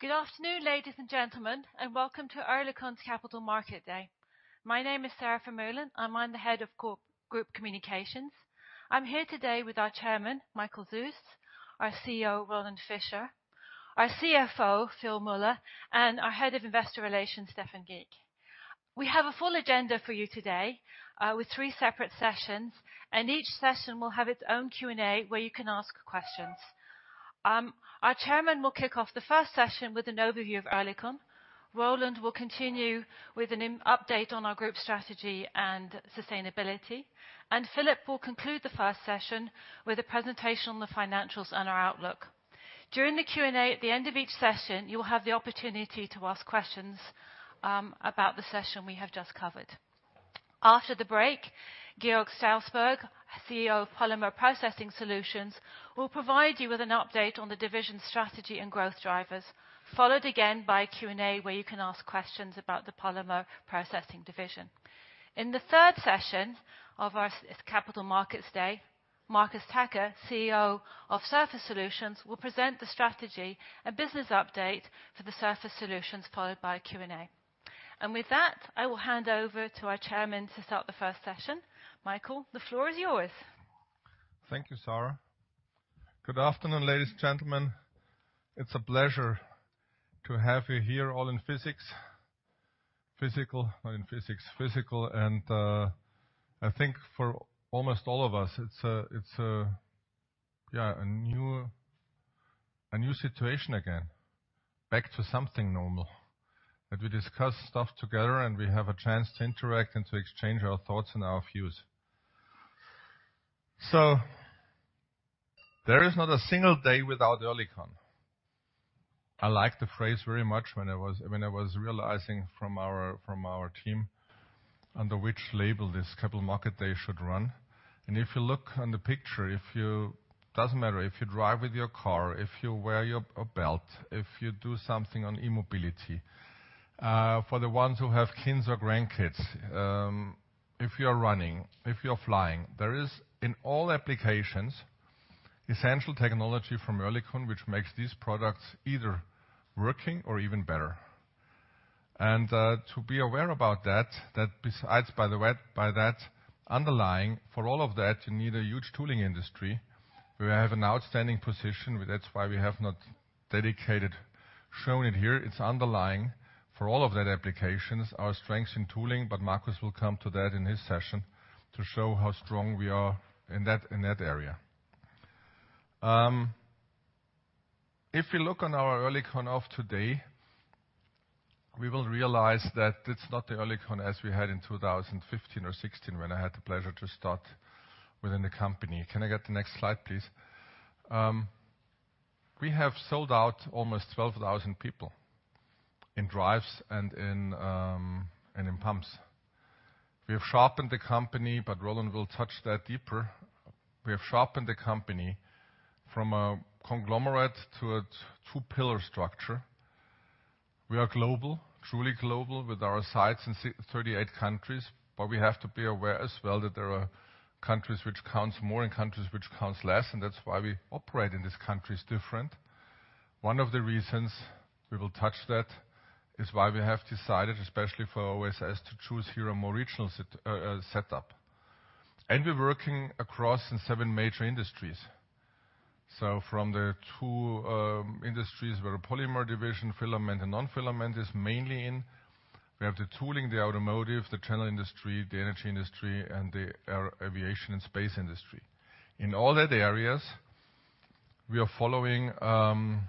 Good afternoon, ladies and gentlemen, and welcome to Oerlikon's Capital Market Day. My name is Sara Vermeulen. I'm the Head of Group Communications. I'm here today with our Chairman, Michael Süss, our CEO, Roland Fischer, our CFO, Philipp Müller, and our Head of Investor Relations, Stephan Gick. We have a full agenda for you today, with three separate sessions, and each session will have its own Q&A where you can ask questions. Our Chairman will kick off the first session with an overview of Oerlikon. Roland will continue with an update on our group strategy and sustainability, and Philipp will conclude the first session with a presentation on the financials and our outlook. During the Q&A, at the end of each session, you will have the opportunity to ask questions about the session we have just covered. After the break, Georg Stausberg, CEO of Polymer Processing Solutions, will provide you with an update on the division's strategy and growth drivers, followed again by a Q&A where you can ask questions about the Polymer Processing division. In the third session of our Capital Markets Day, Markus Tacke, CEO of Surface Solutions, will present the strategy and business update for the Surface Solutions, followed by a Q&A. With that, I will hand over to our chairman to start the first session. Michael, the floor is yours. Thank you, Sara. Good afternoon, ladies and gentlemen. It's a pleasure to have you here all physically. I think for almost all of us, it's a new situation again. Back to something normal, that we discuss stuff together, and we have a chance to interact and to exchange our thoughts and our views. There is not a single day without Oerlikon. I liked the phrase very much when I was realizing from our team under which label this Capital Market Day should run. If you look on the picture, doesn't matter if you drive with your car, if you wear a belt, if you do something on e-mobility, for the ones who have kids or grandkids, if you're running, if you're flying. There is, in all applications, essential technology from Oerlikon which makes these products either working or even better. To be aware about that, by the way, by that underlying, for all of that, you need a huge tooling industry, where we have an outstanding position. That's why we have not dedicated showing it here. It's underlying for all of those applications, our strengths in tooling, but Markus will come to that in his session to show how strong we are in that area. If we look at our Oerlikon of today, we will realize that it's not the Oerlikon as we had in 2015 or 2016 when I had the pleasure to start with the company. Can I get the next slide, please? We have sold off almost 12,000 people in drives and pumps. We have sharpened the company, but Roland will touch that deeper. We have sharpened the company from a conglomerate to a two-pillar structure. We are global, truly global, with our sites in 38 countries, but we have to be aware as well that there are countries which counts more and countries which counts less, and that's why we operate in these countries different. One of the reasons we will touch that is why we have decided, especially for OSS, to choose here a more regional setup. We're working across in seven major industries. From the two industries where the polymer division, filament and non-filament is mainly in. We have the tooling, the automotive, the chemical industry, the energy industry, and our aviation and space industry. In all of the areas, we are following a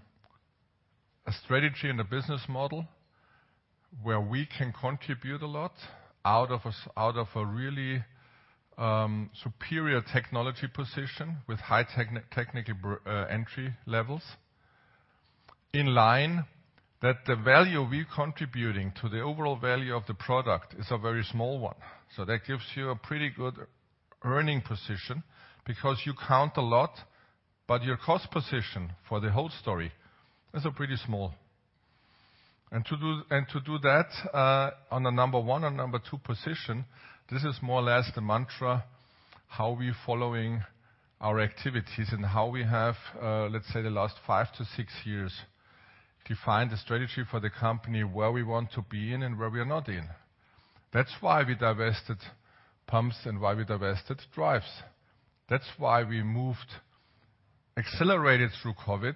strategy and a business model where we can contribute a lot out of a really superior technology position with high technical entry levels. In line that the value we're contributing to the overall value of the product is a very small one. That gives you a pretty good earning position because you count a lot, but your cost position for the whole story is pretty small. To do that on a number one or number two position, this is more or less the mantra, how we following our activities and how we have, let's say the last five to six years, defined the strategy for the company, where we want to be in and where we are not in. That's why we divested pumps and why we divested drives. That's why we moved, accelerated through COVID.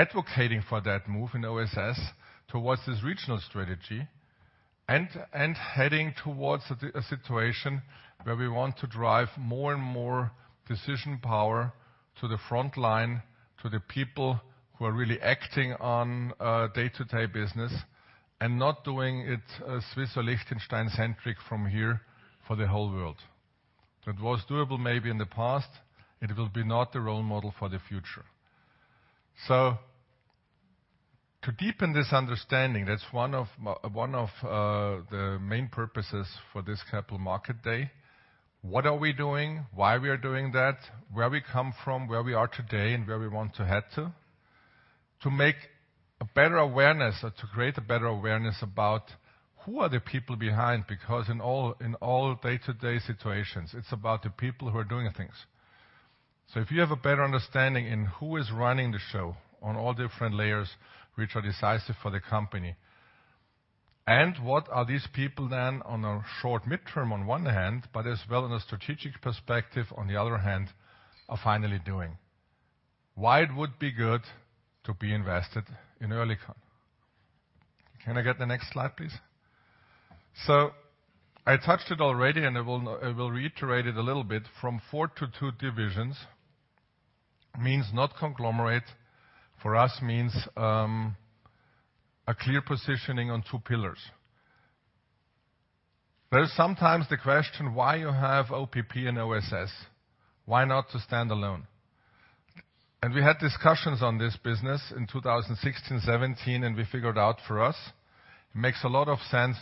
Advocating for that move in OSS towards this regional strategy and heading towards a situation where we want to drive more and more decision power to the front line, to the people who are really acting on day-to-day business and not doing it Swiss or Liechtenstein-centric from here for the whole world. That was doable maybe in the past, and it will be not the role model for the future. To deepen this understanding, that's one of the main purposes for this Capital Market Day. What are we doing? Why we are doing that? Where we come from, where we are today, and where we want to head to. To make a better awareness or to create a better awareness about who are the people behind, because in all day-to-day situations, it's about the people who are doing things. If you have a better understanding in who is running the show on all different layers which are decisive for the company, and what are these people then on a short midterm on one hand, but as well in a strategic perspective on the other hand, are finally doing. Why it would be good to be invested in Oerlikon? Can I get the next slide, please? I touched it already, and I will reiterate it a little bit from four to two divisions means not conglomerate. For us means, a clear positioning on two pillars. There's sometimes the question, why you have OPP and OSS? Why not to stand alone? We had discussions on this business in 2016, 2017, and we figured out for us it makes a lot of sense.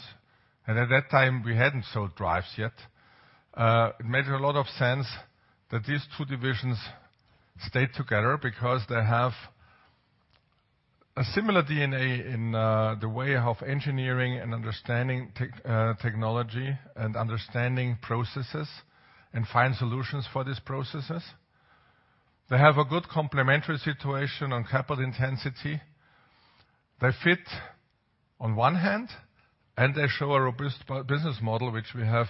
At that time, we hadn't sold drives yet. It made a lot of sense that these two divisions stayed together because they have a similar DNA in the way of engineering and understanding technology and understanding processes and find solutions for these processes. They have a good complementary situation on capital intensity. They fit on one hand, and they show a robust business model, which we have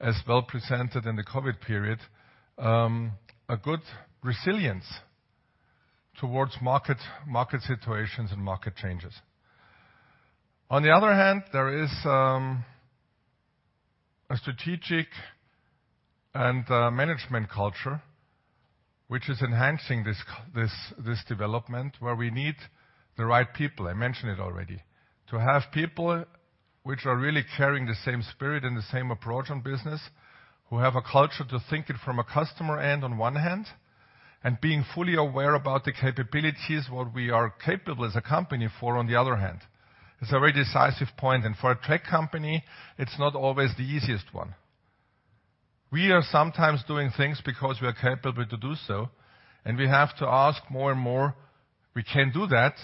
as well presented in the COVID period. A good resilience towards market situations and market changes. On the other hand, there is a strategic and management culture which is enhancing this development where we need the right people. I mentioned it already. To have people which are really carrying the same spirit and the same approach on business, who have a culture to think it from a customer end on one hand, and being fully aware about the capabilities, what we are capable as a company for on the other hand. It's a very decisive point. For a tech company, it's not always the easiest one. We are sometimes doing things because we are capable to do so, and we have to ask more and more, we can do that,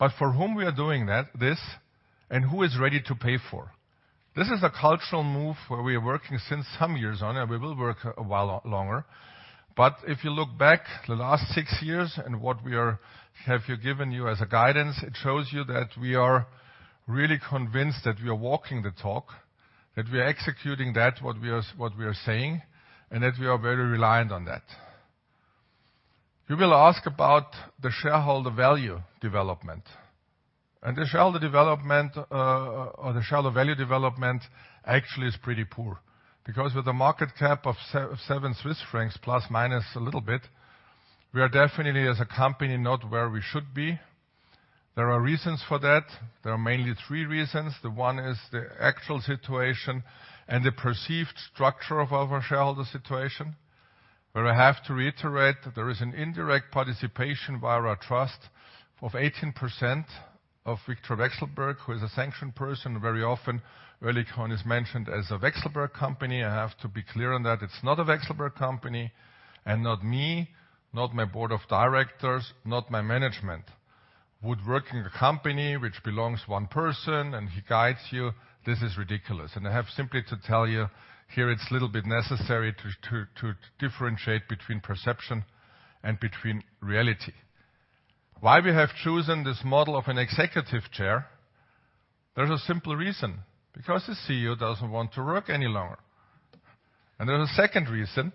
but for whom we are doing that and who is ready to pay for? This is a cultural move where we are working since some years on, and we will work a while longer. If you look back the last six years and what we have given you as a guidance, it shows you that we are really convinced that we are walking the talk, that we are executing that what we are saying, and that we are very reliant on that. You will ask about the shareholder value development. The shareholder development, or the shareholder value development actually is pretty poor, because with a market cap of seven Swiss francs plus minus a little bit, we are definitely, as a company, not where we should be. There are reasons for that. There are mainly three reasons. The one is the actual situation and the perceived structure of our shareholder situation, where I have to reiterate that there is an indirect participation via our trust of 18% of Viktor Vekselberg, who is a sanctioned person. Very often, Oerlikon is mentioned as a Vekselberg company. I have to be clear on that. It's not a Vekselberg company and not me, not my board of directors, not my management would work in a company which belongs to one person and he guides you. This is ridiculous. I have simply to tell you here it's a little bit necessary to differentiate between perception and between reality. Why we have chosen this model of an executive chair? There's a simple reason, because the CEO doesn't want to work any longer. There's a second reason.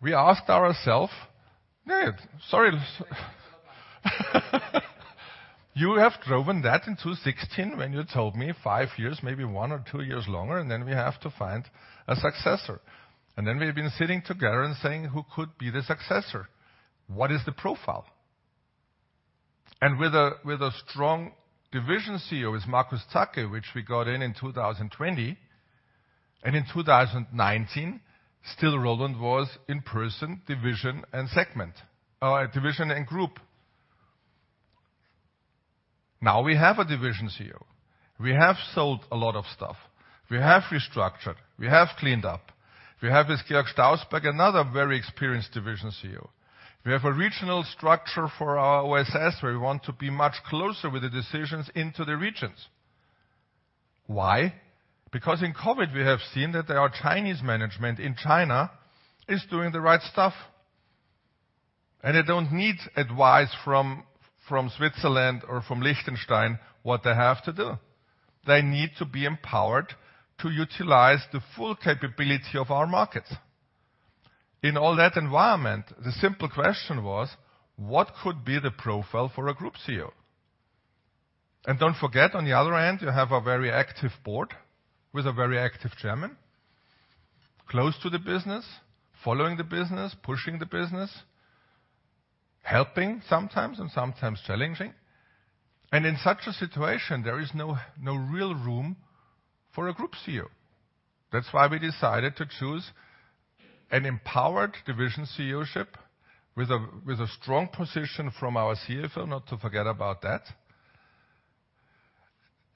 We asked ourselves, sorry. You have driven that in 2016 when you told me five years, maybe one or two years longer, and then we have to find a successor. Then we've been sitting together and saying, "Who could be the successor? What is the profile?" With a strong division CEO, Markus Tacke, which we got in 2020. In 2019, still Roland was in person, division, and segment. Division and group. Now we have a division CEO. We have sold a lot of stuff. We have restructured. We have cleaned up. We have, with Georg Stausberg, another very experienced division CEO. We have a regional structure for our OSS, where we want to be much closer with the decisions into the regions. Why? Because in COVID, we have seen that our Chinese management in China is doing the right stuff. They don't need advice from Switzerland or from Liechtenstein what they have to do. They need to be empowered to utilize the full capability of our markets. In all that environment, the simple question was, what could be the profile for a group CEO? Don't forget, on the other hand, you have a very active board with a very active chairman, close to the business, following the business, pushing the business, helping sometimes and sometimes challenging. In such a situation, there is no real room for a group CEO. That's why we decided to choose an empowered division CEO-ship with a strong position from our CFO, not to forget about that.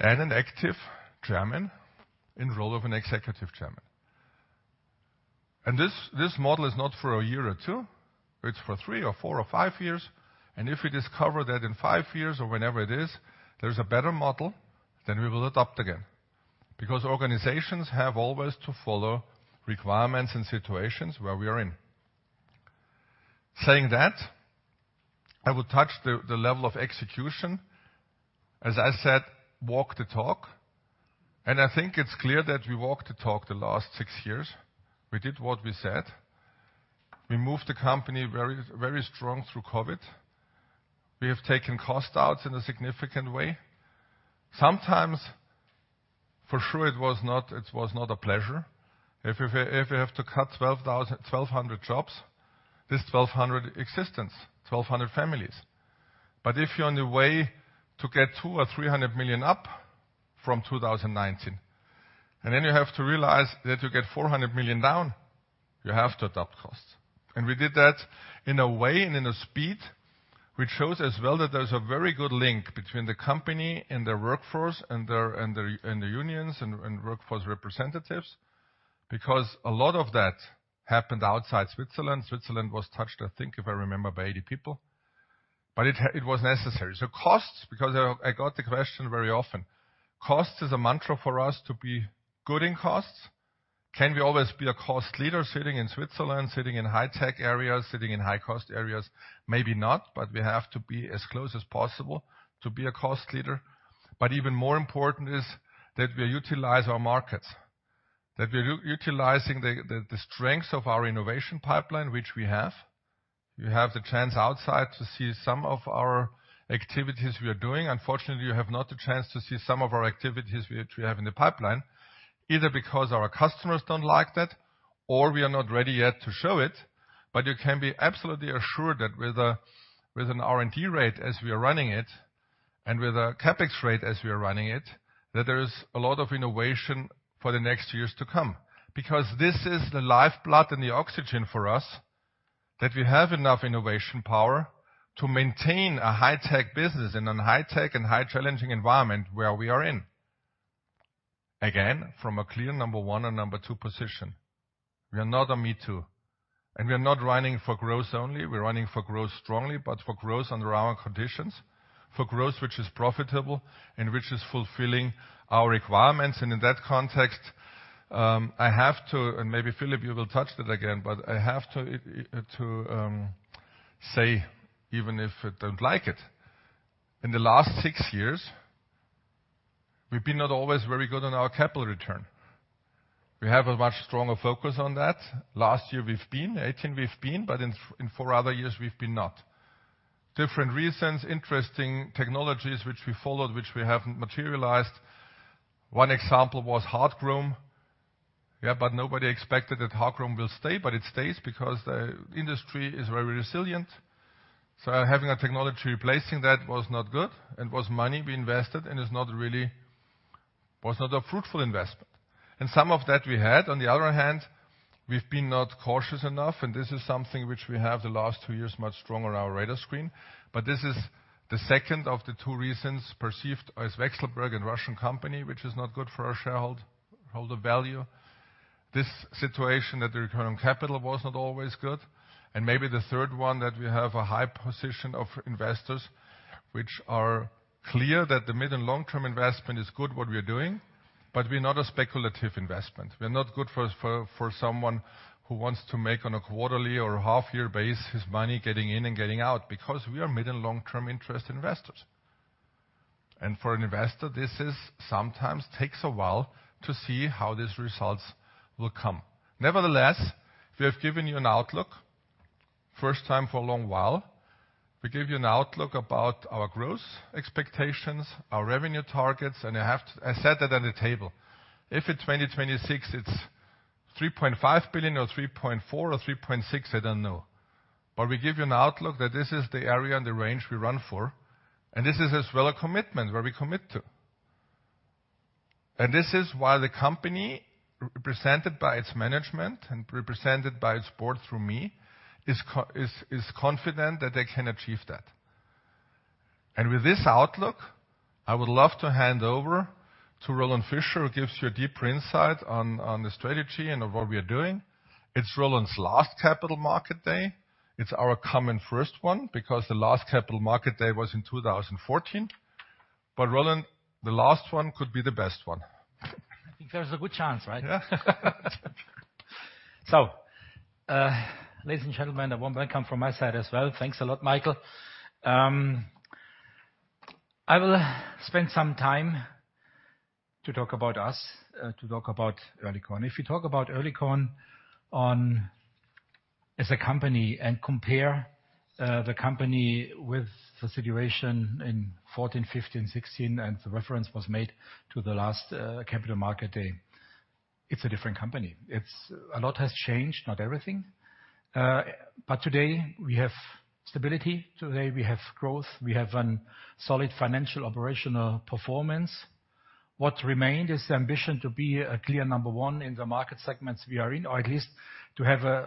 An active Chairman in role of an executive Chairman. This model is not for a year or two, it's for three or four or five years. If we discover that in five years or whenever it is, there's a better model, then we will adopt again. Because organizations have always to follow requirements and situations where we are in. Saying that, I will touch the level of execution. As I said, walk the talk. I think it's clear that we walked the talk the last six years. We did what we said. We moved the company very, very strong through COVID. We have taken cost outs in a significant way. Sometimes, for sure, it was not a pleasure. If you have to cut 1,200 jobs, this is 1,200 existences, 1,200 families. If you're on the way to get 200 million- 300 million up from 2019, and then you have to realize that you get 400 million down, you have to adopt costs. We did that in a way and in a speed which shows as well that there's a very good link between the company and the workforce and the unions and workforce representatives. Because a lot of that happened outside Switzerland. Switzerland was touched, I think if I remember, by 80 people. It was necessary. Costs, because I got the question very often. Cost is a mantra for us to be good in costs. Can we always be a cost leader sitting in Switzerland, sitting in high-tech areas, sitting in high-cost areas? Maybe not, but we have to be as close as possible to be a cost leader. Even more important is that we utilize our markets, that we're utilizing the strengths of our innovation pipeline, which we have. You have the chance outside to see some of our activities we are doing. Unfortunately, you have not the chance to see some of our activities which we have in the pipeline, either because our customers don't like that, or we are not ready yet to show it. You can be absolutely assured that with an R&D rate as we are running it, and with a CapEx rate as we are running it, that there is a lot of innovation for the next years to come. Because this is the lifeblood and the oxygen for us, that we have enough innovation power to maintain a high-tech business in a high-tech and highly challenging environment where we are in. Again, from a clear number one and number two position. We are not a me too, and we are not running for growth only. We're running for growth strongly, but for growth under our conditions. For growth which is profitable and which is fulfilling our requirements. In that context, I have to, and maybe Philipp, you will touch that again, but I have to say, even if I don't like it. In the last six years, we've been not always very good on our capital return. We have a much stronger focus on that. Last year we've been 18%, but in four other years, we've been not. Different reasons. Interesting technologies which we followed, which we haven't materialized. One example was hard chrome. Yeah. Nobody expected that hard chrome will stay, but it stays because the industry is very resilient. Having a technology replacing that was not good and was money we invested was not a fruitful investment. Some of that we had. On the other hand, we've been not cautious enough, and this is something which we have the last two years much stronger on our radar screen. This is the second of the two reasons perceived as Vekselberg and Russian company, which is not good for our shareholder value. This situation that the return on capital was not always good. Maybe the third one, that we have a high position of investors which are clear that the mid and long-term investment is good what we are doing, but we're not a speculative investment. We're not good for someone who wants to make on a quarterly or half-year base his money getting in and getting out, because we are mid and long-term interest investors. For an investor, this sometimes takes a while to see how these results will come. Nevertheless, we have given you an outlook, first time for a long while. We give you an outlook about our growth expectations, our revenue targets, and I have to. I said that at the table. If in 2026 it's 3.5 billion or 3.4 billion or 3.6 billion, I don't know. We give you an outlook that this is the area and the range we run for, and this is as well a commitment where we commit to. This is why the company, represented by its management and represented by its board through me, is confident that they can achieve that. With this outlook, I would love to hand over to Roland Fischer, who gives you a deeper insight on the strategy and on what we are doing. It's Roland's last Capital Market Day. It's our common first one because the last Capital Market Day was in 2014. Roland, the last one could be the best one. I think there's a good chance, right? Yeah. Ladies and gentlemen, a warm welcome from my side as well. Thanks a lot, Michael. I will spend some time to talk about us, to talk about Oerlikon. If you talk about Oerlikon as a company and compare the company with the situation in 2014, 2015, 2016, and the reference was made to the last Capital Market Day, it's a different company. A lot has changed, not everything. Today we have stability. Today we have growth. We have a solid financial operational performance. What remained is the ambition to be a clear number one in the market segments we are in, or at least to have a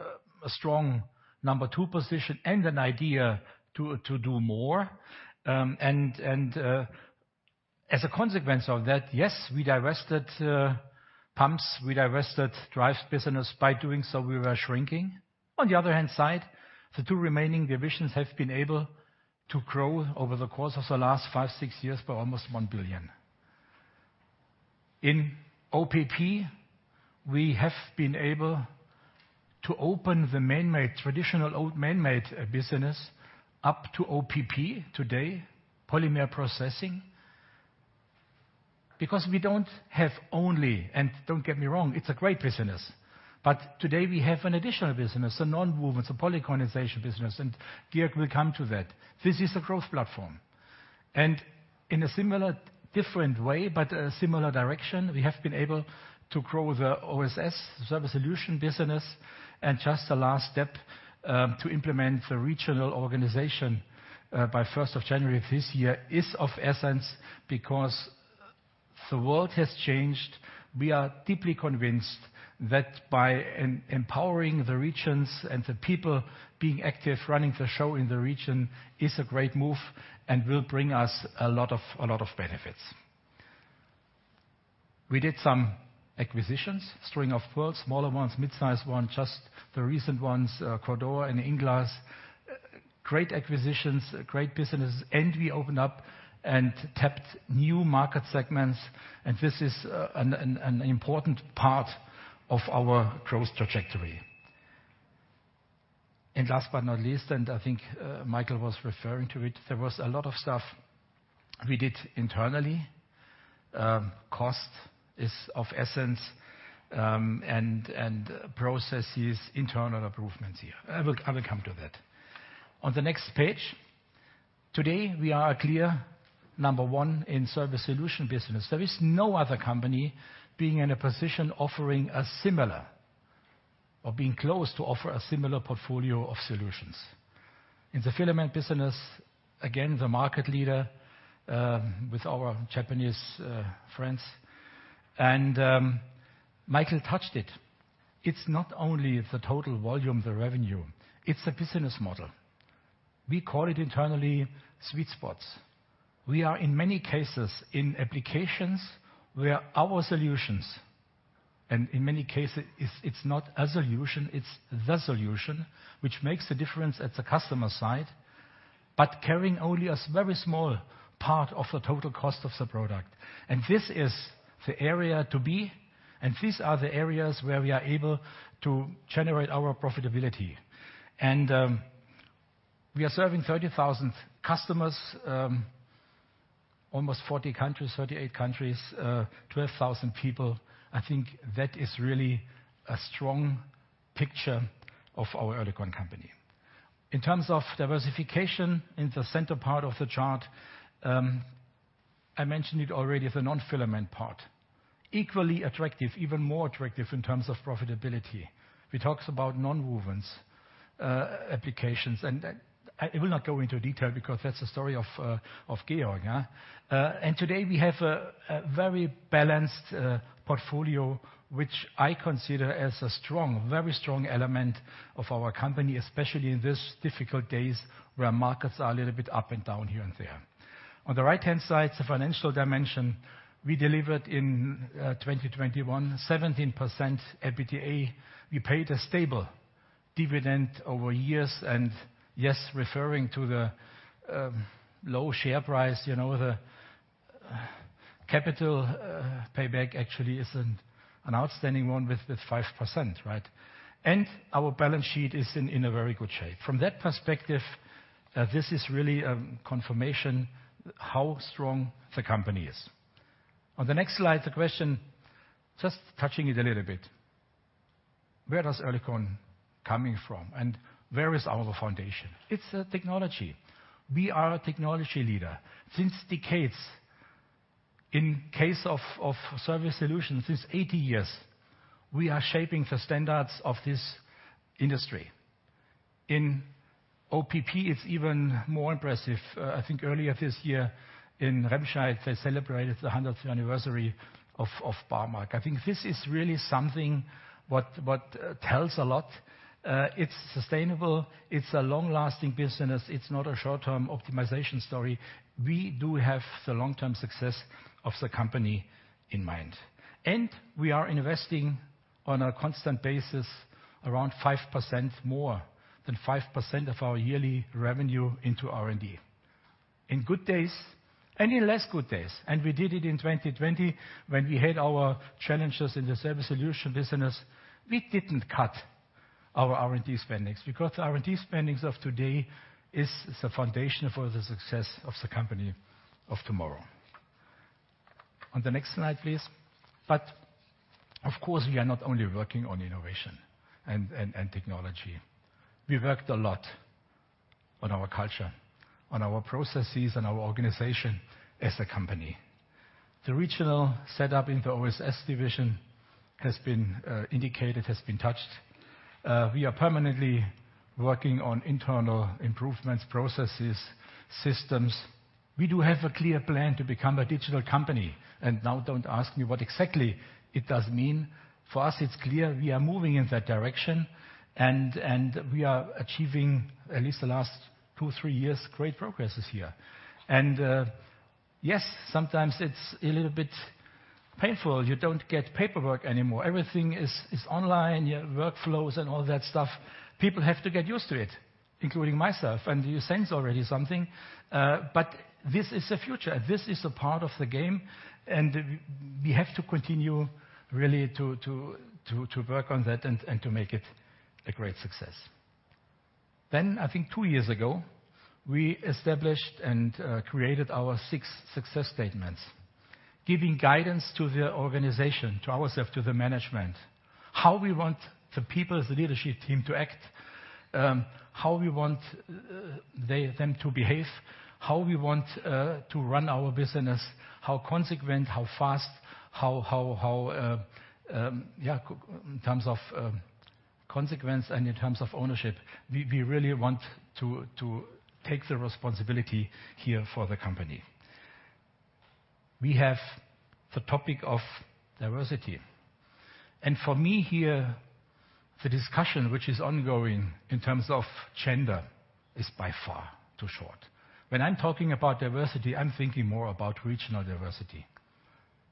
strong number two position and an idea to do more. As a consequence of that, yes, we divested pumps, we divested drive business. By doing so, we were shrinking. On the other hand side, the two remaining divisions have been able to grow over the course of the last five, six years by almost 1 billion. In OPP, we have been able to open the man-made, traditional old man-made business up to OPP today, polymer processing. Because we don't have only. Don't get me wrong, it's a great business, but today we have an additional business, a nonwovens, a polycondensation business, and Georg will come to that. This is a growth platform. In a similar, different way, but a similar direction, we have been able to grow the Surface Solutions, the Surface Solutions business. Just the last step to implement the regional organization by first of January this year is of essence because the world has changed. We are deeply convinced that by empowering the regions and the people being active, running the show in the region is a great move and will bring us a lot of benefits. We did some acquisitions, string of pearls, smaller ones, mid-sized one, just the recent ones, Coeurdor and INglass. Great acquisitions, great businesses, and we opened up and tapped new market segments, and this is an important part of our growth trajectory. Last but not least, I think Michael was referring to it, there was a lot of stuff we did internally. Cost is of essence, and processes, internal improvements here. I will come to that. On the next page, today, we are a clear number one in service solution business. There is no other company being in a position offering a similar or being close to offer a similar portfolio of solutions. In the filament business, again, the market leader with our Japanese friends. Michael touched it. It's not only the total volume, the revenue, it's the business model. We call it internally sweet spots. We are, in many cases, in applications where our solutions, and in many cases it's not a solution, it's the solution which makes a difference at the customer side, but carrying only a very small part of the total cost of the product. This is the area to be, and these are the areas where we are able to generate our profitability. We are serving 30,000 customers, almost 40 countries, 38 countries, 12,000 people. I think that is really a strong picture of our Oerlikon company. In terms of diversification in the center part of the chart, I mentioned it already as a non-filament part. Equally attractive, even more attractive in terms of profitability. We talked about nonwovens applications, and I will not go into detail because that's the story of Georg. Today we have a very balanced portfolio, which I consider as a strong, very strong element of our company, especially in this difficult days where markets are a little bit up and down here and there. On the right-hand side, the financial dimension. We delivered in 2021 17% EBITDA. We paid a stable dividend over years. Yes, referring to the low share price, you know, the capital payback actually is an outstanding one with 5%, right? Our balance sheet is in a very good shape. From that perspective, this is really a confirmation how strong the company is. On the next slide, the question, just touching it a little bit, where does Oerlikon coming from and where is our foundation? It's the technology. We are a technology leader since decades. In case of service solutions, since 80 years, we are shaping the standards of this industry. In OPP, it's even more impressive. I think earlier this year in Remscheid, they celebrated the 100th anniversary of Barmag. I think this is really something what tells a lot. It's sustainable. It's a long-lasting business. It's not a short-term optimization story. We do have the long-term success of the company in mind. We are investing on a constant basis around 5% more than 5% of our yearly revenue into R&D. In good days and in less good days, we did it in 2020 when we had our challenges in the service solution business. We didn't cut our R&D spendings, because R&D spendings of today is the foundation for the success of the company of tomorrow. On the next slide, please. Of course, we are not only working on innovation and technology. We worked a lot on our culture, on our processes, on our organization as a company. The regional set up in the OSS division has been indicated, has been touched. We are permanently working on internal improvements, processes, systems. We do have a clear plan to become a digital company, and now don't ask me what exactly it does mean. For us, it's clear we are moving in that direction and we are achieving, at least the last two to three years, great progress here. Yes, sometimes it's a little bit painful. You don't get paperwork anymore. Everything is online, you have workflows and all that stuff. People have to get used to it, including myself, and you sense already something. This is the future. This is a part of the game, and we have to continue really to work on that and to make it a great success. I think two years ago, we established and created our six success statements, giving guidance to the organization, to ourselves, to the management, how we want the people, the leadership team to act, how we want them to behave, how we want to run our business, how consequent, how fast, how in terms of consequence and in terms of ownership. We really want to take the responsibility here for the company. We have the topic of diversity. For me here, the discussion which is ongoing in terms of gender is by far too short. When I'm talking about diversity, I'm thinking more about regional diversity.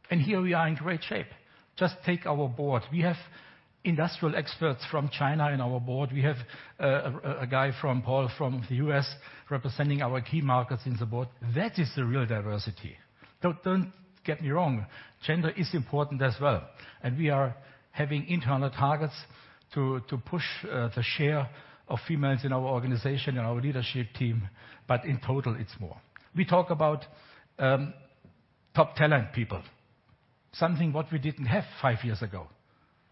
Here we are in great shape. Just take our board. We have industrial experts from China in our board. We have a guy Paul from the U.S. representing our key markets in the board. That is the real diversity. Don't get me wrong, gender is important as well. We are having internal targets to push the share of females in our organization and our leadership team. In total, it's more. We talk about top talent people, something what we didn't have five years ago.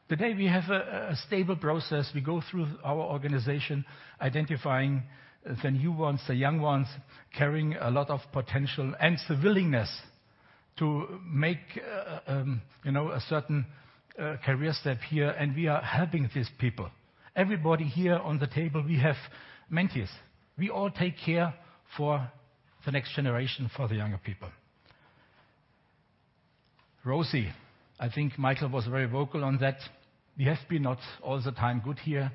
Today, we have a stable process. We go through our organization identifying the new ones, the young ones, carrying a lot of potential and the willingness to make you know a certain career step here, and we are helping these people. Everybody here on the table, we have mentees. We all take care for the next generation, for the younger people. ROCE, I think Michael was very vocal on that. We have been not all the time good here,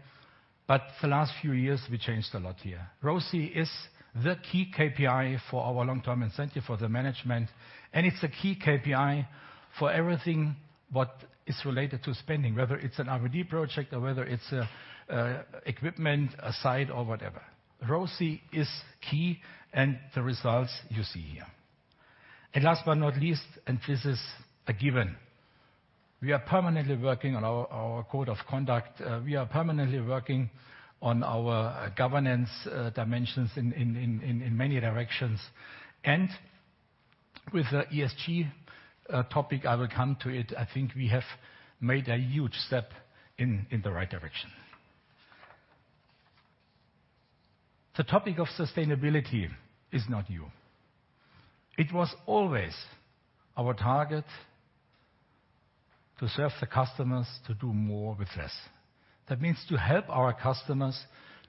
but the last few years, we changed a lot here. ROCE is the key KPI for our long-term incentive for the management, and it's a key KPI for everything what is related to spending, whether it's an R&D project or whether it's equipment, a site or whatever. ROCE is key, and the results you see here. Last but not least, and this is a given, we are permanently working on our code of conduct. We are permanently working on our governance dimensions in many directions. With the ESG topic, I will come to it. I think we have made a huge step in the right direction. The topic of sustainability is not new. It was always our target to serve the customers to do more with less. That means to help our customers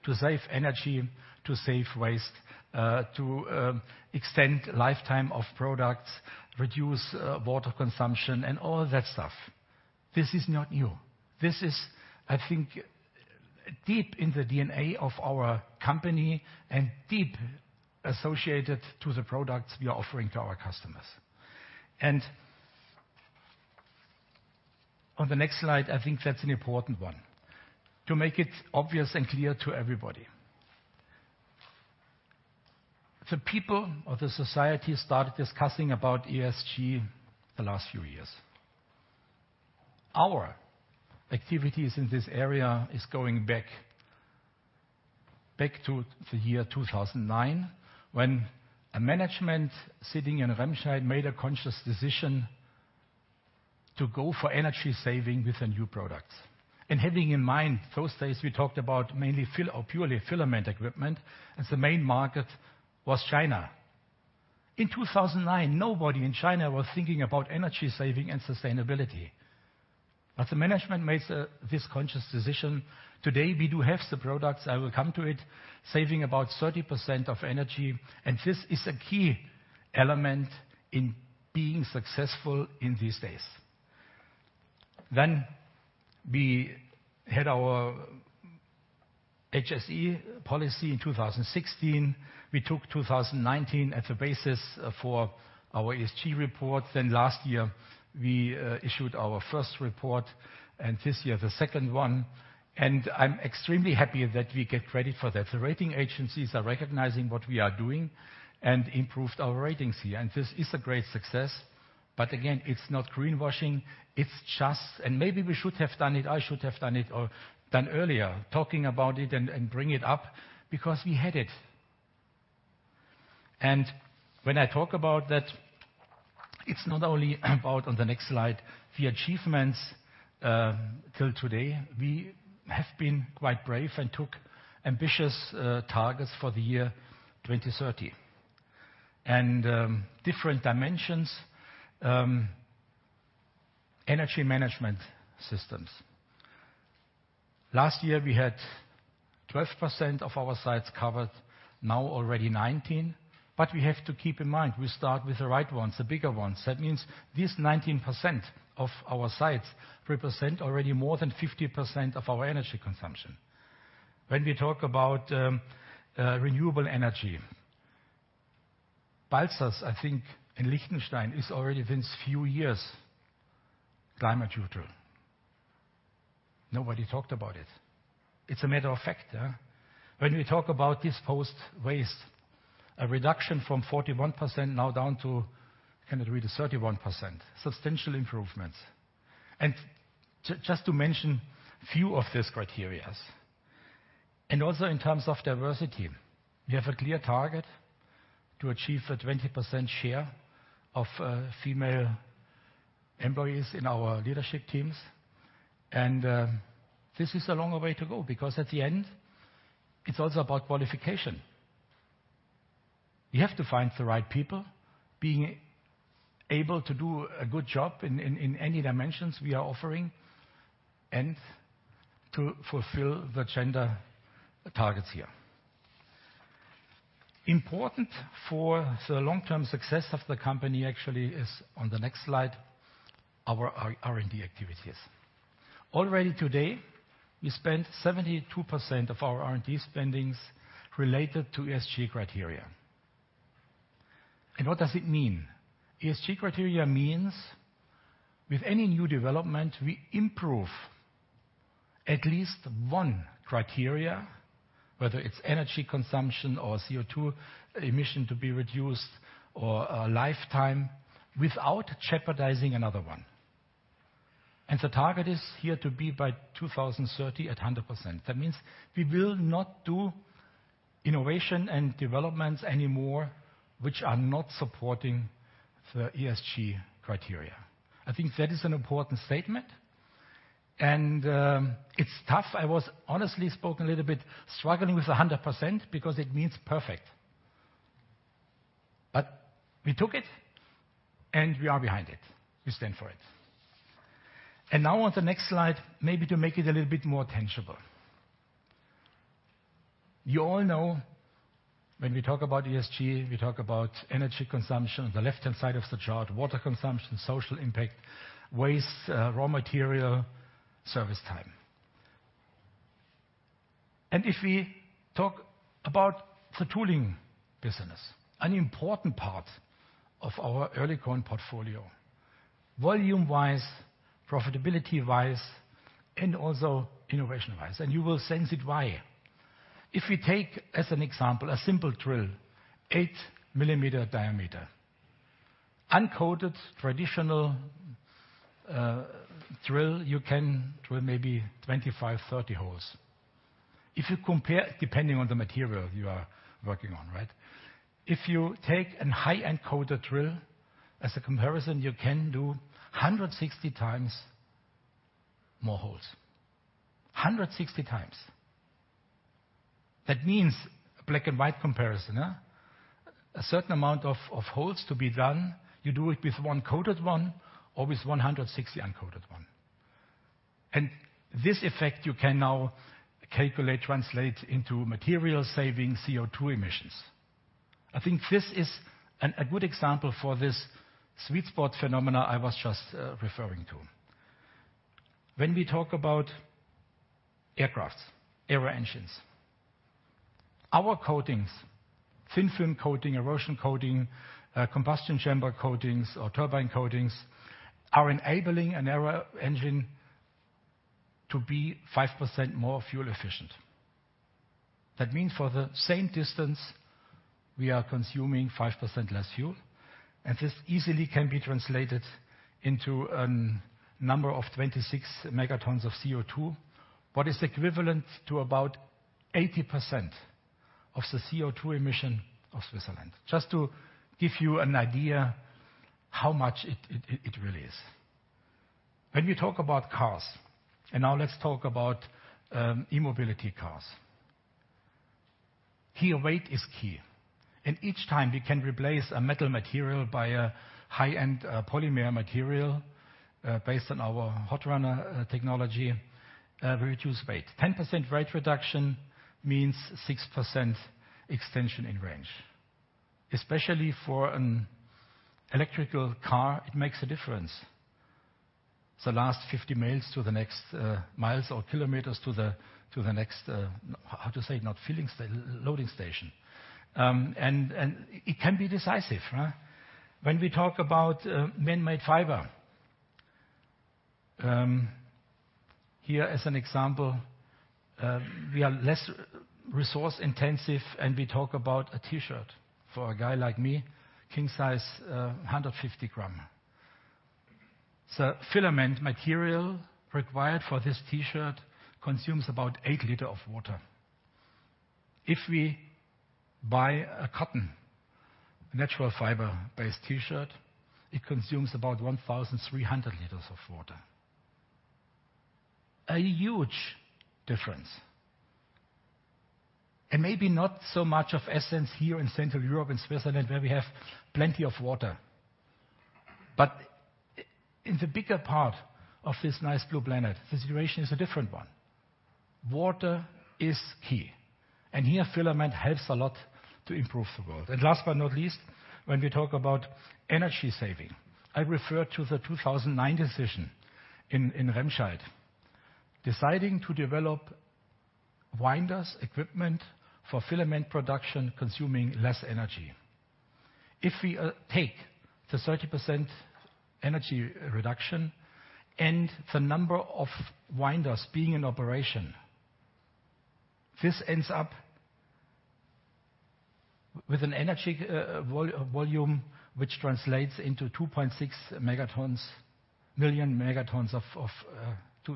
to save energy, to save waste, to extend lifetime of products, reduce water consumption, and all that stuff. This is not new. This is, I think, deep in the DNA of our company and deep associated to the products we are offering to our customers. On the next slide, I think that's an important one. To make it obvious and clear to everybody. The people of the society started discussing about ESG the last few years. Our activities in this area is going back to the year 2009, when a management sitting in Remscheid made a conscious decision to go for energy saving with the new products. Having in mind those days, we talked about mainly purely filament equipment, and the main market was China. In 2009, nobody in China was thinking about energy saving and sustainability. The management made this conscious decision. Today, we do have the products, I will come to it, saving about 30% of energy. This is a key element in being successful in these days. We had our HSE policy in 2016. We took 2019 as a basis for our ESG report. Last year, we issued our first report, and this year, the second one. I'm extremely happy that we get credit for that. The rating agencies are recognizing what we are doing and improved our ratings here. This is a great success. Again, it's not greenwashing. It's just. Maybe we should have done it. I should have done it earlier, talking about it and bring it up because we had it. When I talk about that, it's not only about, on the next slide, the achievements till today. We have been quite brave and took ambitious targets for the year 2030. Different dimensions, energy management systems. Last year, we had 12% of our sites covered, now already 19%. But we have to keep in mind, we start with the right ones, the bigger ones. That means these 19% of our sites represent already more than 50% of our energy consumption. When we talk about renewable energy, Balzers, I think in Liechtenstein, is already since few years climate neutral. Nobody talked about it. It's a matter of fact, yeah. When we talk about disposed waste, a reduction from 41% now down to, I cannot read it, 31%, substantial improvements. Just to mention few of these criteria. Also in terms of diversity, we have a clear target to achieve a 20% share of female employees in our leadership teams. This is a long way to go because at the end, it's also about qualification. We have to find the right people being able to do a good job in any dimensions we are offering and to fulfill the gender targets here. Important for the long-term success of the company actually is on the next slide, our R&D activities. Already today, we spent 72% of our R&D spending related to ESG criteria. What does it mean? ESG criteria means with any new development, we improve at least one criteria, whether it's energy consumption or CO₂ emission to be reduced or, lifetime without jeopardizing another one. The target is here to be by 2030 at 100%. That means we will not do innovation and developments anymore which are not supporting the ESG criteria. I think that is an important statement. It's tough. I was honestly spoken a little bit struggling with the 100% because it means perfect. We took it, and we are behind it. We stand for it. Now on the next slide, maybe to make it a little bit more tangible. You all know when we talk about ESG, we talk about energy consumption on the left-hand side of the chart, water consumption, social impact, waste, raw material, service time. If we talk about the tooling business, an important part of our Oerlikon portfolio, volume-wise, profitability-wise, and also innovation-wise, and you will see why. If we take as an example, a simple drill, 8-millimeter diameter. Uncoated, traditional, drill, you can drill maybe 25-30 holes. If you compare, depending on the material you are working on, right? If you take a high-end coated drill as a comparison, you can do 160 times more holes. 160 times. That means a black-and-white comparison, huh? A certain amount of holes to be done, you do it with one coated one or with 160 uncoated one. This effect you can now calculate, translate into material saving CO₂ emissions. I think this is a good example for this sweet spot phenomena I was just referring to. When we talk about aircraft, aero engines. Our coatings, thin film coating, erosion coating, combustion chamber coatings or turbine coatings, are enabling an aero engine to be 5% more fuel efficient. That means for the same distance, we are consuming 5% less fuel, and this easily can be translated into a number of 26 megatons of CO₂. What is equivalent to about 80% of the CO₂ emission of Switzerland. Just to give you an idea how much it really is. When we talk about cars, and now let's talk about e-mobility cars. Here, weight is key. Each time we can replace a metal material by a high-end polymer material based on our hot runner technology, we reduce weight. 10% weight reduction means 6% extension in range. Especially for an electrical car, it makes a difference. The last 50 miles to the next loading station. It can be decisive, huh? When we talk about man-made fiber. Here as an example, we are less resource intensive, and we talk about a T-shirt for a guy like me, king size, 150 gram. The filament material required for this T-shirt consumes about eight liters of water. If we buy a cotton natural fiber-based T-shirt, it consumes about 1,300 liters of water. A huge difference. Maybe not so much of essence here in Central Europe and Switzerland, where we have plenty of water. In the bigger part of this nice blue planet, the situation is a different one. Water is key, and here filament helps a lot to improve the world. Last but not least, when we talk about energy saving, I refer to the 2009 decision in Remscheid, deciding to develop winders, equipment for filament production consuming less energy. If we take the 30% energy reduction and the number of winders being in operation, this ends up with an energy volume which translates into 2.6 megatons of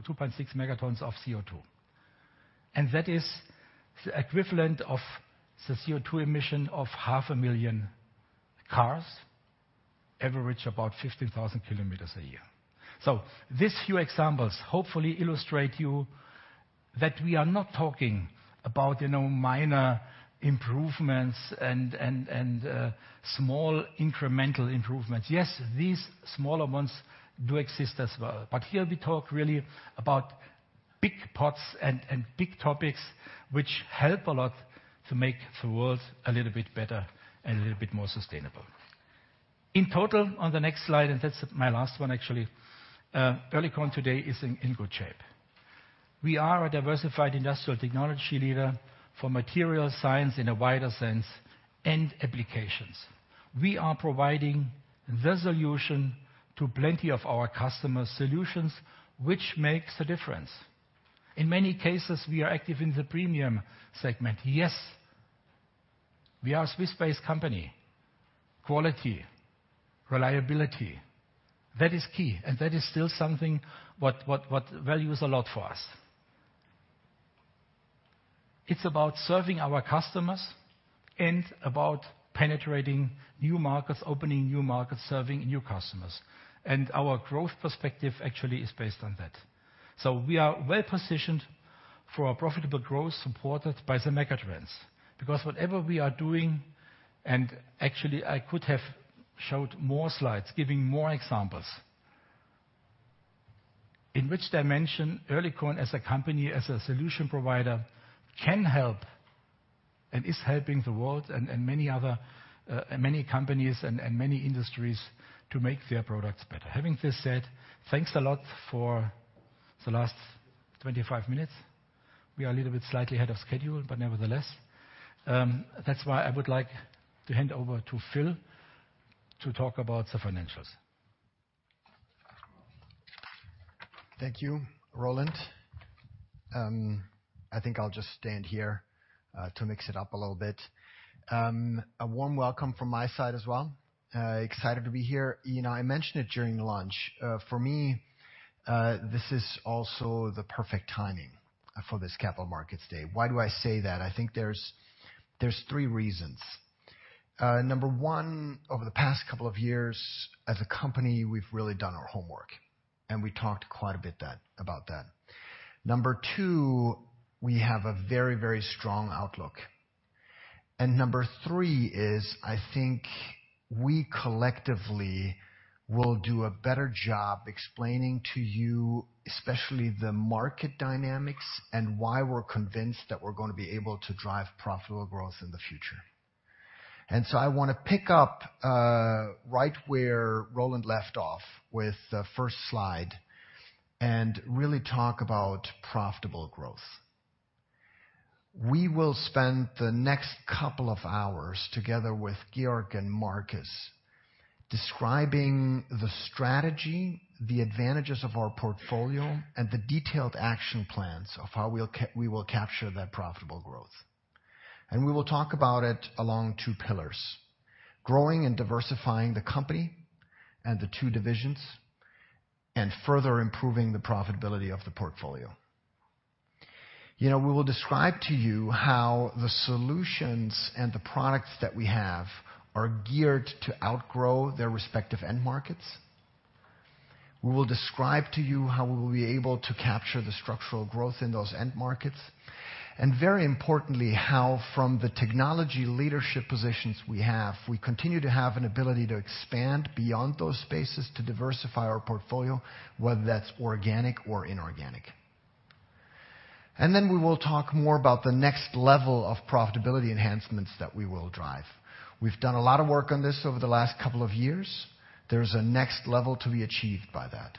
CO₂. That is the equivalent of the CO₂ emission of 500,000 cars, average about 15,000 kilometers a year. These few examples hopefully illustrate you that we are not talking about, you know, minor improvements and small incremental improvements. Yes, these smaller ones do exist as well, but here we talk really about big pots and big topics which help a lot to make the world a little bit better and a little bit more sustainable. In total, on the next slide, and that's my last one actually, Oerlikon today is in good shape. We are a diversified industrial technology leader for material science in a wider sense and applications. We are providing the solution to plenty of our customer solutions, which makes a difference. In many cases, we are active in the premium segment. Yes, we are a Swiss-based company. Quality, reliability, that is key, and that is still something what values a lot for us. It's about serving our customers and about penetrating new markets, opening new markets, serving new customers, and our growth perspective actually is based on that. We are well-positioned for a profitable growth supported by the megatrends. Because whatever we are doing, and actually I could have showed more slides, giving more examples, in which dimension Oerlikon as a company, as a solution provider, can help and is helping the world and many other many companies and many industries to make their products better. Having this said, thanks a lot for the last 25 minutes. We are a little bit slightly ahead of schedule, but nevertheless, that's why I would like to hand over to Phil to talk about the financials. Thank you, Roland. I think I'll just stand here to mix it up a little bit. A warm welcome from my side as well. Excited to be here. You know, I mentioned it during lunch, for me, this is also the perfect timing for this Capital Markets Day. Why do I say that? I think there's three reasons. Number one, over the past couple of years as a company, we've really done our homework, and we talked quite a bit about that. Number two, we have a very, very strong outlook. Number three is, I think we collectively will do a better job explaining to you, especially the market dynamics and why we're convinced that we're gonna be able to drive profitable growth in the future. I wanna pick up right where Roland left off with the first slide and really talk about profitable growth. We will spend the next couple of hours together with Georg and Markus describing the strategy, the advantages of our portfolio, and the detailed action plans of how we will capture that profitable growth. We will talk about it along two pillars, growing and diversifying the company and the two divisions, and further improving the profitability of the portfolio. You know, we will describe to you how the solutions and the products that we have are geared to outgrow their respective end markets. We will describe to you how we will be able to capture the structural growth in those end markets, and very importantly, how from the technology leadership positions we have, we continue to have an ability to expand beyond those spaces to diversify our portfolio, whether that's organic or inorganic. Then we will talk more about the next level of profitability enhancements that we will drive. We've done a lot of work on this over the last couple of years. There's a next level to be achieved by that.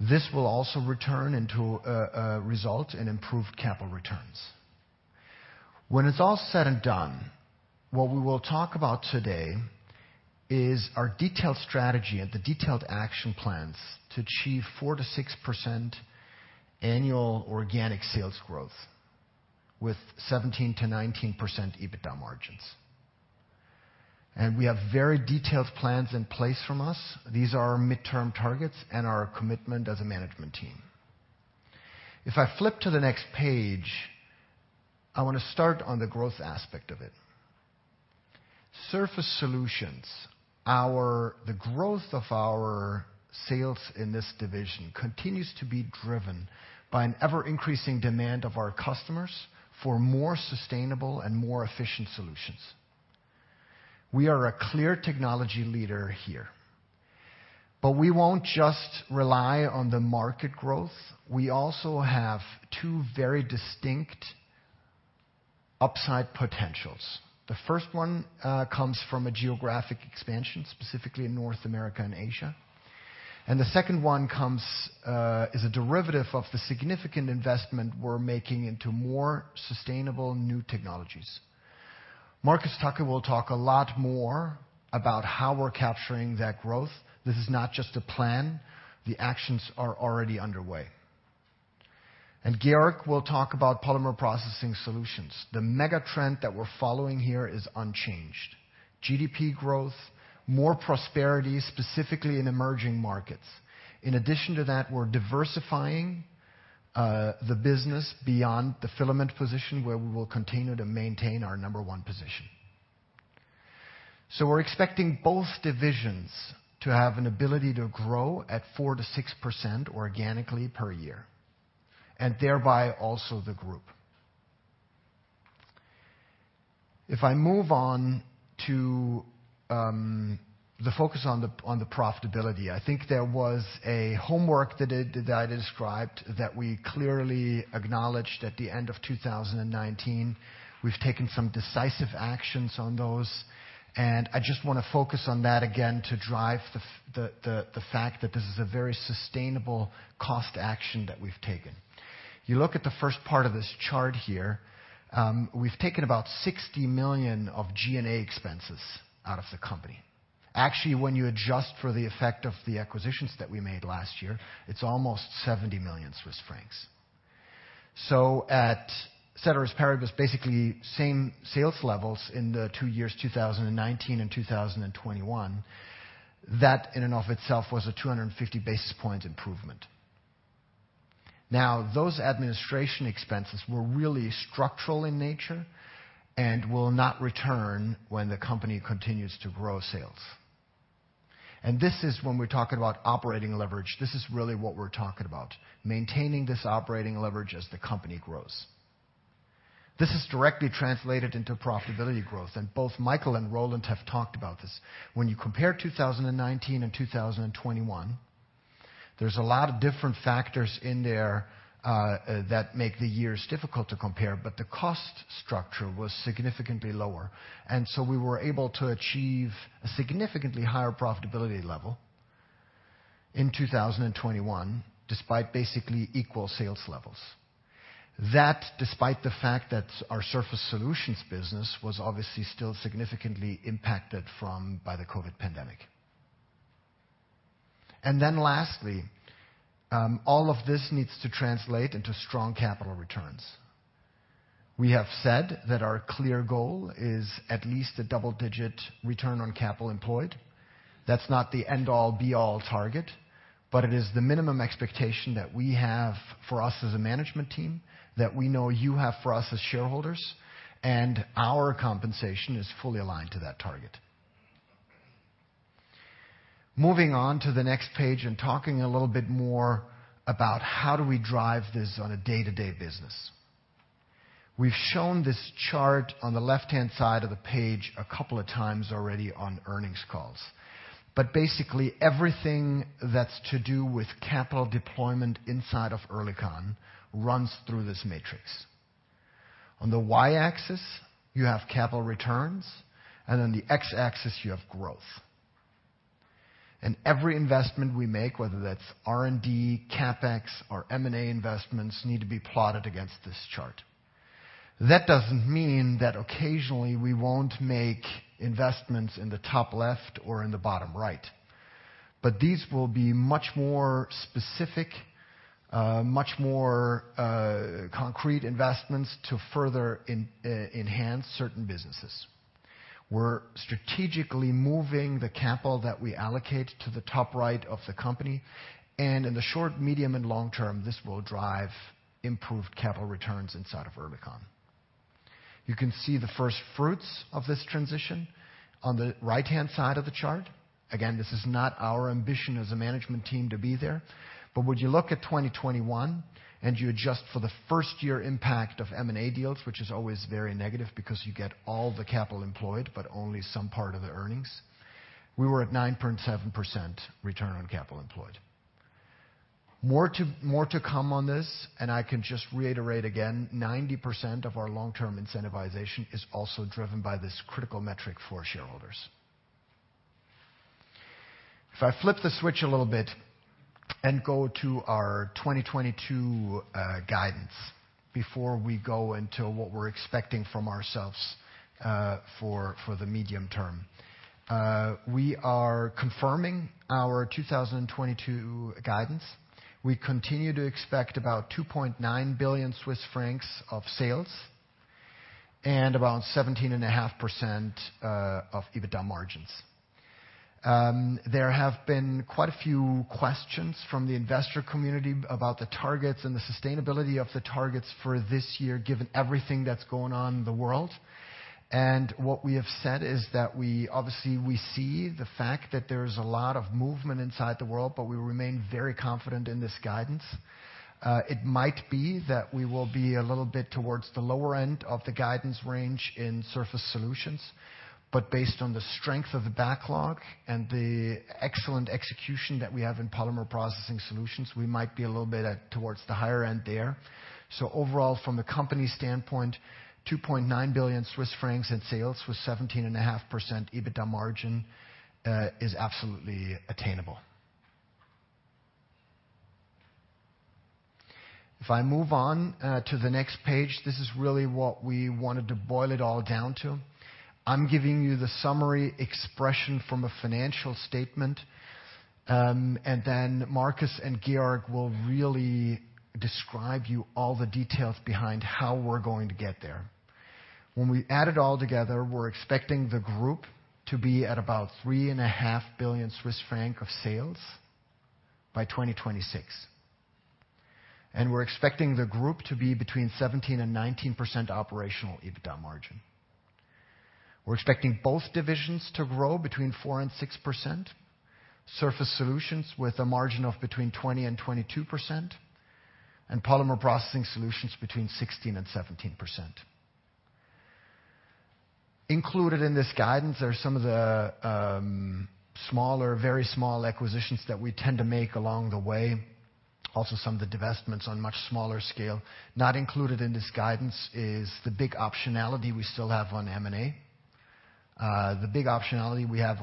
This will also translate into results and improved capital returns. When it's all said and done, what we will talk about today is our detailed strategy and the detailed action plans to achieve 4%-6% annual organic sales growth with 17%-19% EBITDA margins. We have very detailed plans in place from us. These are our midterm targets and our commitment as a management team. If I flip to the next page, I wanna start on the growth aspect of it. Surface Solutions. The growth of our sales in this division continues to be driven by an ever-increasing demand of our customers for more sustainable and more efficient solutions. We are a clear technology leader here, but we won't just rely on the market growth. We also have two very distinct upside potentials. The first one comes from a geographic expansion, specifically in North America and Asia. The second one comes as a derivative of the significant investment we're making into more sustainable new technologies. Markus Tacke will talk a lot more about how we're capturing that growth. This is not just a plan, the actions are already underway. Georg will talk about Polymer Processing Solutions. The megatrend that we're following here is unchanged. GDP growth, more prosperity, specifically in emerging markets. In addition to that, we're diversifying the business beyond the filament position where we will continue to maintain our number one position. We're expecting both divisions to have an ability to grow at 4%-6% organically per year, and thereby also the group. If I move on to the focus on the profitability, I think there was a homework that I described that we clearly acknowledged at the end of 2019. We've taken some decisive actions on those, and I just wanna focus on that again to drive the fact that this is a very sustainable cost action that we've taken. You look at the first part of this chart here, we've taken about 60 million of G&A expenses out of the company. Actually, when you adjust for the effect of the acquisitions that we made last year, it's almost 70 million Swiss francs. Ceteris paribus, basically same sales levels in the two years, 2019 and 2021. That in and of itself was a 250 basis point improvement. Now, those administration expenses were really structural in nature and will not return when the company continues to grow sales. This is when we're talking about operating leverage. This is really what we're talking about, maintaining this operating leverage as the company grows. This is directly translated into profitability growth, and both Michael and Roland have talked about this. When you compare 2019 and 2021, there's a lot of different factors in there, that make the years difficult to compare, but the cost structure was significantly lower. We were able to achieve a significantly higher profitability level in 2021 despite basically equal sales levels. That despite the fact that our Surface Solutions business was obviously still significantly impacted by the COVID pandemic. Lastly, all of this needs to translate into strong capital returns. We have said that our clear goal is at least a double-digit return on capital employed. That's not the end-all, be-all target, but it is the minimum expectation that we have for us as a management team, that we know you have for us as shareholders, and our compensation is fully aligned to that target. Moving on to the next page and talking a little bit more about how do we drive this on a day-to-day business. We've shown this chart on the left-hand side of the page a couple of times already on earnings calls. Basically everything that's to do with capital deployment inside of Oerlikon runs through this matrix. On the y-axis, you have capital returns, and on the x-axis, you have growth. Every investment we make, whether that's R&D, CapEx or M&A investments, need to be plotted against this chart. That doesn't mean that occasionally we won't make investments in the top left or in the bottom right. These will be much more specific, much more concrete investments to further enhance certain businesses. We're strategically moving the capital that we allocate to the top right of the company, and in the short, medium, and long term, this will drive improved capital returns inside of Oerlikon. You can see the first fruits of this transition on the right-hand side of the chart. Again, this is not our ambition as a management team to be there. When you look at 2021 and you adjust for the first-year impact of M&A deals, which is always very negative because you get all the capital employed, but only some part of the earnings, we were at 9.7% return on capital employed. More to come on this, and I can just reiterate again, 90% of our long-term incentivization is also driven by this critical metric for shareholders. If I flip the switch a little bit and go to our 2022 guidance before we go into what we're expecting from ourselves, for the medium term. We are confirming our 2022 guidance. We continue to expect about 2.9 billion Swiss francs of sales and around 17.5% of EBITDA margins. There have been quite a few questions from the investor community about the targets and the sustainability of the targets for this year, given everything that's going on in the world. What we have said is that we obviously see the fact that there is a lot of movement inside the world, but we remain very confident in this guidance. It might be that we will be a little bit towards the lower end of the guidance range in Surface Solutions, but based on the strength of the backlog and the excellent execution that we have in Polymer Processing Solutions, we might be a little bit towards the higher end there. Overall, from the company standpoint, 2.9 billion Swiss francs in sales with 17.5% EBITDA margin is absolutely attainable. If I move on to the next page, this is really what we wanted to boil it all down to. I'm giving you the summary expression from a financial statement. Then Markus and Georg will really describe you all the details behind how we're going to get there. When we add it all together, we're expecting the group to be at about 3.5 billion Swiss francs of sales by 2026. We're expecting the group to be between 17%-19% operational EBITDA margin. We're expecting both divisions to grow between 4% and 6%. Surface Solutions with a margin of between 20% and 22%, and Polymer Processing Solutions between 16% and 17%. Included in this guidance are some of the smaller, very small acquisitions that we tend to make along the way, also some of the divestments on much smaller scale. Not included in this guidance is the big optionality we still have on M&A. The big optionality we have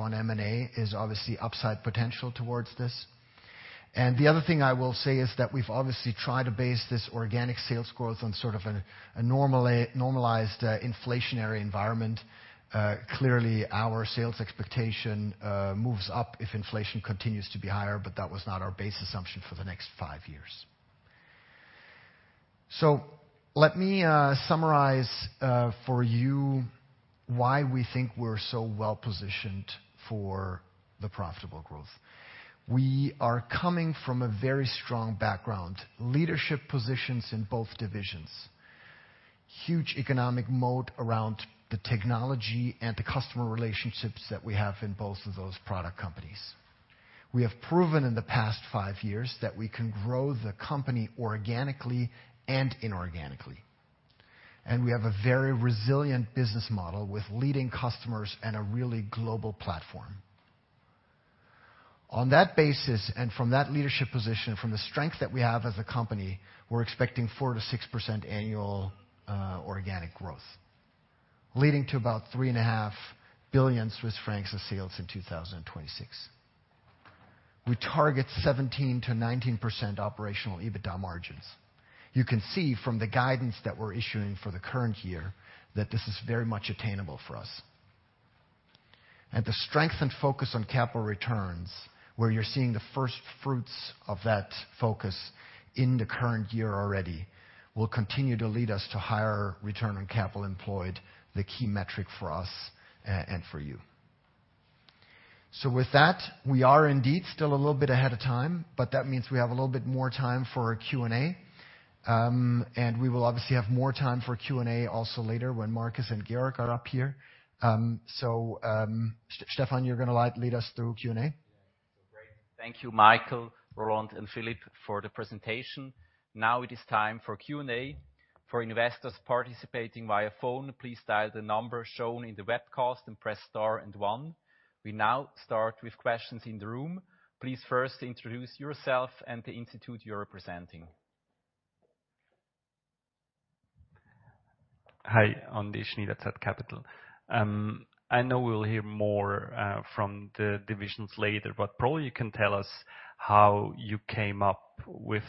on M&A is obviously upside potential toward this. The other thing I will say is that we've obviously tried to base this organic sales growth on sort of a normalized inflationary environment. Clearly, our sales expectation moves up if inflation continues to be higher, but that was not our base assumption for the next five years. Let me summarize for you why we think we're so well-positioned for the profitable growth. We are coming from a very strong background, leadership positions in both divisions, huge economic moat around the technology and the customer relationships that we have in both of those product companies. We have proven in the past five years that we can grow the company organically and inorganically. We have a very resilient business model with leading customers and a really global platform. On that basis, and from that leadership position, from the strength that we have as a company, we're expecting 4%-6% annual organic growth, leading to about 3.5 billion Swiss francs of sales in 2026. We target 17%-19% operational EBITDA margins. You can see from the guidance that we're issuing for the current year that this is very much attainable for us. The strength and focus on capital returns, where you're seeing the first fruits of that focus in the current year already, will continue to lead us to higher return on capital employed, the key metric for us, and for you. With that, we are indeed still a little bit ahead of time, but that means we have a little bit more time for Q&A. We will obviously have more time for Q&A also later when Markus and Georg are up here. Stephan, you're gonna lead us through Q&A? Yeah. Great. Thank you, Michael, Roland, and Philipp for the presentation. Now it is time for Q&A. For investors participating via phone, please dial the number shown in the webcast and press star and one. We now start with questions in the room. Please first introduce yourself and the institute you're representing. Hi. Andy Schnyder, zCapital. I know we'll hear more from the divisions later, but probably you can tell us how you came up with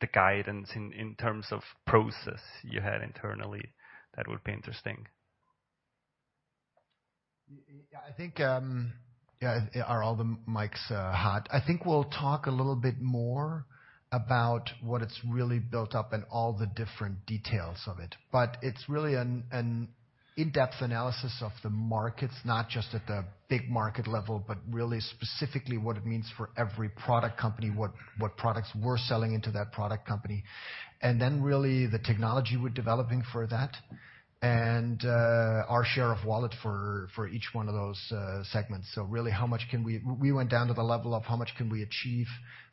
the guidance in terms of process you had internally. That would be interesting. I think. Yeah,+ are all the mics hot? I think we'll talk a little bit more about what it's really built up and all the different details of it. It's really an in-depth analysis of the markets, not just at the big market level, but really specifically what it means for every product company, what products we're selling into that product company. Then really the technology we're developing for that and our share of wallet for each one of those segments. We went down to the level of how much can we achieve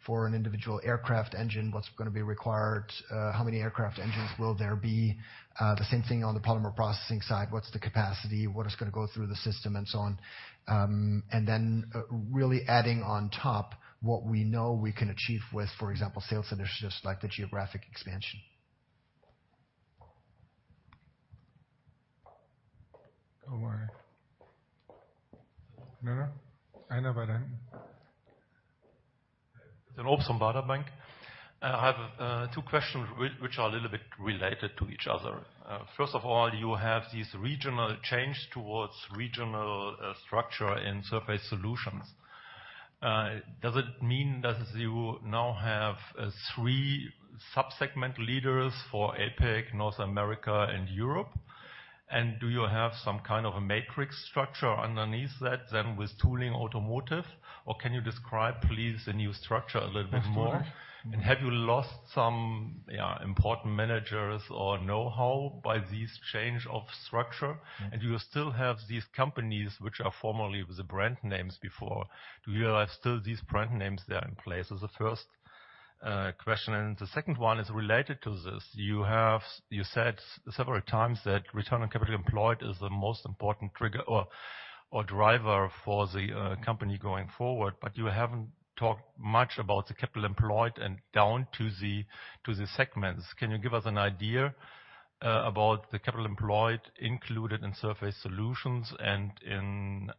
for an individual aircraft engine? What's gonna be required? How many aircraft engines will there be? The same thing on the polymer processing side. What's the capacity? What is gonna go through the system and so on. Really adding on top what we know we can achieve with, for example, sales initiatives like the geographic expansion. Christian Obst, Baader Bank. I have two questions which are a little bit related to each other. First of all, you have this regional change towards regional structure in Surface Solutions. Does it mean that you now have three sub-segment leaders for APAC, North America, and Europe? And do you have some kind of a matrix structure underneath that then with tooling automotive? Or can you describe please the new structure a little bit more? That's right. Have you lost some important managers or know-how by this change of structure? Do you still have these companies which are formerly the brand names before? Do you have still these brand names there in place? This is the first question. The second one is related to this. You said several times that Return on Capital Employed is the most important trigger or driver for the company going forward, but you haven't talked much about the capital employed and down to the segments. Can you give us an idea about the capital employed included in Surface Solutions and in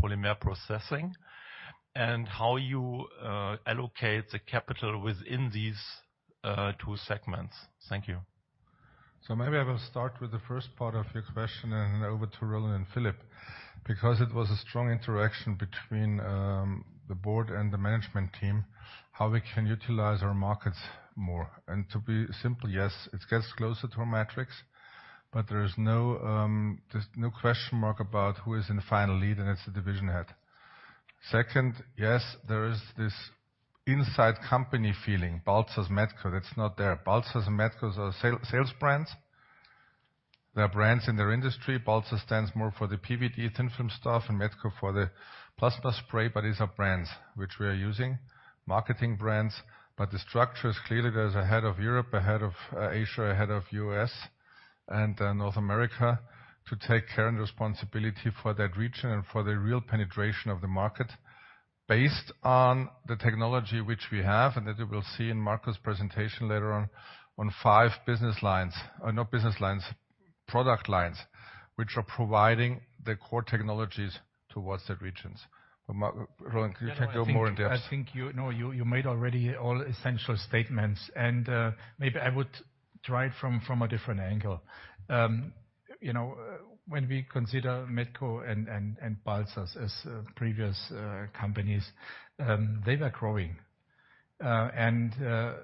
Polymer Processing? How you allocate the capital within these two segments? Thank you. Maybe I will start with the first part of your question and then over to Roland and Philipp. Because it was a strong interaction between the board and the management team, how we can utilize our markets more. To be simple, yes, it gets closer to a matrix, but there is no question mark about who is in the final lead, and it is the division head. Second, yes, there is this inside company feeling. Balzers, Metco, that is not there. Balzers and Metco are sales brands. They are brands in their industry. Balzers stands more for the PVD thin film stuff and Metco for the plasma spray, but these are brands which we are using, marketing brands. The structure is clear. There's a head of Europe, a head of Asia, a head of U.S. and North America to take care and responsibility for that region and for the real penetration of the market based on the technology which we have, and that you will see in Markus' presentation later on five business lines. Or not business lines, product lines, which are providing the core technologies towards the regions. Roland, you can go more in-depth. Yeah, I think you made already all essential statements. Maybe I would try it from a different angle. You know, when we consider Metco and Balzers as previous companies, they were growing. At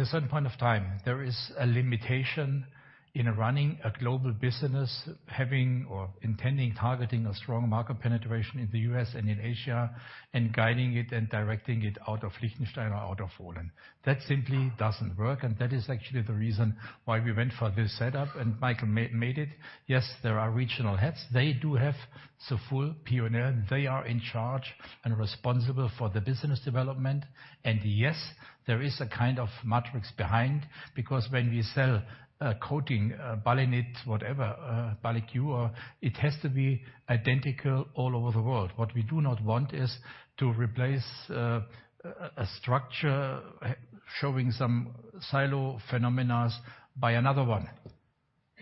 a certain point of time, there is a limitation in running a global business, having or intending, targeting a strong market penetration in the U.S. and in Asia, and guiding it and directing it out of Liechtenstein or out of Wohlen. That simply doesn't work, and that is actually the reason why we went for this setup and Michael made it. Yes, there are regional heads. They do have the full P&L. They are in charge and responsible for the business development. Yes, there is a kind of matrix behind because when we sell a coating, BALINIT, whatever, BALIQ, it has to be identical all over the world. What we do not want is to replace a structure showing some silo phenomena by another one.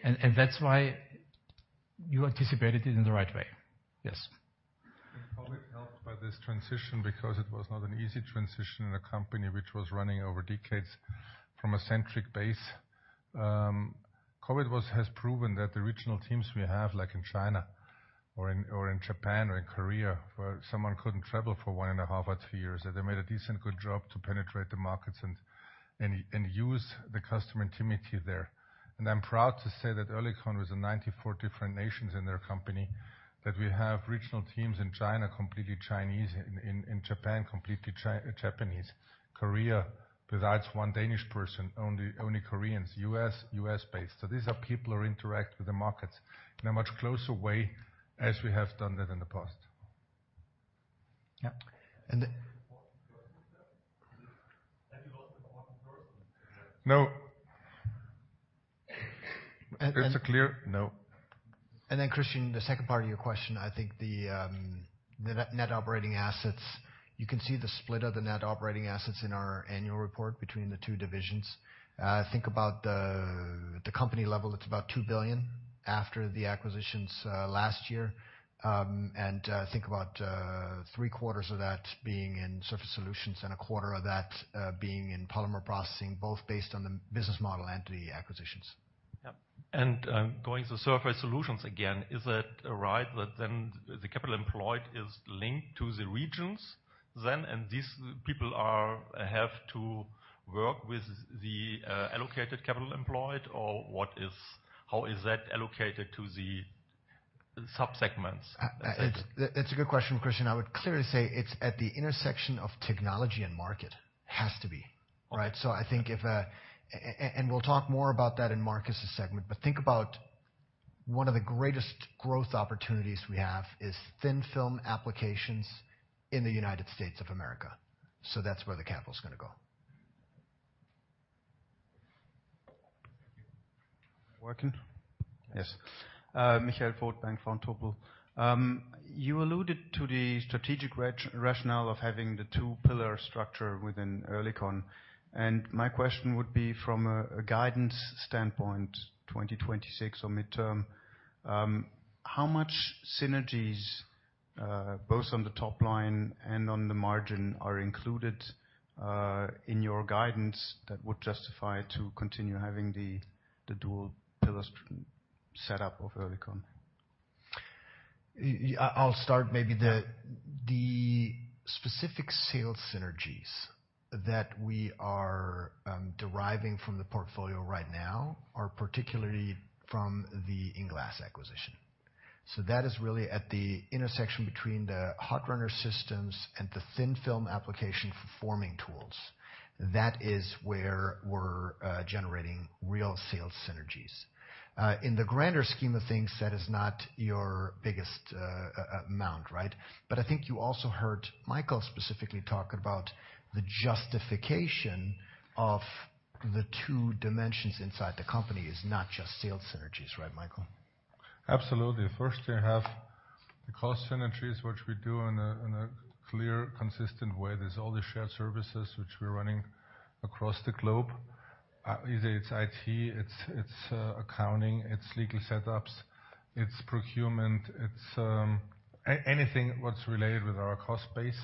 That's why you anticipated it in the right way. Yes. COVID helped by this transition because it was not an easy transition in a company which was running over decades from a centric base. COVID has proven that the regional teams we have, like in China or in Japan or in Korea, where someone couldn't travel for one and a half or two years, that they made a decent, good job to penetrate the markets and use the customer intimacy there. I'm proud to say that Oerlikon was in 94 different nations in their company, that we have regional teams in China, completely Chinese, in Japan, completely Japanese. Korea, besides one Danish person, only Koreans. U.S.-based. So these are people who interact with the markets in a much closer way as we have done that in the past. Yeah. No. And, and- It's a clear no. Christian, the second part of your question, I think the net operating assets, you can see the split of the net operating assets in our annual report between the two divisions. Think about the company level, it's about 2 billion after the acquisitions last year. Think about three-quarters of that being in Surface Solutions and a quarter of that being in Polymer Processing, both based on the business model and the acquisitions. Yep. Going to Surface Solutions again, is it right that the capital employed is linked to the regions, and these people have to work with the allocated capital employed? Or what is. How is that allocated to the sub-segments? It's a good question, Christian. I would clearly say it's at the intersection of technology and market. Has to be, right? I think and we'll talk more about that in Markus' segment, but think about one of the greatest growth opportunities we have is thin film applications in the United States of America. That's where the capital's gonna go. Working? Yes. Michael Foeth, Bank Vontobel, you aluded to the strategic rationale of having the two pillar structure within Oerlikon. And my question will be from guidance standpoint 2026 or midterm. How much synergies both on the topline and on the margin are included in your guidance that will justify to continue having the dual pillars set up of Oerlikon? I'll start maybe the specific sales synergies that we are deriving from the portfolio right now are particularly from the INglass acquisition. That is really at the intersection between the hot runner systems and the thin film application for forming tools. That is where we're generating real sales synergies. In the grander scheme of things, that is not your biggest amount, right? But I think you also heard Michael specifically talk about the justification of the two dimensions inside the company is not just sales synergies. Right, Michael? Absolutely. First, you have the cost synergies, which we do in a clear, consistent way. There's all the shared services which we're running across the globe. Either it's IT, it's accounting, it's legal setups, it's procurement, it's anything what's related with our cost base.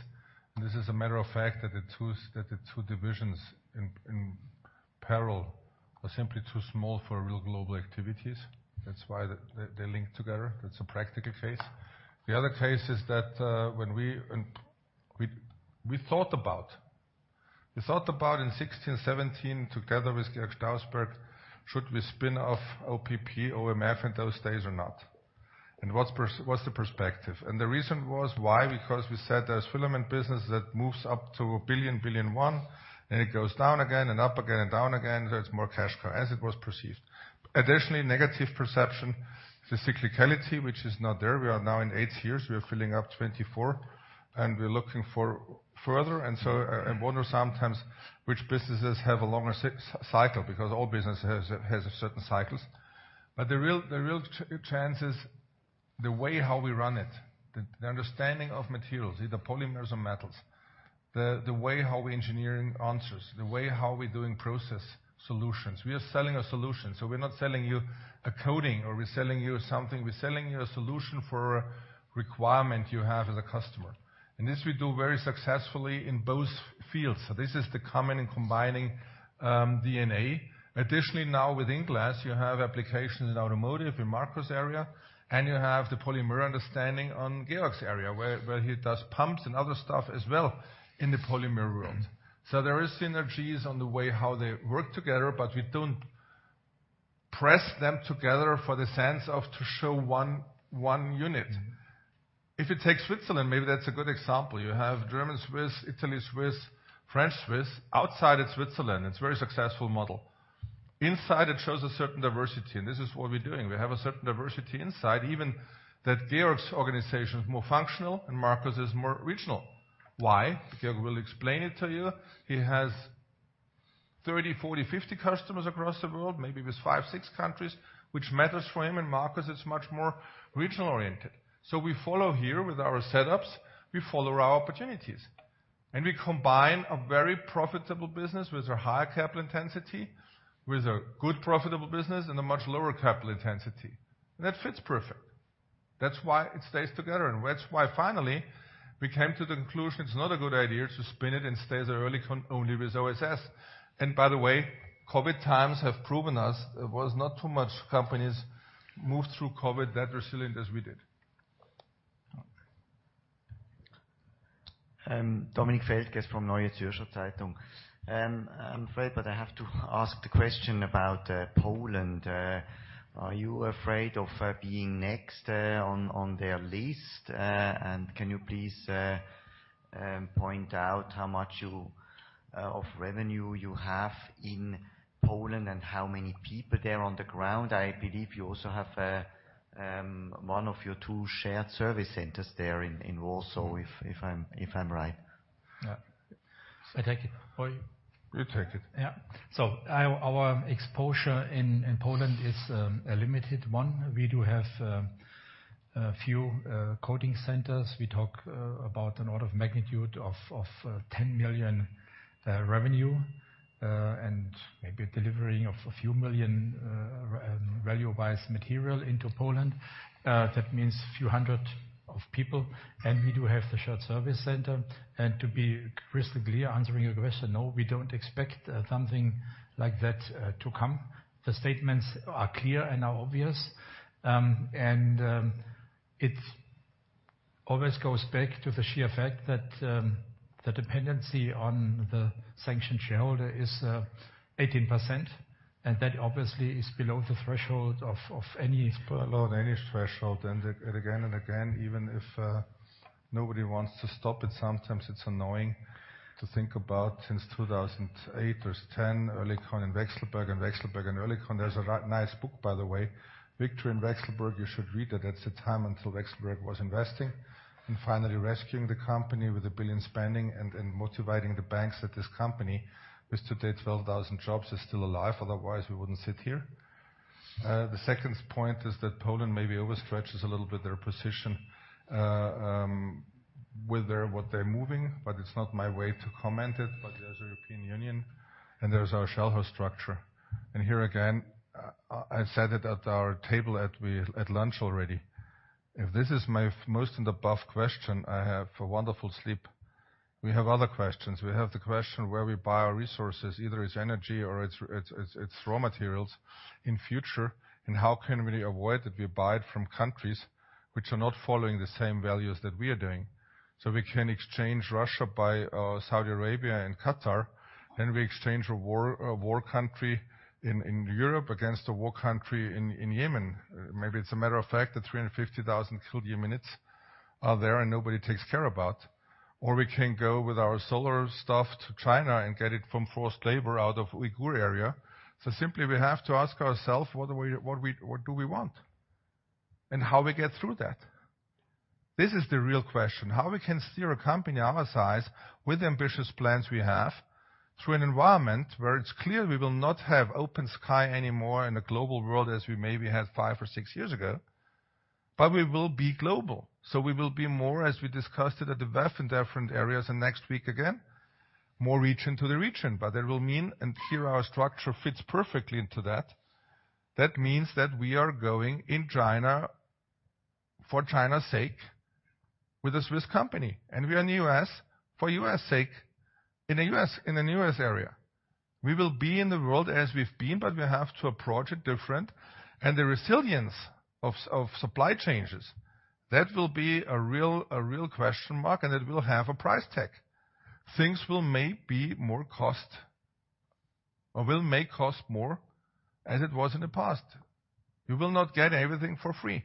This is a matter of fact that the two divisions in parallel are simply too small for real global activities. That's why they link together. That's a practical case. The other case is that when we thought about. We thought about in 2016, 2017, together with Georg Stausberg, should we spin off OPP, OMF in those days or not? What's the perspective? The reason was why, because we said there's filament business that moves up to 1 billion, and it goes down again and up again and down again. It's more cash cow as it was perceived. Additionally, negative perception, the cyclicality, which is not there. We are now in eight years, we are filling up 2024, and we're looking for further. I wonder sometimes which businesses have a longer cycle, because all business has certain cycles. The real chance is the way how we run it, the understanding of materials, either polymers or metals, the way how we engineer answers, the way how we're doing process solutions. We are selling a solution, so we're not selling you a coating, or we're selling you something. We're selling you a solution for requirement you have as a customer. This we do very successfully in both fields. This is the common and combining DNA. Additionally, now with INglass, you have applications in automotive, in Markus' area, and you have the polymer understanding on Georg's area, where he does pumps and other stuff as well in the polymer world. There is synergies on the way, how they work together, but we don't press them together for the sense of to show one unit. If you take Switzerland, maybe that's a good example. You have German-Swiss, Italy-Swiss, French-Swiss. Outside, it's Switzerland. It's very successful model. Inside, it shows a certain diversity, and this is what we're doing. We have a certain diversity inside, even that Georg's organization is more functional and Markus' is more regional. Why? Georg will explain it to you. He has 30, 40, 50 customers across the world, maybe with five, six countries, which matters for him. Markus is much more regional oriented. We follow here with our setups, we follow our opportunities, and we combine a very profitable business with a higher capital intensity, with a good profitable business and a much lower capital intensity. That fits perfect. That's why it stays together. That's why finally we came to the conclusion it's not a good idea to spin it and stay as Oerlikon only with OSS. By the way, COVID times have proven us there was not too much companies moved through COVID that resilient as we did. Okay. Dominik Felker from Neue Zürcher Zeitung. I'm afraid, but I have to ask the question about Poland. Are you afraid of being next on their list? And can you please point out how much of your revenue you have in Poland and how many people there on the ground? I believe you also have one of your two shared service centers there in Warsaw, if I'm right. Yeah. I take it or you? You take it. Yeah. Our exposure in Poland is a limited one. We do have a few coating centers. We talk about an order of magnitude of 10 million revenue and maybe delivering of a few million value-wise material into Poland. That means a few hundred people. We do have the shared service center. To be crystal clear, answering your question, no, we don't expect something like that to come. The statements are clear and are obvious. It always goes back to the sheer fact that the dependency on the sanctioned shareholder is 18%, and that obviously is below the threshold of any. Below any threshold. Again and again, even if nobody wants to stop it, sometimes it's annoying to think about since 2008 or 2010, Oerlikon and Vekselberg and Vekselberg and Oerlikon. There's a nice book, by the way, Viktor and Vekselberg. You should read it. That's the time until Vekselberg was investing and finally rescuing the company with 1 billion spending and motivating the banks that this company, which today 12,000 jobs, is still alive. Otherwise, we wouldn't sit here. The second point is that Poland maybe overstretches a little bit their position with what they're moving, but it's not my way to comment it. There's European Union and there's our shell house structure. Here again, I said it at our table at lunch already. If this is my most in-the-buff question I have for wonderful sleep. We have other questions. We have the question, where we buy our resources, either it's energy or it's raw materials in future, and how can we avoid that we buy it from countries which are not following the same values that we are doing. We can exchange Russia by Saudi Arabia and Qatar, and we exchange a war country in Europe against a war country in Yemen. Maybe it's a matter of fact that 350,000 [fluid minutes] are there and nobody takes care about. Or we can go with our solar stuff to China and get it from forced labor out of Uyghur area. Simply we have to ask ourselves what do we want? How we get through that. This is the real question, how we can steer a company our size with ambitious plans we have through an environment where it's clear we will not have open sky anymore in a global world as we maybe had five or six years ago. We will be global. We will be more, as we discussed it at the WEF in different areas and next week again, more region to the region. That will mean, and here our structure fits perfectly into that. That means that we are going in China for China's sake with a Swiss company. We are in the U.S. for U.S. sake in the U.S., in the U.S. area. We will be in the world as we've been, but we have to approach it different. The resilience of supply chains, that will be a real question mark, and it will have a price tag. Things will maybe cost more than it was in the past. You will not get everything for free.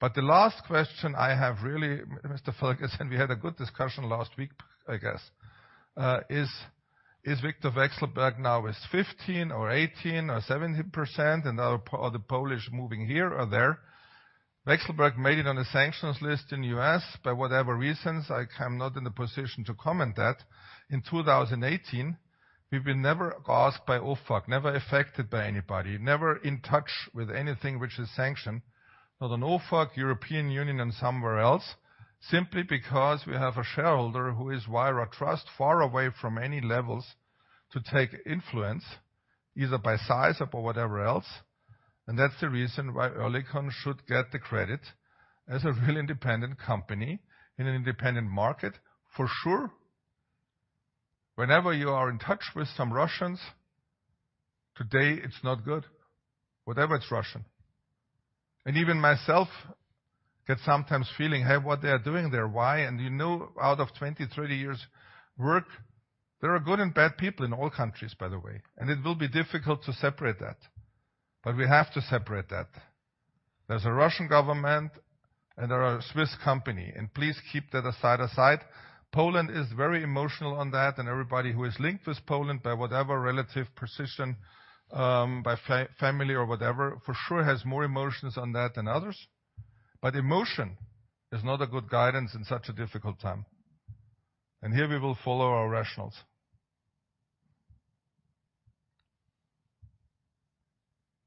The last question I have, really, Mr. Ferguson, we had a good discussion last week, I guess, is Viktor Vekselberg now with 15% or 18% or 17%, and now are the Polish moving here or there? Vekselberg made it on the sanctions list in the U.S. for whatever reasons. I am not in a position to comment that. In 2018, we've been never asked by OFAC, never affected by anybody, never in touch with anything which is sanctioned. Not on OFAC, European Union, and somewhere else, simply because we have a shareholder who is Liwet Trust, far away from any levels to take influence, either by size or by whatever else. That's the reason why Oerlikon should get the credit as a real independent company in an independent market. For sure, whenever you are in touch with some Russians, today it's not good. Whatever it's Russian. Even myself get sometimes feeling, "Hey, what they are doing there? Why?" You know, out of 20, 30 years work, there are good and bad people in all countries, by the way, and it will be difficult to separate that. We have to separate that. There's a Russian government and there are a Swiss company, and please keep that aside. Poland is very emotional on that, and everybody who is linked with Poland by whatever relation, by family or whatever, for sure has more emotions on that than others. Emotion is not a good guidance in such a difficult time. Here we will follow our rationale.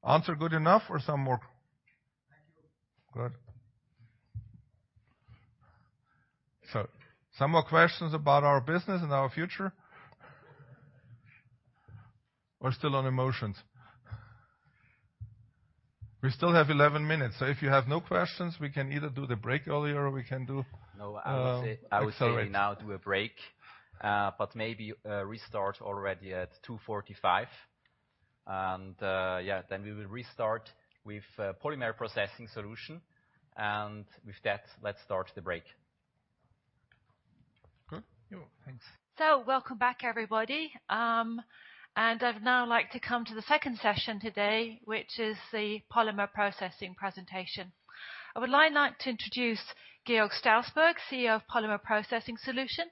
Answer good enough or some more? Thank you. Good. Some more questions about our business and our future? Or still on emotions? We still have 11 minutes, so if you have no questions, we can either do the break earlier or we can do. No, I would say. Accelerate. I would say now do a break, but maybe restart already at 2:45 P.M. Yeah, then we will restart with Polymer Processing Solutions. With that, let's start the break. Good. Yeah. Thanks. Welcome back, everybody. I'd now like to come to the second session today, which is the polymer processing presentation. I would like to introduce Georg Stausberg, CEO of Polymer Processing Solutions.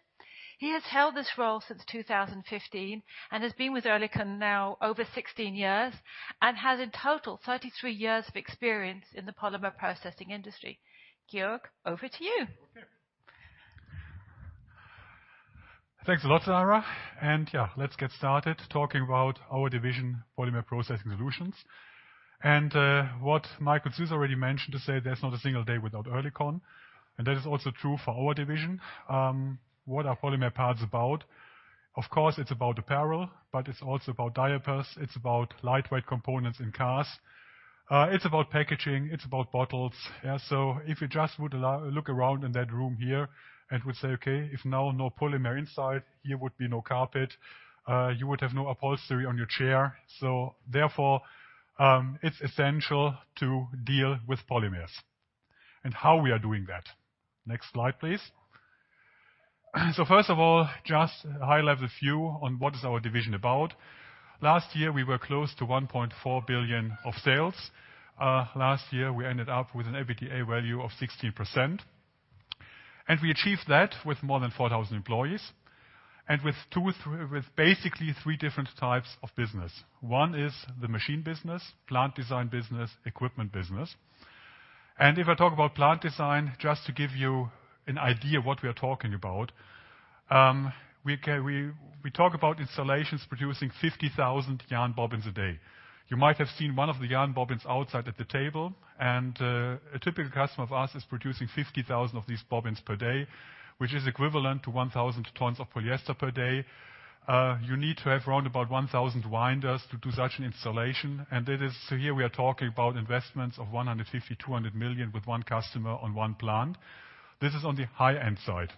He has held this role since 2015 and has been with Oerlikon now over 16 years, and has in total 33 years of experience in the polymer processing industry. Georg, over to you. Okay. Thanks a lot, Sara. Yeah, let's get started talking about our division, Polymer Processing Solutions. What Michael Süss already mentioned to say there's not a single day without Oerlikon, and that is also true for our division. What are polymer parts about? Of course, it's about apparel, but it's also about diapers. It's about lightweight components in cars. It's about packaging. It's about bottles. Yeah, so if you just look around in that room here and would say, "Okay, if now no polymer inside, here would be no carpet. You would have no upholstery on your chair." Therefore, it's essential to deal with polymers and how we are doing that. Next slide, please. First of all, just high-level view on what is our division about. Last year, we were close to 1.4 billion of sales. Last year, we ended up with an EBITDA value of 60%. We achieved that with more than 4,000 employees and with basically three different types of business. One is the machine business, plant design business, equipment business. If I talk about plant design, just to give you an idea what we are talking about, we talk about installations producing 50,000 yarn bobbins a day. You might have seen one of the yarn bobbins outside at the table. A typical customer of ours is producing 50,000 of these bobbins per day, which is equivalent to 1,000 tons of polyester per day. You need to have around about 1,000 winders to do such an installation. Here we are talking about investments of 150 million-200 million with one customer on one plant. This is on the high-end side.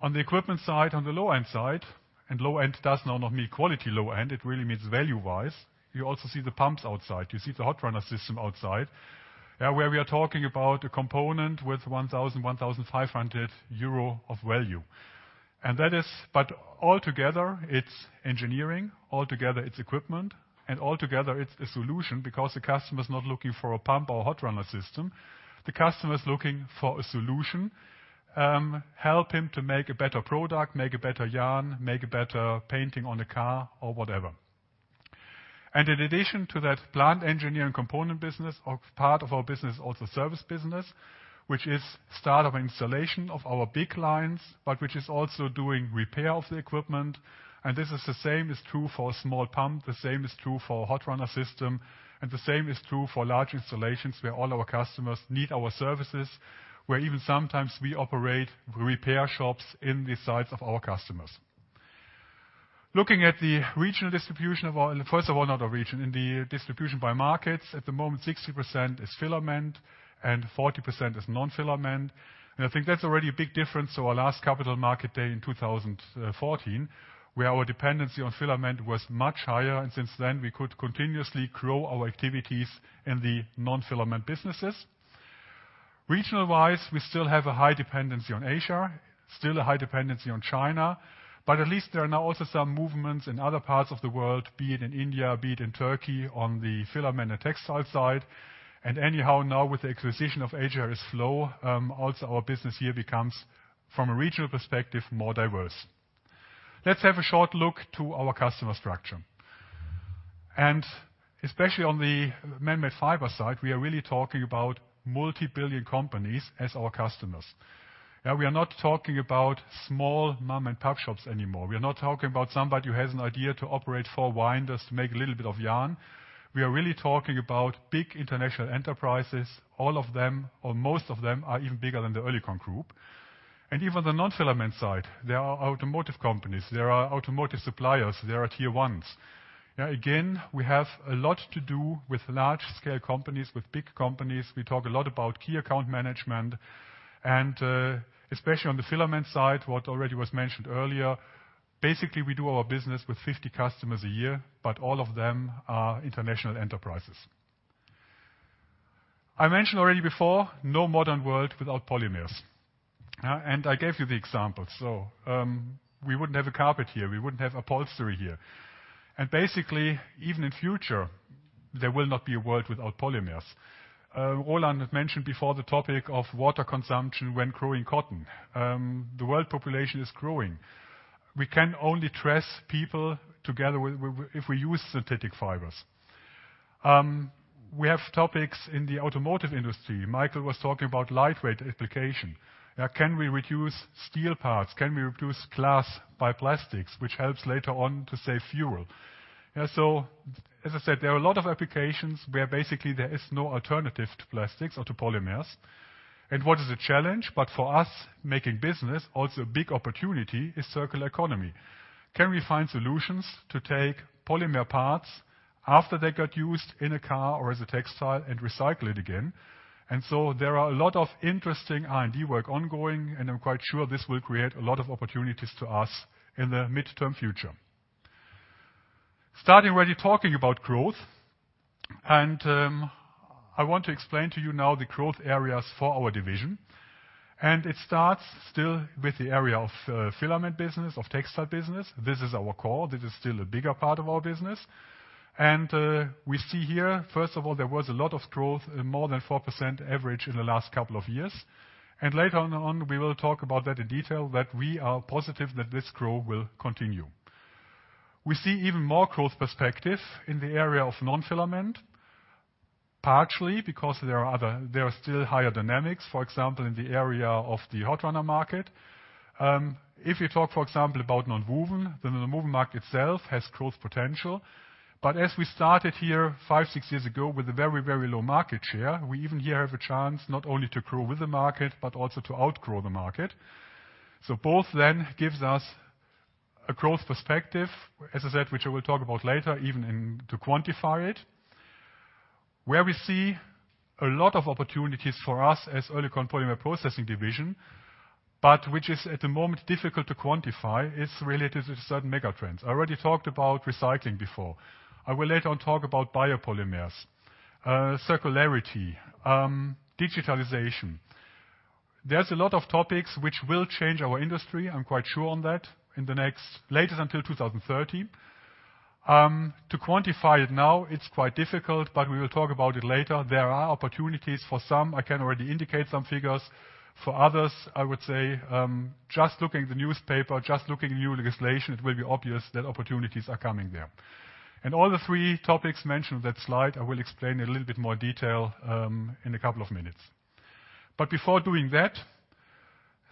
On the equipment side, on the low-end side, and low-end does not mean quality low-end, it really means value-wise. You also see the pumps outside. You see the hot runner system outside, where we are talking about a component with 1,000- 1,500 euro of value. All together, it's engineering, all together it's equipment, and all together it's a solution because the customer is not looking for a pump or a hot runner system. The customer is looking for a solution, help him to make a better product, make a better yarn, make a better painting on a car or whatever. In addition to that plant engineering component business, part of our business, also service business, which is start of installation of our big lines, but which is also doing repair of the equipment. This is the same is true for a small pump, the same is true for a hot runner system, and the same is true for large installations where all our customers need our services, where even sometimes we operate repair shops in the sites of our customers. Looking at the regional distribution of our, first of all, not a region. In the distribution by markets, at the moment, 60% is filament and 40% is non-filament. I think that's already a big difference to our last capital market day in 2014, where our dependency on filament was much higher, and since then, we could continuously grow our activities in the non-filament businesses. Regional-wise, we still have a high dependency on Asia, still a high dependency on China, but at least there are now also some movements in other parts of the world, be it in India, be it in Turkey, on the filament and textile side. Anyhow, now with the acquisition of HRSflow, also our business here becomes, from a regional perspective, more diverse. Let's have a short look to our customer structure. Especially on the man-made fiber side, we are really talking about multi-billion companies as our customers. We are not talking about small mom-and-pop shops anymore. We are not talking about somebody who has an idea to operate four winders to make a little bit of yarn. We are really talking about big international enterprises, all of them, or most of them are even bigger than the Oerlikon Group. Even the non-filament side, there are automotive companies, there are automotive suppliers, there are tier ones. Again, we have a lot to do with large-scale companies, with big companies. We talk a lot about key account management and, especially on the filament side, what already was mentioned earlier. Basically, we do our business with 50 customers a year, but all of them are international enterprises. I mentioned already before. No modern world without polymers. I gave you the example. We wouldn't have a carpet here. We wouldn't have upholstery here. Basically, even in future, there will not be a world without polymers. Roland had mentioned before the topic of water consumption when growing cotton. The world population is growing. We can only dress people together if we use synthetic fibers. We have topics in the automotive industry. Michael was talking about lightweight application. Can we reduce steel parts? Can we reduce glass by plastics, which helps later on to save fuel? As I said, there are a lot of applications where basically there is no alternative to plastics or to polymers. What is a challenge, but for us making business also a big opportunity, is circular economy. Can we find solutions to take polymer parts after they got used in a car or as a textile and recycle it again? There are a lot of interesting R&D work ongoing, and I'm quite sure this will create a lot of opportunities to us in the midterm future. I want to explain to you now the growth areas for our division. It starts still with the area of filament business, of textile business. This is our core. This is still a bigger part of our business. We see here, first of all, there was a lot of growth, more than 4% average in the last couple of years. Later on, we will talk about that in detail, that we are positive that this growth will continue. We see even more growth perspective in the area of non-filament, partially because there are still higher dynamics, for example, in the area of the hot runner market. If you talk, for example, about nonwoven, then the nonwoven market itself has growth potential. As we started here five, six years ago with a very, very low market share, we even here have a chance not only to grow with the market, but also to outgrow the market. Both then gives us a growth perspective, as I said, which I will talk about later, even to quantify it. Where we see a lot of opportunities for us as Oerlikon Polymer Processing division, but which is at the moment difficult to quantify, is related to certain megatrends. I already talked about recycling before. I will later on talk about biopolymers, circularity, digitalization. There's a lot of topics which will change our industry, I'm quite sure on that, in the next latest until 2030. To quantify it now, it's quite difficult, but we will talk about it later. There are opportunities. For some, I can already indicate some figures. For others, I would say, just looking at the newspaper, just looking at new legislation, it will be obvious that opportunities are coming there. All the three topics mentioned on that slide, I will explain in a little bit more detail, in a couple of minutes. Before doing that,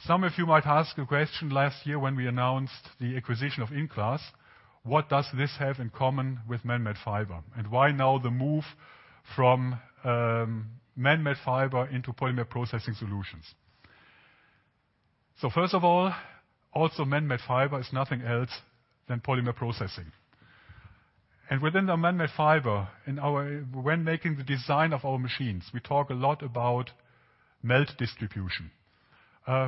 some of you might ask a question last year when we announced the acquisition of INglass. What does this have in common with man-made fiber and why now the move from man-made fiber into Polymer Processing Solutions? First of all, also man-made fiber is nothing else than polymer processing. Within the man-made fiber, when making the design of our machines, we talk a lot about melt distribution.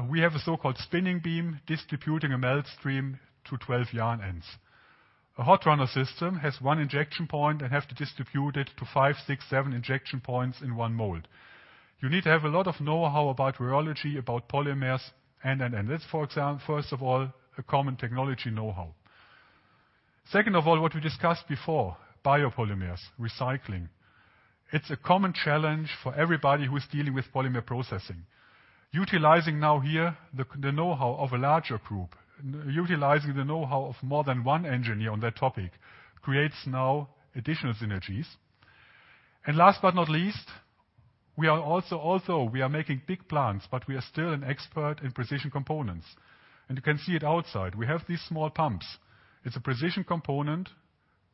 We have a so-called spinning beam distributing a melt stream to 12 yarn ends. A hot runner system has one injection point and have to distribute it to five, six, seven injection points in one mold. You need to have a lot of know-how about rheology, about polymers and. That's first of all, a common technology know-how. Second of all, what we discussed before, biopolymers, recycling. It's a common challenge for everybody who is dealing with polymer processing. Utilizing now here the know-how of a larger group, utilizing the know-how of more than one engineer on that topic, creates now additional synergies. Last but not least, we are also we are making big plans, but we are still an expert in precision components. You can see it outside. We have these small pumps. It's a precision component,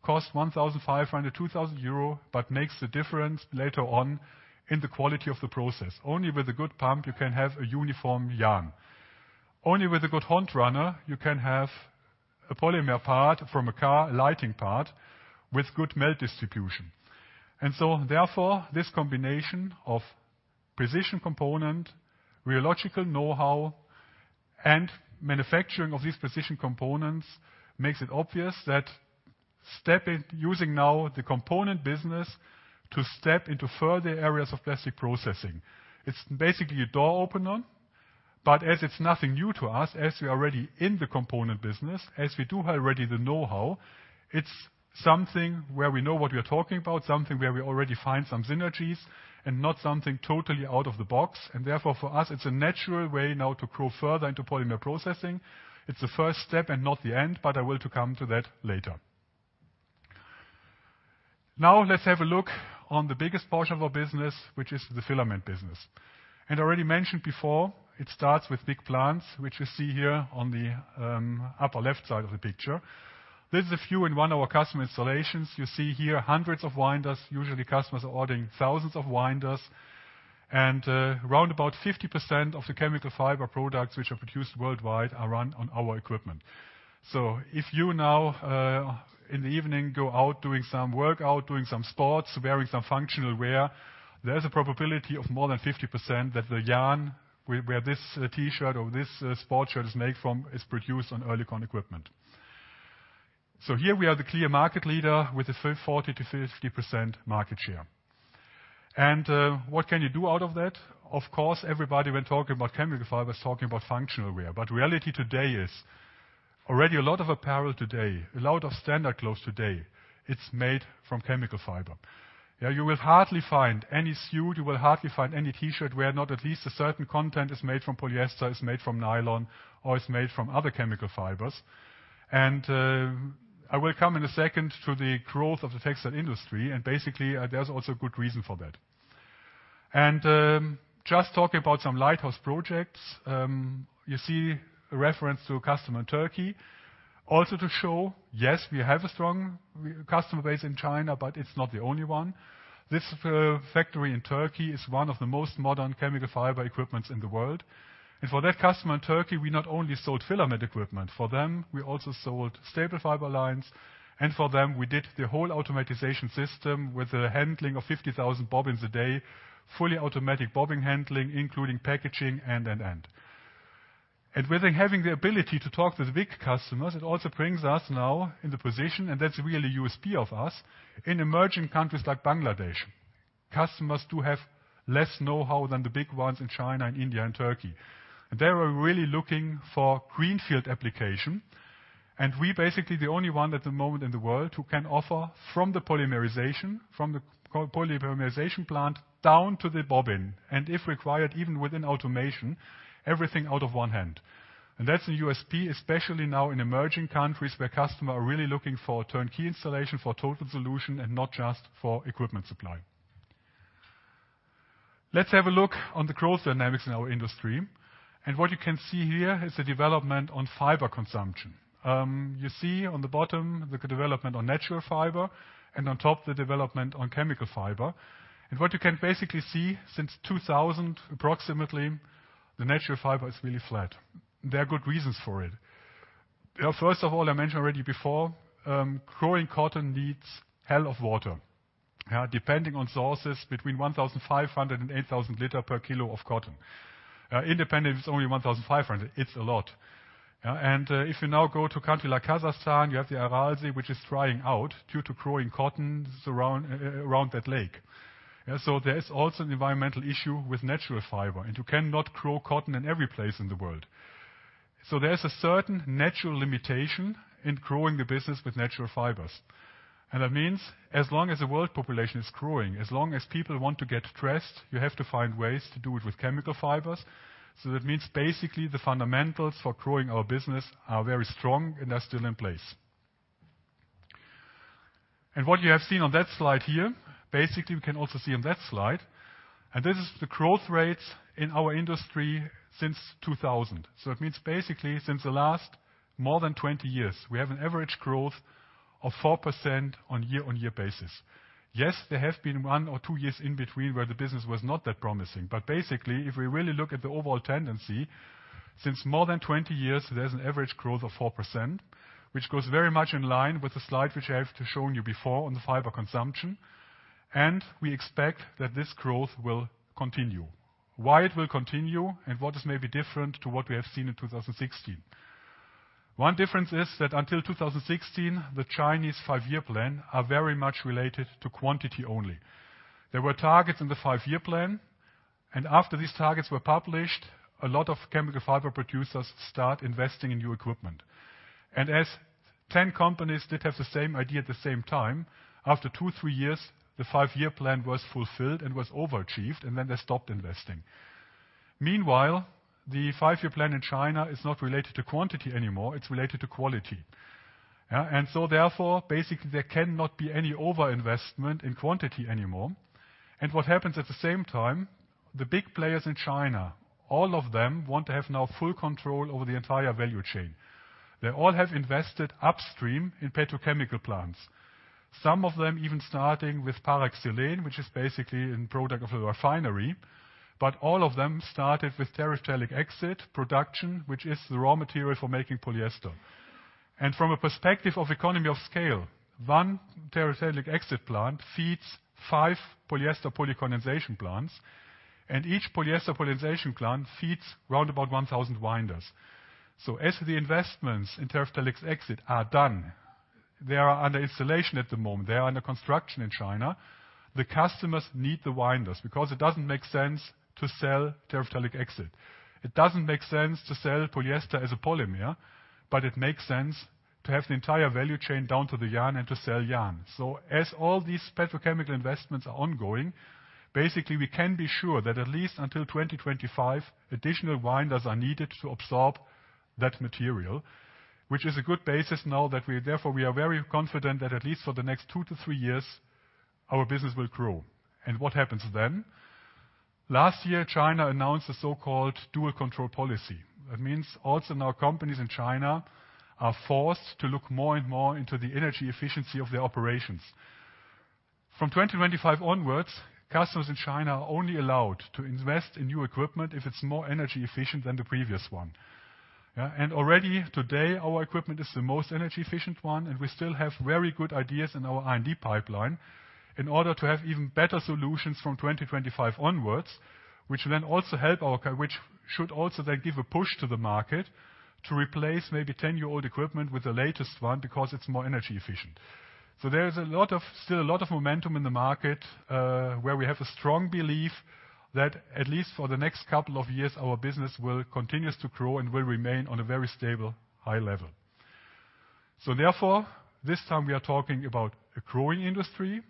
costs 1,500-2,000 euro, but makes the difference later on in the quality of the process. Only with a good pump you can have a uniform yarn. Only with a good hot runner, you can have a polymer part from a car, a lighting part with good melt distribution. Therefore, this combination of precision component, rheological know-how, and manufacturing of these precision components makes it obvious that using now the component business to step into further areas of plastic processing. It's basically a door opener, but as it's nothing new to us, as we are already in the component business, as we do have already the know-how, it's something where we know what we are talking about, something where we already find some synergies and not something totally out of the box. Therefore, for us, it's a natural way now to grow further into polymer processing. It's the first step and not the end, but I will come to that later. Now let's have a look on the biggest portion of our business, which is the filament business. I already mentioned before, it starts with big plants, which we see here on the upper left side of the picture. This is a view in one of our customer installations. You see here hundreds of winders. Usually customers are ordering thousands of winders. Round about 50% of the chemical fiber products which are produced worldwide are run on our equipment. If you now, in the evening go out doing some workout, doing some sports, wearing some functional wear, there's a probability of more than 50% that the yarn where this T-shirt or this sport shirt is made from is produced on Oerlikon equipment. Here we are the clear market leader with a 40%-50% market share. What can you do out of that? Of course, everybody when talking about chemical fiber is talking about functional wear. Reality today is already a lot of apparel today, a lot of standard clothes today, it's made from chemical fiber. Yeah, you will hardly find any suit, you will hardly find any T-shirt where not at least a certain content is made from polyester, is made from nylon, or is made from other chemical fibers. I will come in a second to the growth of the textile industry, and basically there's also good reason for that. Just talking about some lighthouse projects, you see a reference to a customer in Turkey. Also to show, yes, we have a strong customer base in China, but it's not the only one. This factory in Turkey is one of the most modern chemical fiber equipment in the world. For that customer in Turkey, we not only sold filament equipment. For them, we also sold staple fiber lines. For them, we did the whole automation system with handling of 50,000 bobbins a day, fully automatic bobbin handling, including packaging. With having the ability to talk with big customers, it also brings us now in the position, and that's really USP of us, in emerging countries like Bangladesh. Customers do have less know-how than the big ones in China and India and Turkey. They are really looking for greenfield application. We basically the only one at the moment in the world who can offer from the polymerization plant down to the bobbin, and if required, even within automation, everything out of one hand. That's a USP, especially now in emerging countries where customers are really looking for turnkey installation, for total solution and not just for equipment supply. Let's have a look on the growth dynamics in our industry. What you can see here is the development on fiber consumption. You see on the bottom the development on natural fiber and on top the development on chemical fiber. What you can basically see since 2000, approximately, the natural fiber is really flat. There are good reasons for it. First of all, I mentioned already before, growing cotton needs a hell of a lot of water. Depending on sources between 1,500 and 8,000 liters per kilo of cotton. Even if it's only 1,500, it's a lot. If you now go to a country like Kazakhstan, you have the Aral Sea, which is drying out due to growing cotton around that lake. There is also an environmental issue with natural fiber, and you cannot grow cotton in every place in the world. There's a certain natural limitation in growing the business with natural fibers. That means as long as the world population is growing, as long as people want to get dressed, you have to find ways to do it with chemical fibers. That means basically the fundamentals for growing our business are very strong, and they're still in place. What you have seen on that slide here, basically, we can also see on that slide. This is the growth rates in our industry since 2000. It means basically since the last more than 20 years, we have an average growth of 4% on year-on-year basis. Yes, there has been one or two years in between where the business was not that promising. Basically, if we really look at the overall tendency, since more than 20 years, there's an average growth of 4%, which goes very much in line with the slide, which I have shown you before on the fiber consumption, and we expect that this growth will continue. Why it will continue, and what is maybe different to what we have seen in 2016. One difference is that until 2016, the Chinese five-year plan are very much related to quantity only. There were targets in the five-year plan, and after these targets were published, a lot of chemical fiber producers start investing in new equipment. As 10 companies did have the same idea at the same time, after two, three years, the five-year plan was fulfilled and was overachieved, and then they stopped investing. Meanwhile, the five-year plan in China is not related to quantity anymore, it's related to quality. Yeah. Therefore, basically, there cannot be any overinvestment in quantity anymore. What happens at the same time, the big players in China, all of them want to have now full control over the entire value chain. They all have invested upstream in petrochemical plants. Some of them even starting with paraxylene, which is basically a product of a refinery. All of them started with terephthalic acid production, which is the raw material for making polyester. From a perspective of economies of scale, one terephthalic acid plant feeds five polyester polycondensation plants, and each polyester polycondensation plant feeds roundabout 1,000 winders. As the investments in terephthalic acid are done, they are under installation at the moment. They are under construction in China. Customers need the winders because it doesn't make sense to sell terephthalic acid. It doesn't make sense to sell polyester as a polymer, but it makes sense to have the entire value chain down to the yarn and to sell yarn. As all these petrochemical investments are ongoing, basically, we can be sure that at least until 2025, additional winders are needed to absorb that material, which is a good basis now that therefore we are very confident that at least for the next two to three years, our business will grow. What happens then? Last year, China announced a so-called dual control policy. That means also now companies in China are forced to look more and more into the energy efficiency of their operations. From 2025 onwards, customers in China are only allowed to invest in new equipment if it's more energy efficient than the previous one. Already today, our equipment is the most energy efficient one, and we still have very good ideas in our R&D pipeline in order to have even better solutions from 2025 onwards, which should also then give a push to the market to replace maybe 10-year-old equipment with the latest one because it's more energy efficient. There is still a lot of momentum in the market, where we have a strong belief that at least for the next couple of years, our business will continue to grow and will remain on a very stable high level. Therefore, this time we are talking about a growing industry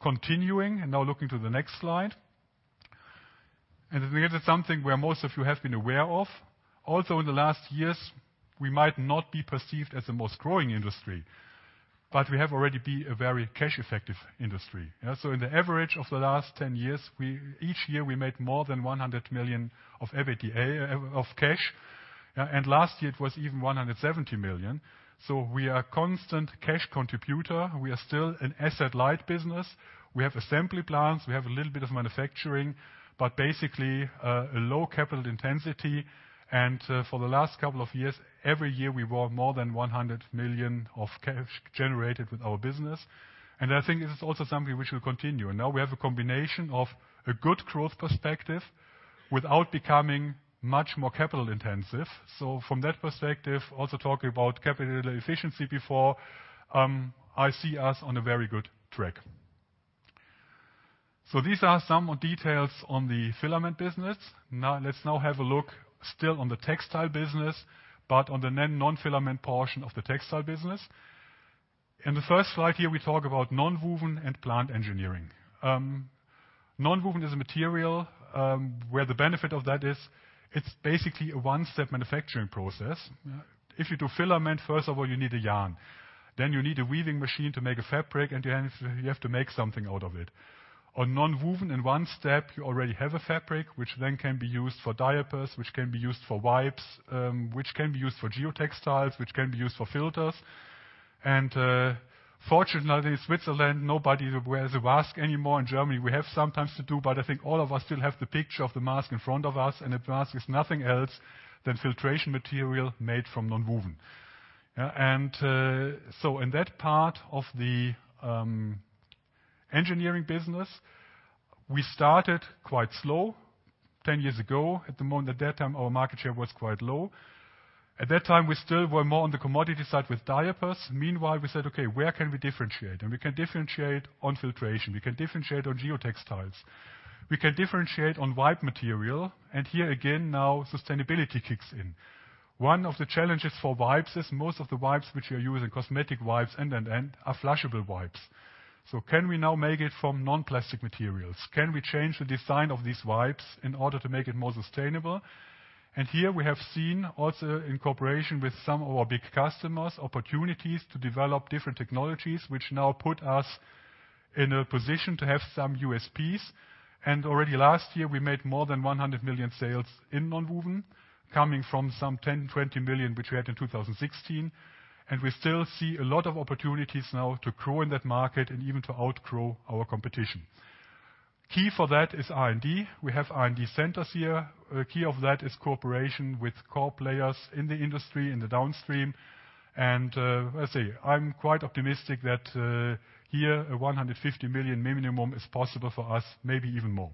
continuing. Now looking to the next slide. This is something where most of you have been aware of. Also, in the last years, we might not be perceived as the most growing industry, but we have already been a very cash effective industry. In the average of the last 10 years, each year, we made more than 100 million of EBITDA of cash. Last year, it was even 170 million. We are constant cash contributor. We are still an asset-light business. We have assembly plants, we have a little bit of manufacturing, but basically, a low capital intensity. For the last couple of years, every year, we brought more than 100 million of cash generated with our business. I think this is also something which will continue. Now we have a combination of a good growth perspective without becoming much more capital intensive. From that perspective, also talking about capital efficiency before, I see us on a very good track. These are some more details on the filament business. Now, let's have a look still on the textile business, but on the non-filament portion of the textile business. In the first slide here, we talk about nonwoven and plant engineering. Nonwoven is a material, where the benefit of that is it's basically a one-step manufacturing process. If you do filament, first of all, you need a yarn. Then you need a weaving machine to make a fabric, and you have to make something out of it. On nonwoven, in one step, you already have a fabric, which then can be used for diapers, which can be used for wipes, which can be used for geotextiles, which can be used for filters. Fortunately, in Switzerland, nobody wears a mask anymore. In Germany, we have sometimes to do, but I think all of us still have the picture of the mask in front of us, and the mask is nothing else than filtration material made from nonwoven. In that part of the engineering business, we started quite slow 10 years ago. At the moment, at that time, our market share was quite low. At that time, we still were more on the commodity side with diapers. Meanwhile, we said, "Okay, where can we differentiate?" We can differentiate on filtration. We can differentiate on geotextiles. We can differentiate on wipe material. Here again now, sustainability kicks in. One of the challenges for wipes is most of the wipes which we use in cosmetic wipes, and are flushable wipes. Can we now make it from non-plastic materials? Can we change the design of these wipes in order to make it more sustainable? Here we have seen also in cooperation with some of our big customers, opportunities to develop different technologies, which now put us in a position to have some USPs. Already last year, we made more than 100 million sales in nonwoven, coming from some 10 million, 20 million, which we had in 2016. We still see a lot of opportunities now to grow in that market and even to outgrow our competition. Key for that is R&D. We have R&D centers here. Key of that is cooperation with core players in the industry, in the downstream. I say I'm quite optimistic that here a 150 million minimum is possible for us, maybe even more.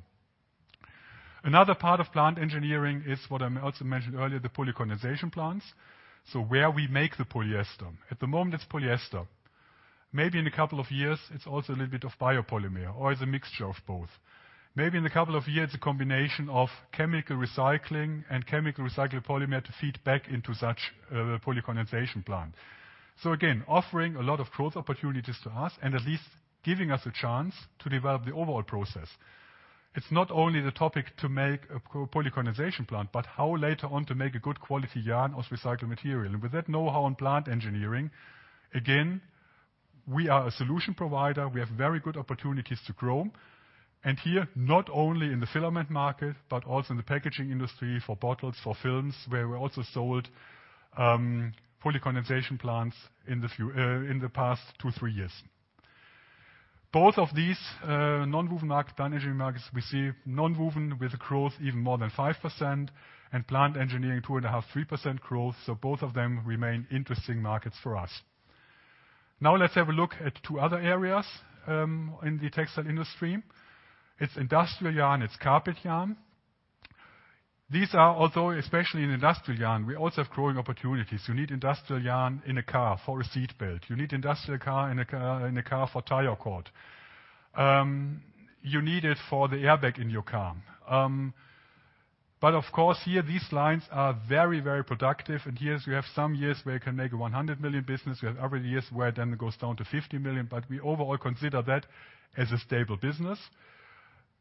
Another part of plant engineering is what I also mentioned earlier, the polycondensation plants. Where we make the polyester. At the moment, it's polyester. Maybe in a couple of years, it's also a little bit of biopolymer or is a mixture of both. Maybe in a couple of years, a combination of chemical recycling and chemical recycled polymer to feed back into such polycondensation plant. Again, offering a lot of growth opportunities to us and at least giving us a chance to develop the overall process. It's not only the topic to make a co-polycondensation plant, but how later on to make a good quality yarn of recycled material. With that know-how in plant engineering, again, we are a solution provider. We have very good opportunities to grow. Here, not only in the filament market, but also in the packaging industry for bottles, for films, where we also sold polycondensation plants in the past two, three years. Both of these nonwoven market, plant engineering markets, we see nonwoven with growth even more than 5% and plant engineering 2.5%-3% growth. Both of them remain interesting markets for us. Now let's have a look at two other areas in the textile industry. It's industrial yarn, it's carpet yarn. These are although, especially in industrial yarn, we also have growing opportunities. You need industrial yarn in a car for a seat belt. You need industrial yarn in a car for tire cord. You need it for the airbag in your car. But of course, here these lines are very, very productive. Here we have some years where you can make a 100 million business. We have other years where then it goes down to 50 million. We overall consider that as a stable business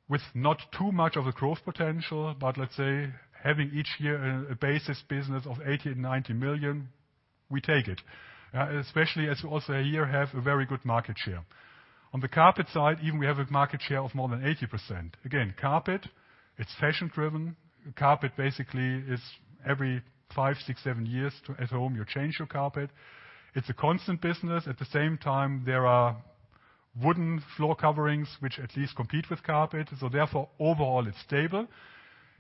with not too much of a growth potential. Let's say having each year a basis business of 80 million-90 million, we take it, especially as we also here have a very good market share. On the carpet side, even we have a market share of more than 80%. Again, carpet, it's fashion-driven. Carpet basically is every five, six, seven years at home, you change your carpet. It's a constant business. At the same time, there are wooden floor coverings which at least compete with carpet. Therefore overall it's stable.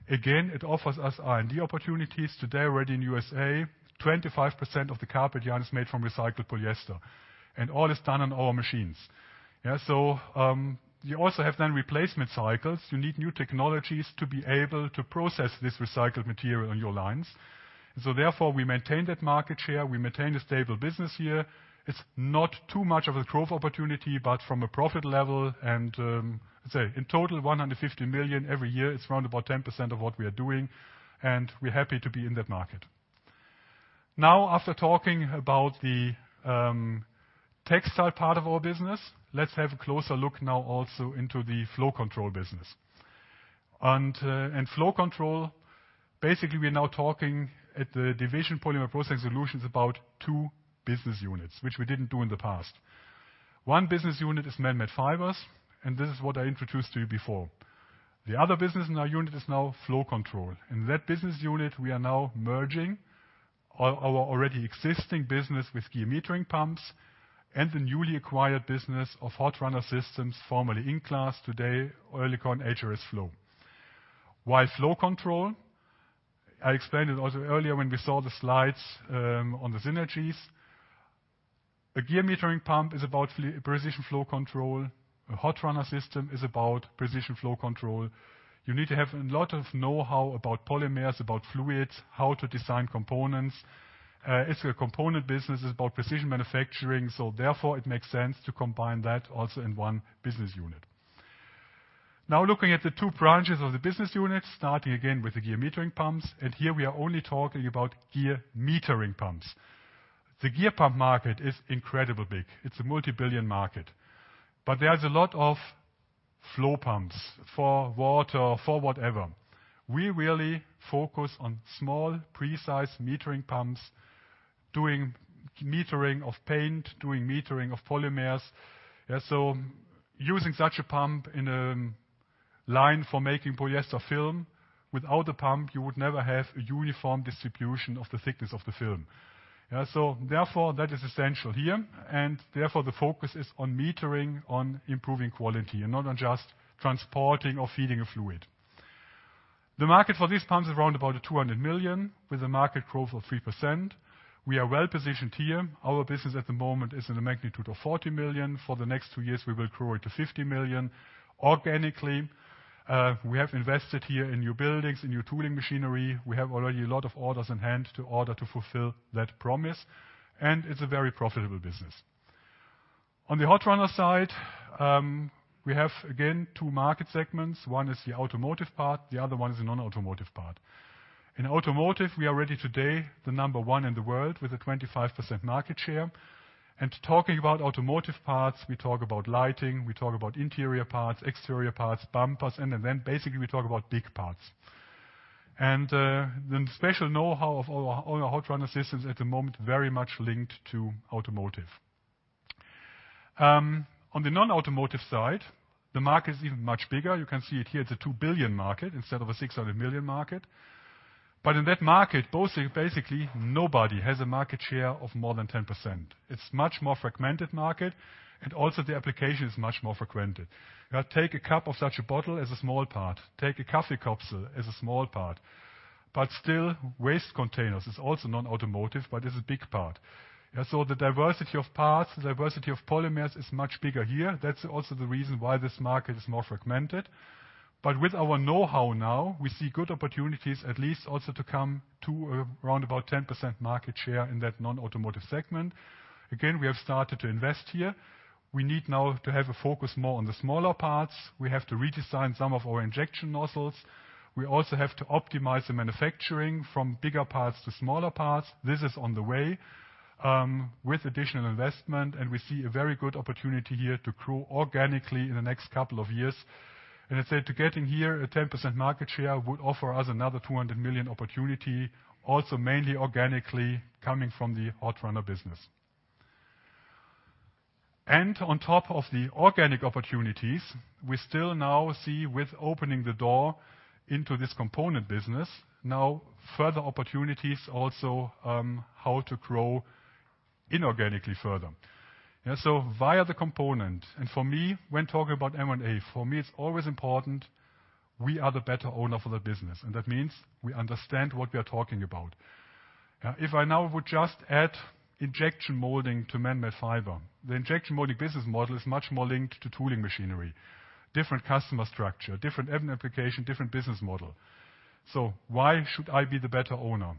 Again, it offers us R&D opportunities. Today, already in U.S., 25% of the carpet yarn is made from recycled polyester, and all is done on our machines. Yeah. You also have then replacement cycles. You need new technologies to be able to process this recycled material on your lines. Therefore, we maintain that market share, we maintain a stable business here. It's not too much of a growth opportunity, but from a profit level and, say in total 150 million every year, it's around about 10% of what we are doing, and we're happy to be in that market. Now after talking about the textile part of our business, let's have a closer look now also into the flow control business. In flow control, basically we're now talking at the division Polymer Processing Solutions about two business units, which we didn't do in the past. One business unit is man-made fibers, and this is what I introduced to you before. The other business in our unit is now flow control. In that business unit, we are now merging our already existing business with gear metering pumps and the newly acquired business of hot runner systems, formerly INglass, today Oerlikon HRSflow. While flow control, I explained it also earlier when we saw the slides on the synergies. A gear metering pump is about precision flow control. A hot runner system is about precision flow control. You need to have a lot of know-how about polymers, about fluids, how to design components. It's a component business. It's about precision manufacturing. It makes sense to combine that also in one business unit. Now looking at the two branches of the business unit, starting again with the gear metering pumps, and here we are only talking about gear metering pumps. The gear pump market is incredibly big. It's a multi-billion market. There's a lot of flow pumps for water, for whatever. We really focus on small, precise metering pumps, doing metering of paint, doing metering of polymers. Using such a pump in a line for making polyester film, without a pump, you would never have a uniform distribution of the thickness of the film. That is essential here. The focus is on metering, on improving quality and not on just transporting or feeding a fluid. The market for these pumps is around about 200 million with a market growth of 3%. We are well positioned here. Our business at the moment is in a magnitude of 40 million. For the next two years, we will grow it to 50 million organically. We have invested here in new buildings, in new tooling machinery. We have already a lot of orders in hand to fulfill that promise, and it's a very profitable business. On the hot runner side, we have again two market segments. One is the automotive part, the other one is the non-automotive part. In automotive, we are already today the number one in the world with a 25% market share. Talking about automotive parts, we talk about lighting, we talk about interior parts, exterior parts, bumpers, and then basically we talk about big parts. Then special know-how of our hot runner systems at the moment very much linked to automotive. On the non-automotive side, the market is even much bigger. You can see it here. It's a 2 billion market instead of a 600 million market. But in that market, basically, nobody has a market share of more than 10%. It's much more fragmented market and also the application is much more fragmented. Take a cap of such a bottle as a small part. Take a coffee capsule as a small part. But still waste containers is also non-automotive, but is a big part. So the diversity of parts, the diversity of polymers is much bigger here. That's also the reason why this market is more fragmented. With our know-how now, we see good opportunities at least also to come to around about 10% market share in that non-automotive segment. Again, we have started to invest here. We need now to have a focus more on the smaller parts. We have to redesign some of our injection nozzles. We also have to optimize the manufacturing from bigger parts to smaller parts. This is on the way, with additional investment, and we see a very good opportunity here to grow organically in the next couple of years. I said that getting here a 10% market share would offer us another 200 million opportunity, also mainly organically coming from the hot runner business. On top of the organic opportunities, we still now see with opening the door into this component business, now further opportunities also, how to grow inorganically further. Yeah, so via the component. For me, when talking about M&A, for me it's always important we are the better owner for the business, and that means we understand what we are talking about. If I now would just add injection molding to man-made fiber, the injection molding business model is much more linked to tooling machinery, different customer structure, different end application, different business model. Why should I be the better owner?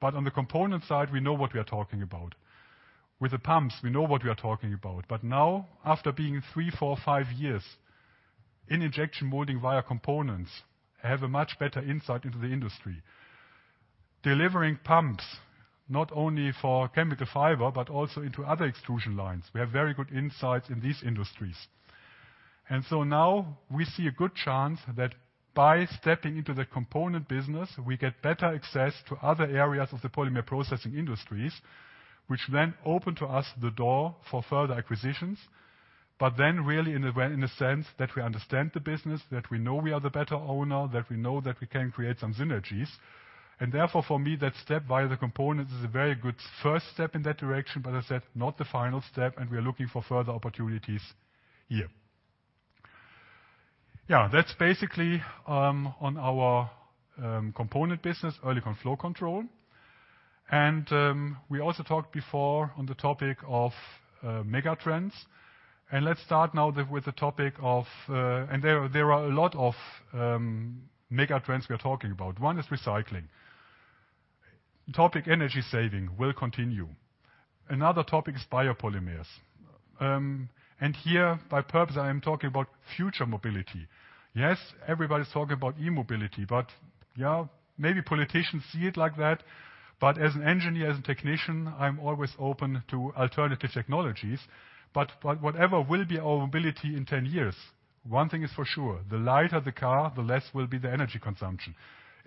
On the component side, we know what we are talking about. With the pumps, we know what we are talking about. Now, after being three, four, five years in injection molding via components, have a much better insight into the industry. Delivering pumps not only for chemical fiber, but also into other extrusion lines. We have very good insights in these industries. Now we see a good chance that by stepping into the component business, we get better access to other areas of the polymer processing industries, which then open to us the door for further acquisitions. Really in a way, in a sense that we understand the business, that we know we are the better owner, that we know that we can create some synergies. Therefore for me, that step via the components is a very good first step in that direction, but I said, not the final step, and we are looking for further opportunities here. Yeah, that's basically on our component business, Oerlikon Flow Control. We also talked before on the topic of megatrends. Let's start now with the topic of megatrends we are talking about. One is recycling. The topic energy saving will continue. Another topic is biopolymers. Here on purpose I am talking about future mobility. Yes, everybody's talking about e-mobility, but yeah, maybe politicians see it like that, but as an engineer, as a technician, I'm always open to alternative technologies. But whatever will be our mobility in 10 years, one thing is for sure, the lighter the car, the less will be the energy consumption.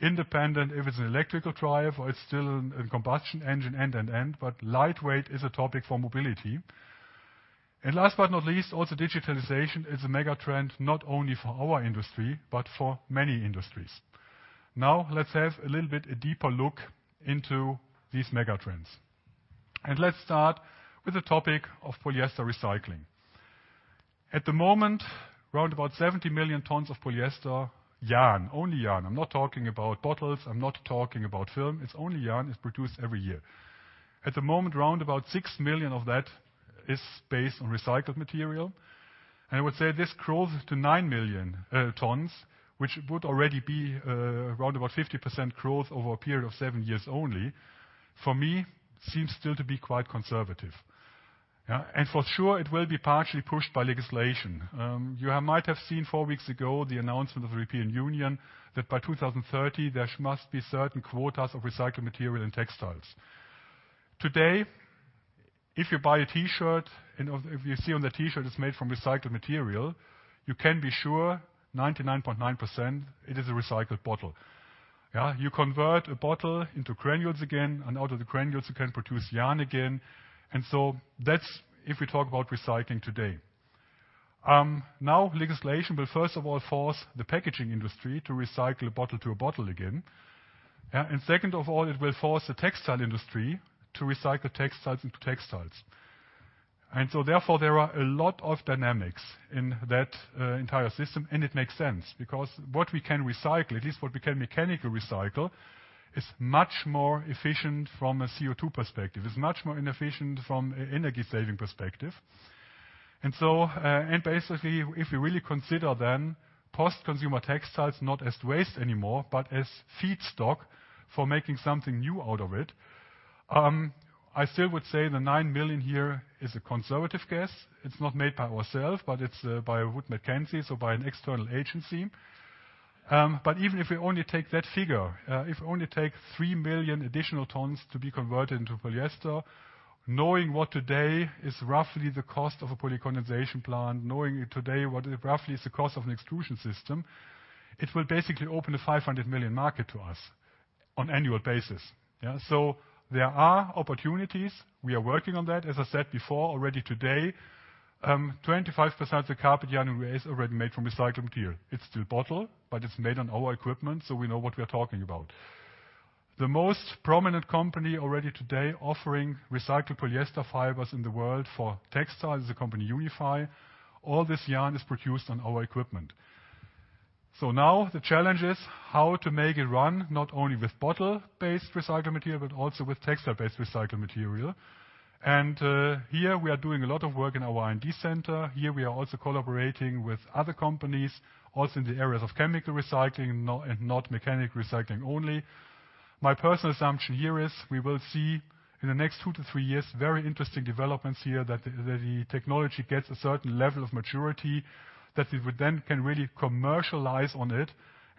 Independent if it's an electrical drive or it's still a combustion engine. Lightweight is a topic for mobility. Last but not least, also digitalization is a megatrend, not only for our industry, but for many industries. Now let's have a little bit a deeper look into these mega trends. Let's start with the topic of polyester recycling. At the moment, around 70 million tons of polyester yarn, only yarn. I'm not talking about bottles, I'm not talking about film. It's only yarn is produced every year. At the moment, around 6 million of that is based on recycled material. I would say this grows to 9 million tons, which would already be around 50% growth over a period of seven years only, for me seems still to be quite conservative. Yeah. For sure it will be partially pushed by legislation. You might have seen four weeks ago the announcement of the European Union that by 2030 there must be certain quotas of recycled material in textiles. Today, if you buy a T-shirt and if you see on the T-shirt it's made from recycled material, you can be sure 99.9% it is a recycled bottle. You convert a bottle into granules again, and out of the granules you can produce yarn again. That's if we talk about recycling today. Now legislation will first of all force the packaging industry to recycle a bottle to a bottle again. Second of all, it will force the textile industry to recycle textiles into textiles. Therefore, there are a lot of dynamics in that entire system, and it makes sense because what we can recycle, at least what we can mechanically recycle, is much more efficient from a CO₂ perspective. It's much more inefficient from energy-saving perspective. Basically, if we really consider then post-consumer textiles not as waste anymore but as feedstock for making something new out of it. I still would say the 9 million here is a conservative guess. It's not made by ourselves, but it's by Wood Mackenzie, so by an external agency. But even if we only take that figure, if we only take 3 million additional tons to be converted into polyester, knowing what today is roughly the cost of a polycondensation plant, knowing today what roughly is the cost of an extrusion system, it will basically open a 500 million market to us on annual basis. Yeah. There are opportunities. We are working on that. As I said before already today, 25% of the carpet yarn is already made from recycled material. It's still bottle, but it's made on our equipment, so we know what we're talking about. The most prominent company already today offering recycled polyester fibers in the world for textile is a company Unifi. All this yarn is produced on our equipment. Now the challenge is how to make it run not only with bottle-based recycled material, but also with textile-based recycled material. Here we are doing a lot of work in our R&D center. Here we are also collaborating with other companies, also in the areas of chemical recycling and not mechanical recycling only. My personal assumption here is we will see in the next two to three years, very interesting developments here, that the technology gets a certain level of maturity that we would then can really commercialize on it.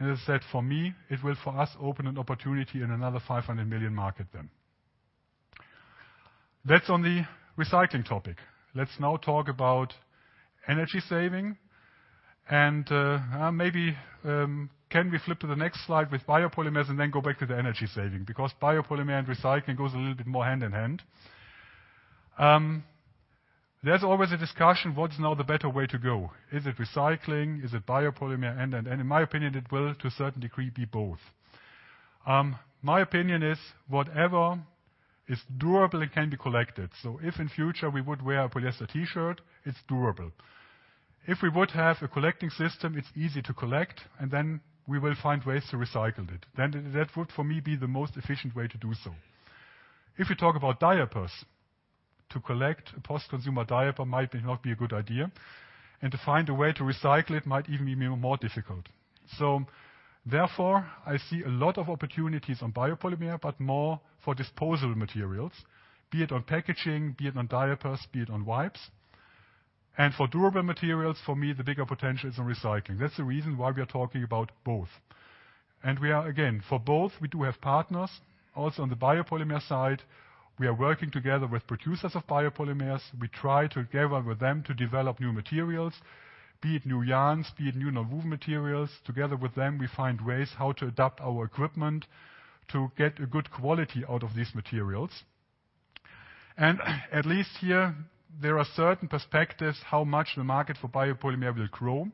As I said, for me, it will for us open an opportunity in another 500 million market then. That's on the recycling topic. Let's now talk about energy saving and, maybe, can we flip to the next slide with biopolymers and then go back to the energy saving? Because biopolymer and recycling goes a little bit more hand in hand. There's always a discussion, what's now the better way to go? Is it recycling? Is it biopolymer? In my opinion, it will to a certain degree be both. My opinion is whatever is durable and can be collected. If in future we would wear a polyester T-shirt, it's durable. If we would have a collecting system, it's easy to collect, and then we will find ways to recycle it. That would, for me, be the most efficient way to do so. If we talk about diapers, to collect a post-consumer diaper might not be a good idea, and to find a way to recycle it might even be more difficult. Therefore, I see a lot of opportunities on biopolymer, but more for disposal materials, be it on packaging, be it on diapers, be it on wipes. For durable materials, for me, the bigger potential is on recycling. That's the reason why we are talking about both. We are, again, for both, we do have partners also on the biopolymer side. We are working together with producers of biopolymers. We try together with them to develop new materials, be it new yarns, be it new nonwoven materials. Together with them, we find ways how to adapt our equipment to get a good quality out of these materials. At least here there are certain perspectives how much the market for biopolymer will grow.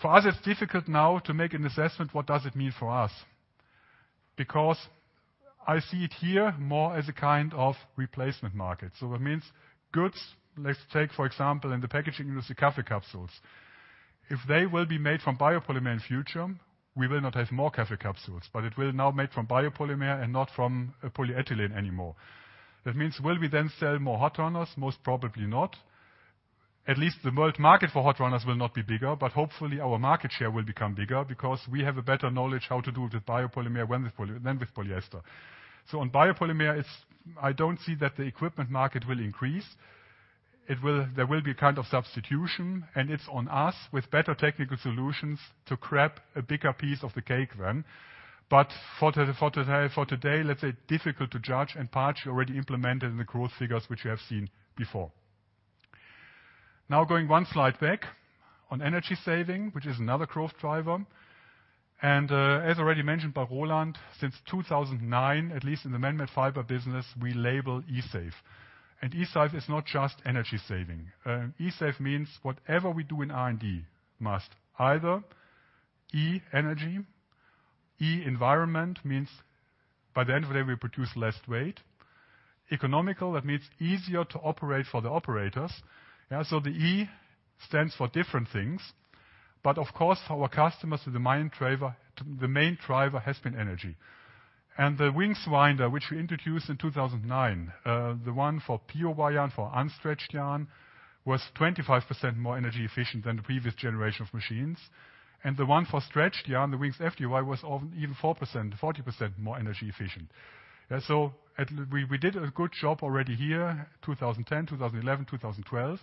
For us, it's difficult now to make an assessment what does it mean for us, because I see it here more as a kind of replacement market. That means goods. Let's take for example, in the packaging industry, coffee capsules. If they will be made from biopolymer in future, we will not have more coffee capsules, but it will now made from biopolymer and not from a polyethylene anymore. That means will we then sell more hot runners? Most probably not. At least the world market for hot runners will not be bigger, but hopefully our market share will become bigger because we have a better knowledge how to do it with biopolymer than with polyester. On biopolymer, it's. I don't see that the equipment market will increase. There will be a kind of substitution, and it's on us with better technical solutions to grab a bigger piece of the cake then. For today, let's say difficult to judge and partially already implemented in the growth figures which you have seen before. Now going one slide back on energy saving, which is another growth driver, and as already mentioned by Roland, since 2009, at least in the man-made fiber business, we label e-save. E-save is not just energy saving. E-save means whatever we do in R&D must either E energy, E environment, means by the end of the day, we produce less weight. Economical, that means easier to operate for the operators. The E stands for different things, but of course, our customers, the main driver has been energy. The WINGS winder, which we introduced in 2009, the one for POY yarn, for unstretched yarn, was 25% more energy efficient than the previous generation of machines. The one for stretched yarn, the WINGS FDY, was even 40% more energy efficient. We did a good job already here, 2010, 2011, 2012.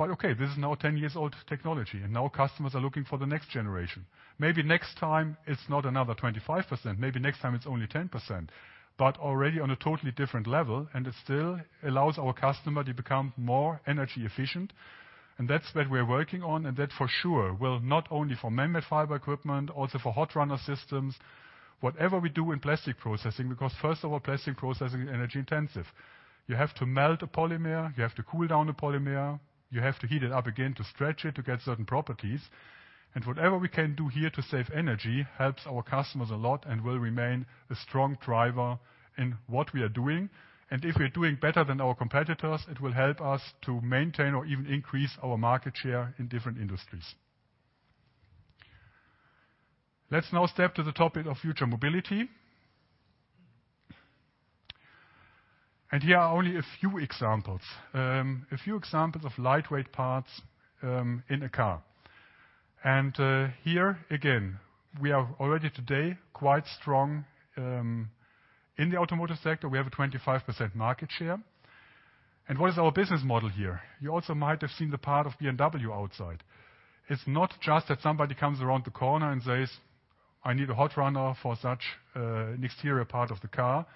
Okay, this is now 10 years old technology, and now customers are looking for the next generation. Maybe next time it's not another 25%. Maybe next time it's only 10%, but already on a totally different level, and it still allows our customer to become more energy efficient. That's what we're working on. That for sure will not only for man-made fiber equipment, also for hot runner systems, whatever we do in plastic processing, because first of all, plastic processing is energy intensive. You have to melt a polymer, you have to cool down a polymer, you have to heat it up again to stretch it to get certain properties. Whatever we can do here to save energy helps our customers a lot and will remain a strong driver in what we are doing. If we're doing better than our competitors, it will help us to maintain or even increase our market share in different industries. Let's now step to the topic of future mobility. Here are only a few examples. A few examples of lightweight parts in a car. Here again, we are already today quite strong in the automotive sector. We have a 25% market share. What is our business model here? You also might have seen the part of BMW outside. It's not just that somebody comes around the corner and says, "I need a hot runner for such an exterior part of the car,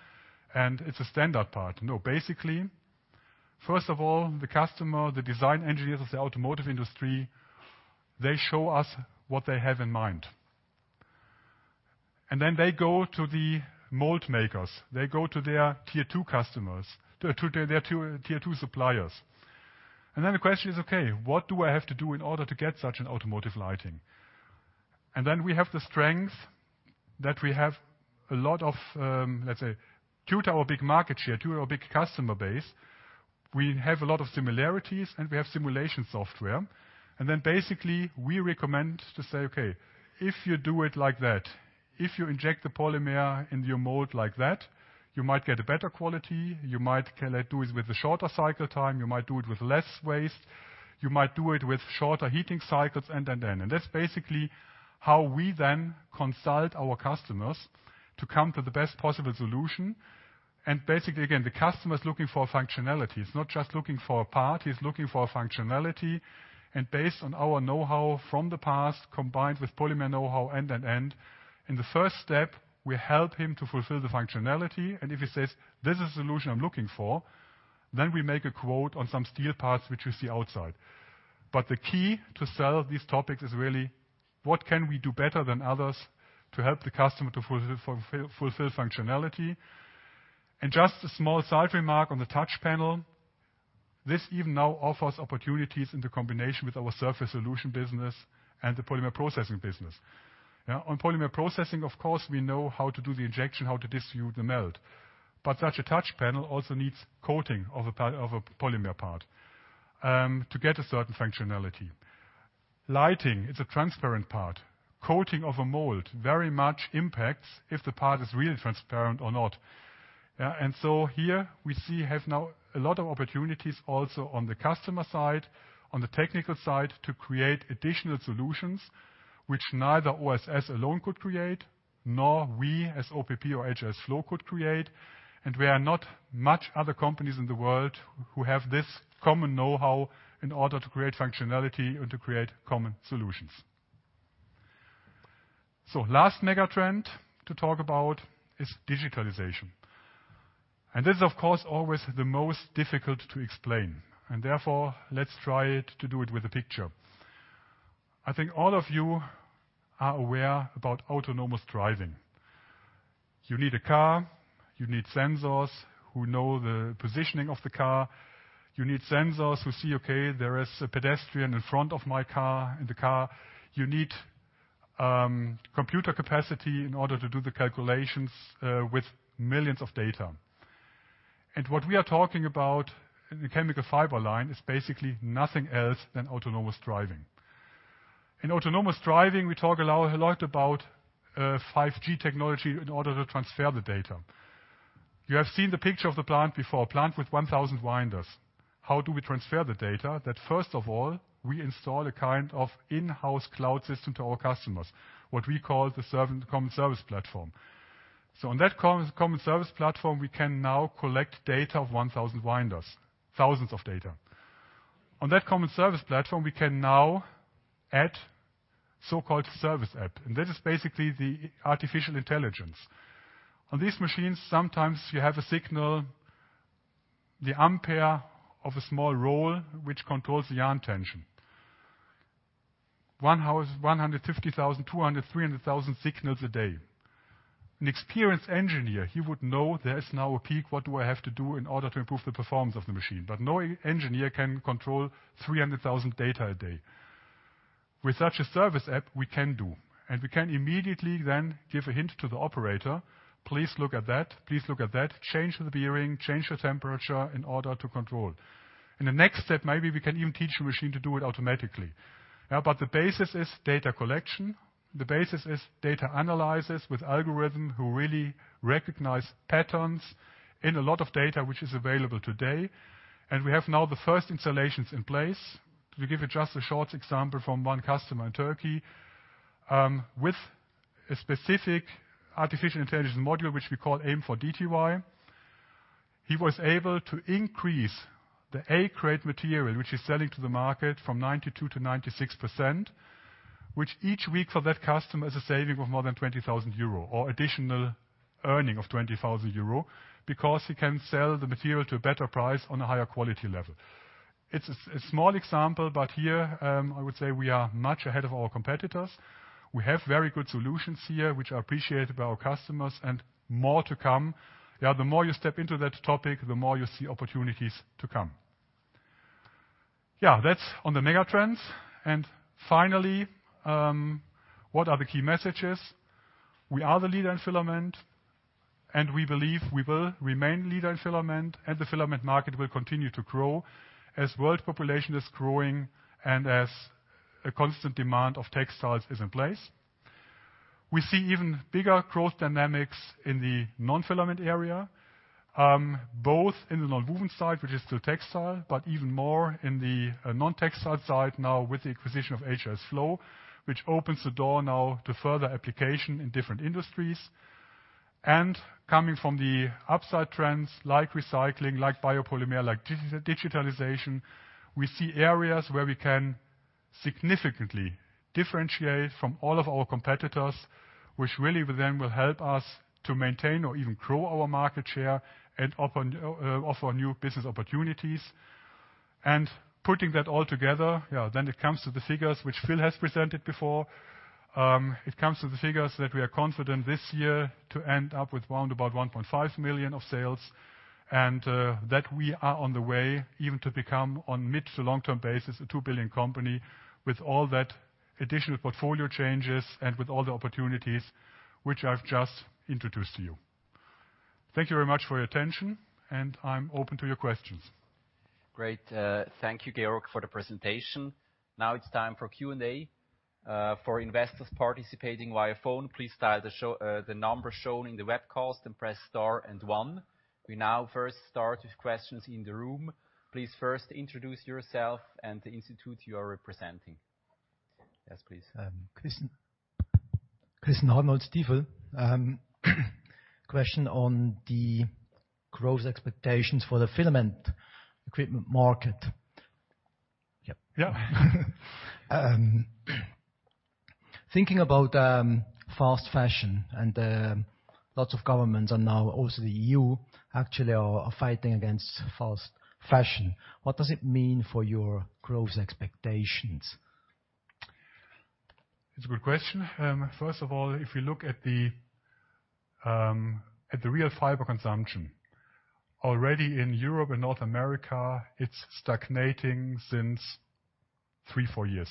and it's a standard part." No. Basically, first of all, the customer, the design engineers of the automotive industry, they show us what they have in mind. Then they go to the mold makers. They go to their Tier 2 suppliers. The question is, "Okay, what do I have to do in order to get such an automotive lighting?" We have the strength that we have a lot of, let's say due to our big market share, due to our big customer base, we have a lot of similarities, and we have simulation software. Basically, we recommend to say, "Okay, if you do it like that, if you inject the polymer into your mold like that, you might get a better quality. You might can, like, do it with a shorter cycle time. You might do it with less waste. You might do it with shorter heating cycles, and." That's basically how we then consult our customers to come to the best possible solution. Basically, again, the customer is looking for functionality. He's not just looking for a part. He's looking for functionality. Based on our know-how from the past, combined with polymer know-how, in the first step, we help him to fulfill the functionality. If he says, "This is the solution I'm looking for," then we make a quote on some steel parts which you see outside. The key to sell these topics is really what can we do better than others to help the customer to fulfill functionality? Just a small side remark on the touch panel. This even now offers opportunities in the combination with our Surface Solutions business and the Polymer Processing Solutions business. Yeah. On Polymer Processing, of course, we know how to do the injection, how to distribute the melt. Such a touch panel also needs coating of a polymer part to get a certain functionality. Lighting is a transparent part. Coating of a mold very much impacts if the part is really transparent or not. Here we have now a lot of opportunities also on the customer side, on the technical side, to create additional solutions which neither OSS alone could create, nor we as OPP or HRSflow could create. There are not much other companies in the world who have this common know-how in order to create functionality and to create common solutions. Last megatrend to talk about is digitalization. This is, of course, always the most difficult to explain, and therefore, let's try to do it with a picture. I think all of you are aware about autonomous driving. You need a car. You need sensors who know the positioning of the car. You need sensors that see, okay, there is a pedestrian in front of my car in the car. You need computer capacity in order to do the calculations with millions of data. What we are talking about in the chemical fiber line is basically nothing else than autonomous driving. In autonomous driving, we talk a lot about 5G technology in order to transfer the data. You have seen the picture of the plant before, a plant with 1,000 winders. How do we transfer the data? That first of all, we install a kind of in-house cloud system to our customers, what we call the common service platform. On that common service platform, we can now collect data of 1,000 winders, thousands of data. On that common service platform, we can now add so-called service app, and that is basically the artificial intelligence. On these machines, sometimes you have a signal, the ampere of a small roll which controls the yarn tension. 150,000, 200,000, 300,000 signals a day. An experienced engineer, he would know there is now a peak, what do I have to do in order to improve the performance of the machine? No engineer can control 300,000 data a day. With such a service app, we can do, and we can immediately then give a hint to the operator, "Please look at that. Please look at that. Change the bearing, change the temperature in order to control." In the next step, maybe we can even teach the machine to do it automatically. The basis is data collection. The basis is data analyzers with algorithm who really recognize patterns in a lot of data which is available today. We have now the first installations in place. To give you just a short example from one customer in Turkey, with a specific artificial intelligence module, which we call AIM for DTY. He was able to increase the A-grade material, which he's selling to the market from 92%-96%, which each week for that customer is a saving of more than 20,000 euro or additional earning of 20,000 euro because he can sell the material to a better price on a higher quality level. It's a small example, but here, I would say we are much ahead of our competitors. We have very good solutions here which are appreciated by our customers and more to come. Yeah, the more you step into that topic, the more you see opportunities to come. Yeah, that's on the megatrends. Finally, what are the key messages? We are the leader in filament, and we believe we will remain leader in filament, and the filament market will continue to grow as world population is growing and as a constant demand of textiles is in place. We see even bigger growth dynamics in the non-filament area, both in the nonwoven side, which is still textile, but even more in the nontextile side now with the acquisition of HRSflow, which opens the door now to further application in different industries. Coming from the upside trends like recycling, like biopolymer, like digitalization, we see areas where we can significantly differentiate from all of our competitors, which really then will help us to maintain or even grow our market share and offer new business opportunities. Putting that all together, it comes to the figures which Phil has presented before. It comes to the figures that we are confident this year to end up with around 1.5 million of sales and that we are on the way even to become on mid- to long-term basis, a 2 billion company with all that additional portfolio changes and with all the opportunities which I've just introduced to you. Thank you very much for your attention, and I'm open to your questions. Great. Thank you, Georg, for the presentation. Now it's time for Q&A. For investors participating via phone, please dial the number shown in the webcast and press star and one. We now first start with questions in the room. Please first introduce yourself and the institute you are representing. Yes, please. Christian. Christian Arnold, Stifel. Question on the growth expectations for the filament equipment market. Yep. Yeah. Thinking about fast fashion and lots of governments and now also the EU actually are fighting against fast fashion, what does it mean for your growth expectations? It's a good question. First of all, if you look at the real fiber consumption, already in Europe and North America, it's stagnating since three, four years.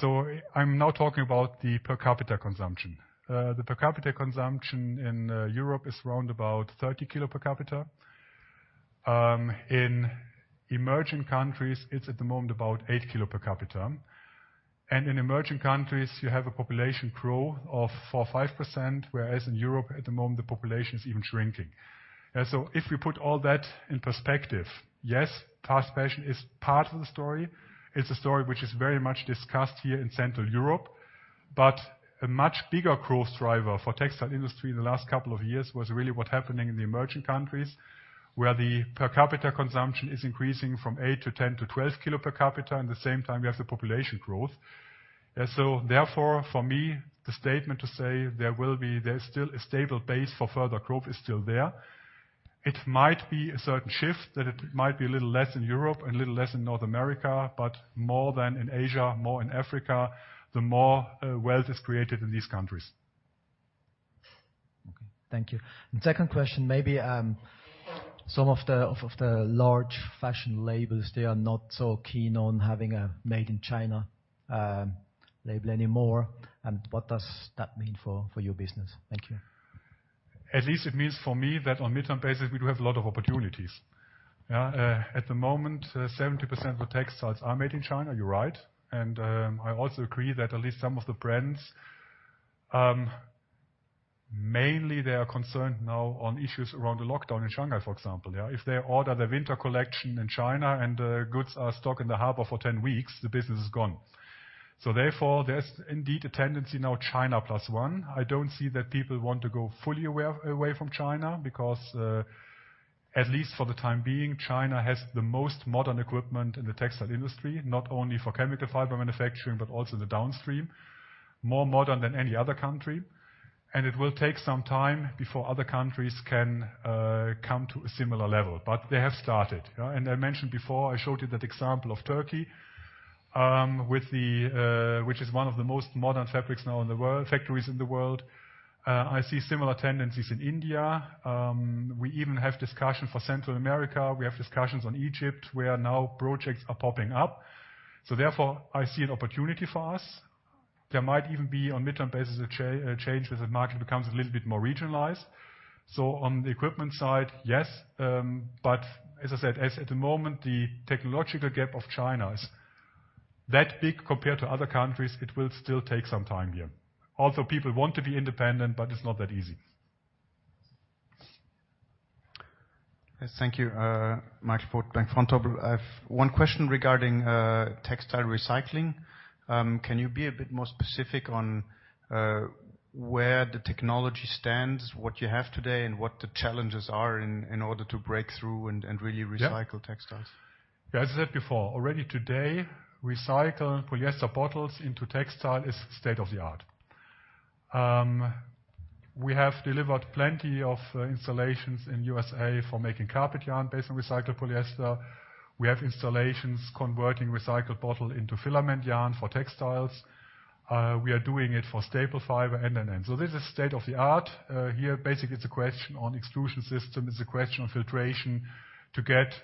So I'm now talking about the per capita consumption. The per capita consumption in Europe is around about 30 kilo per capita. In emerging countries, it's at the moment about eight kilo per capita. In emerging countries, you have a population growth of 4%-5%, whereas in Europe at the moment, the population is even shrinking. So if we put all that in perspective, yes, fast fashion is part of the story. It's a story which is very much discussed here in Central Europe. A much bigger growth driver for textile industry in the last couple of years was really what's happening in the emerging countries, where the per capita consumption is increasing from eight to 10 to 12 kilo per capita. At the same time, we have the population growth. Therefore, for me, the statement to say there will be, there's still a stable base for further growth is still there. It might be a certain shift, that it might be a little less in Europe and a little less in North America, but more than in Asia, more in Africa, the more wealth is created in these countries. Okay. Thank you. Second question, maybe, some of the large fashion labels, they are not so keen on having a Made in China label anymore. What does that mean for your business? Thank you. At least it means for me that on midterm basis, we do have a lot of opportunities. Yeah. At the moment, 70% of the textiles are made in China. You're right. I also agree that at least some of the brands mainly they are concerned now on issues around the lockdown in Shanghai, for example. Yeah. If they order the winter collection in China and the goods are stuck in the harbor for 10 weeks, the business is gone. Therefore, there's indeed a tendency now China plus one. I don't see that people want to go fully away from China because at least for the time being, China has the most modern equipment in the textile industry, not only for chemical fiber manufacturing, but also the downstream, more modern than any other country. It will take some time before other countries can come to a similar level. They have started. Yeah, I mentioned before, I showed you that example of Turkey with which is one of the most modern fabric factories in the world. I see similar tendencies in India. We even have discussion for Central America. We have discussions on Egypt, where now projects are popping up. Therefore, I see an opportunity for us. There might even be, on midterm basis, a change as the market becomes a little bit more regionalized. On the equipment side, yes, but as I said, at the moment, the technological gap of China is that big compared to other countries, it will still take some time here. Also, people want to be independent, but it's not that easy. Yes, thank you. Michael Foeth, Bank Vontobel. I have one question regarding textile recycling. Can you be a bit more specific on where the technology stands, what you have today, and what the challenges are in order to break through and really recycle textiles? As I said before, already today, recycled polyester bottles into textile is state-of-the-art. We have delivered plenty of installations in USA for making carpet yarn based on recycled polyester. We have installations converting recycled bottle into filament yarn for textiles. We are doing it for staple fiber. This is state-of-the-art. Here, basically, it's a question on extrusion system. It's a question of filtration to get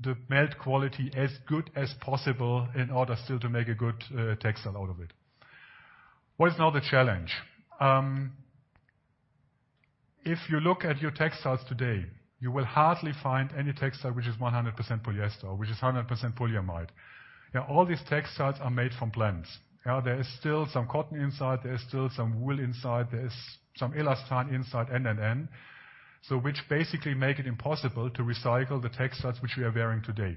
the melt quality as good as possible in order still to make a good textile out of it. What is now the challenge? If you look at your textiles today, you will hardly find any textile which is 100% polyester or which is 100% polyamide. All these textiles are made from blends. There is still some cotton inside, there is still some wool inside, there is some elastane inside. Which basically make it impossible to recycle the textiles which we are wearing today.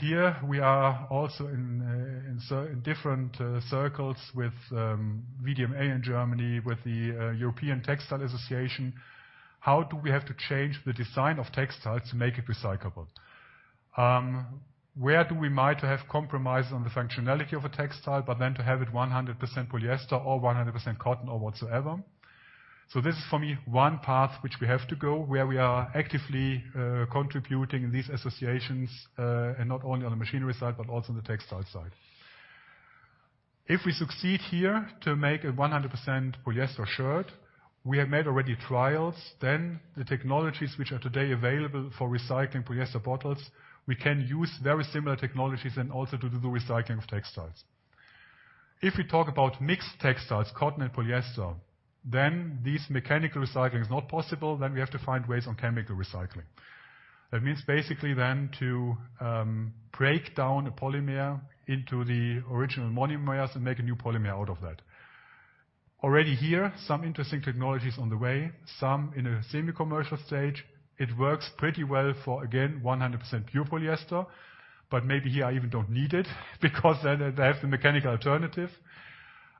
Here we are also in different circles with VDMA in Germany, with the European Textile Association. How do we have to change the design of textiles to make it recyclable? Where do we might have compromise on the functionality of a textile, but then to have it 100% polyester or 100% cotton or whatsoever. This is for me, one path which we have to go, where we are actively contributing these associations, and not only on the machinery side, but also on the textile side. If we succeed here to make a 100% polyester shirt, we have made already trials. Then the technologies which are today available for recycling polyester bottles, we can use very similar technologies and also to do the recycling of textiles. If we talk about mixed textiles, cotton and polyester, then this mechanical recycling is not possible. Then we have to find ways on chemical recycling. That means basically then to break down a polymer into the original monomers and make a new polymer out of that. Already here, some interesting technologies on the way, some in a semi-commercial stage. It works pretty well for, again, 100% pure polyester, but maybe here I even don't need it because then I have the mechanical alternative.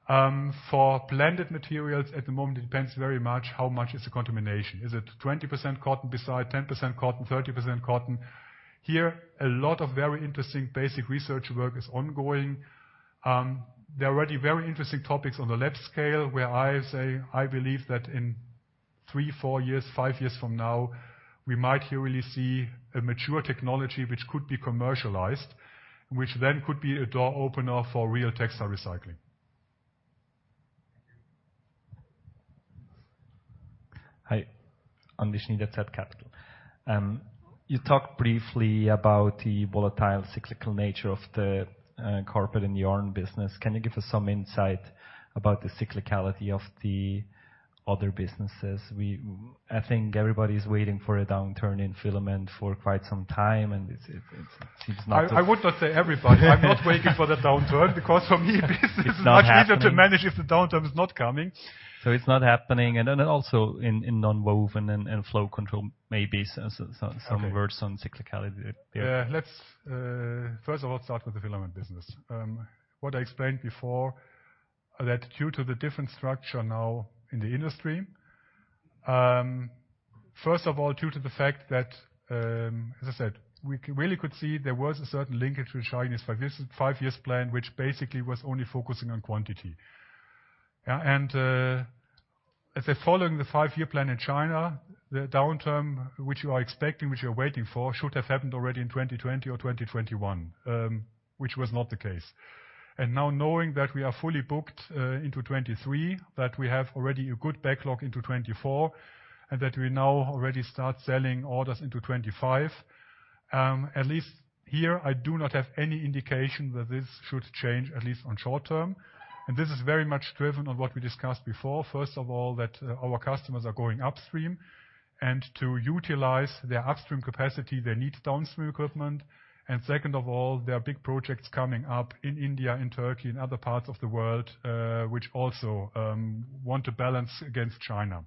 For blended materials at the moment, it depends very much how much is the contamination. Is it 20% cotton beside 10% cotton, 30% cotton? Here, a lot of very interesting basic research work is ongoing. There are already very interesting topics on the lab scale, where I say I believe that in three, four years, five years from now, we might here really see a mature technology which could be commercialized, which then could be a door opener for real textile recycling. Hi, I'm [Rishni], zCapital. You talked briefly about the volatile cyclical nature of the carpet and yarn business. Can you give us some insight about the cyclicality of the other businesses? I think everybody's waiting for a downturn in filament for quite some time, and it seems not to I would not say everybody. I'm not waiting for the downturn because for me, business is much easier to manage if the downturn is not coming. It's not happening. Also in nonwoven and in flow control, maybe some words on cyclicality there. Yeah. Let's first of all start with the filament business. What I explained before that due to the different structure now in the industry, first of all, due to the fact that, as I said, we really could see there was a certain linkage with Chinese Five-Year Plan, which basically was only focusing on quantity. As they're following the Five-Year Plan in China, the downturn which you are expecting, which you're waiting for, should have happened already in 2020 or 2021, which was not the case. Now knowing that we are fully booked into 2023, that we have already a good backlog into 2024, and that we now already start selling orders into 2025, at least here, I do not have any indication that this should change, at least on short term. This is very much driven on what we discussed before. First of all, that our customers are going upstream, and to utilize their upstream capacity, they need downstream equipment. Second of all, there are big projects coming up in India and Turkey and other parts of the world, which also want to balance against China.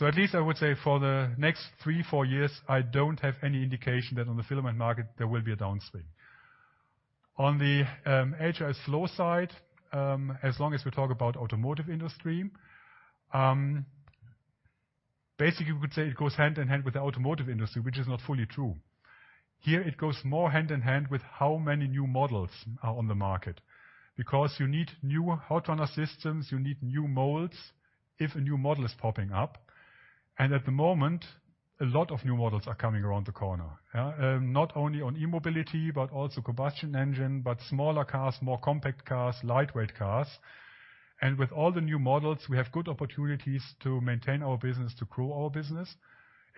At least I would say for the next three, four years, I don't have any indication that on the filament market, there will be a downstream. On the HRSflow side, as long as we talk about automotive industry, basically, we could say it goes hand in hand with the automotive industry, which is not fully true. Here it goes more hand in hand with how many new models are on the market. Because you need new hot runner systems, you need new molds if a new model is popping up. At the moment, a lot of new models are coming around the corner. Not only on e-mobility, but also combustion engine, but smaller cars, more compact cars, lightweight cars. With all the new models, we have good opportunities to maintain our business, to grow our business.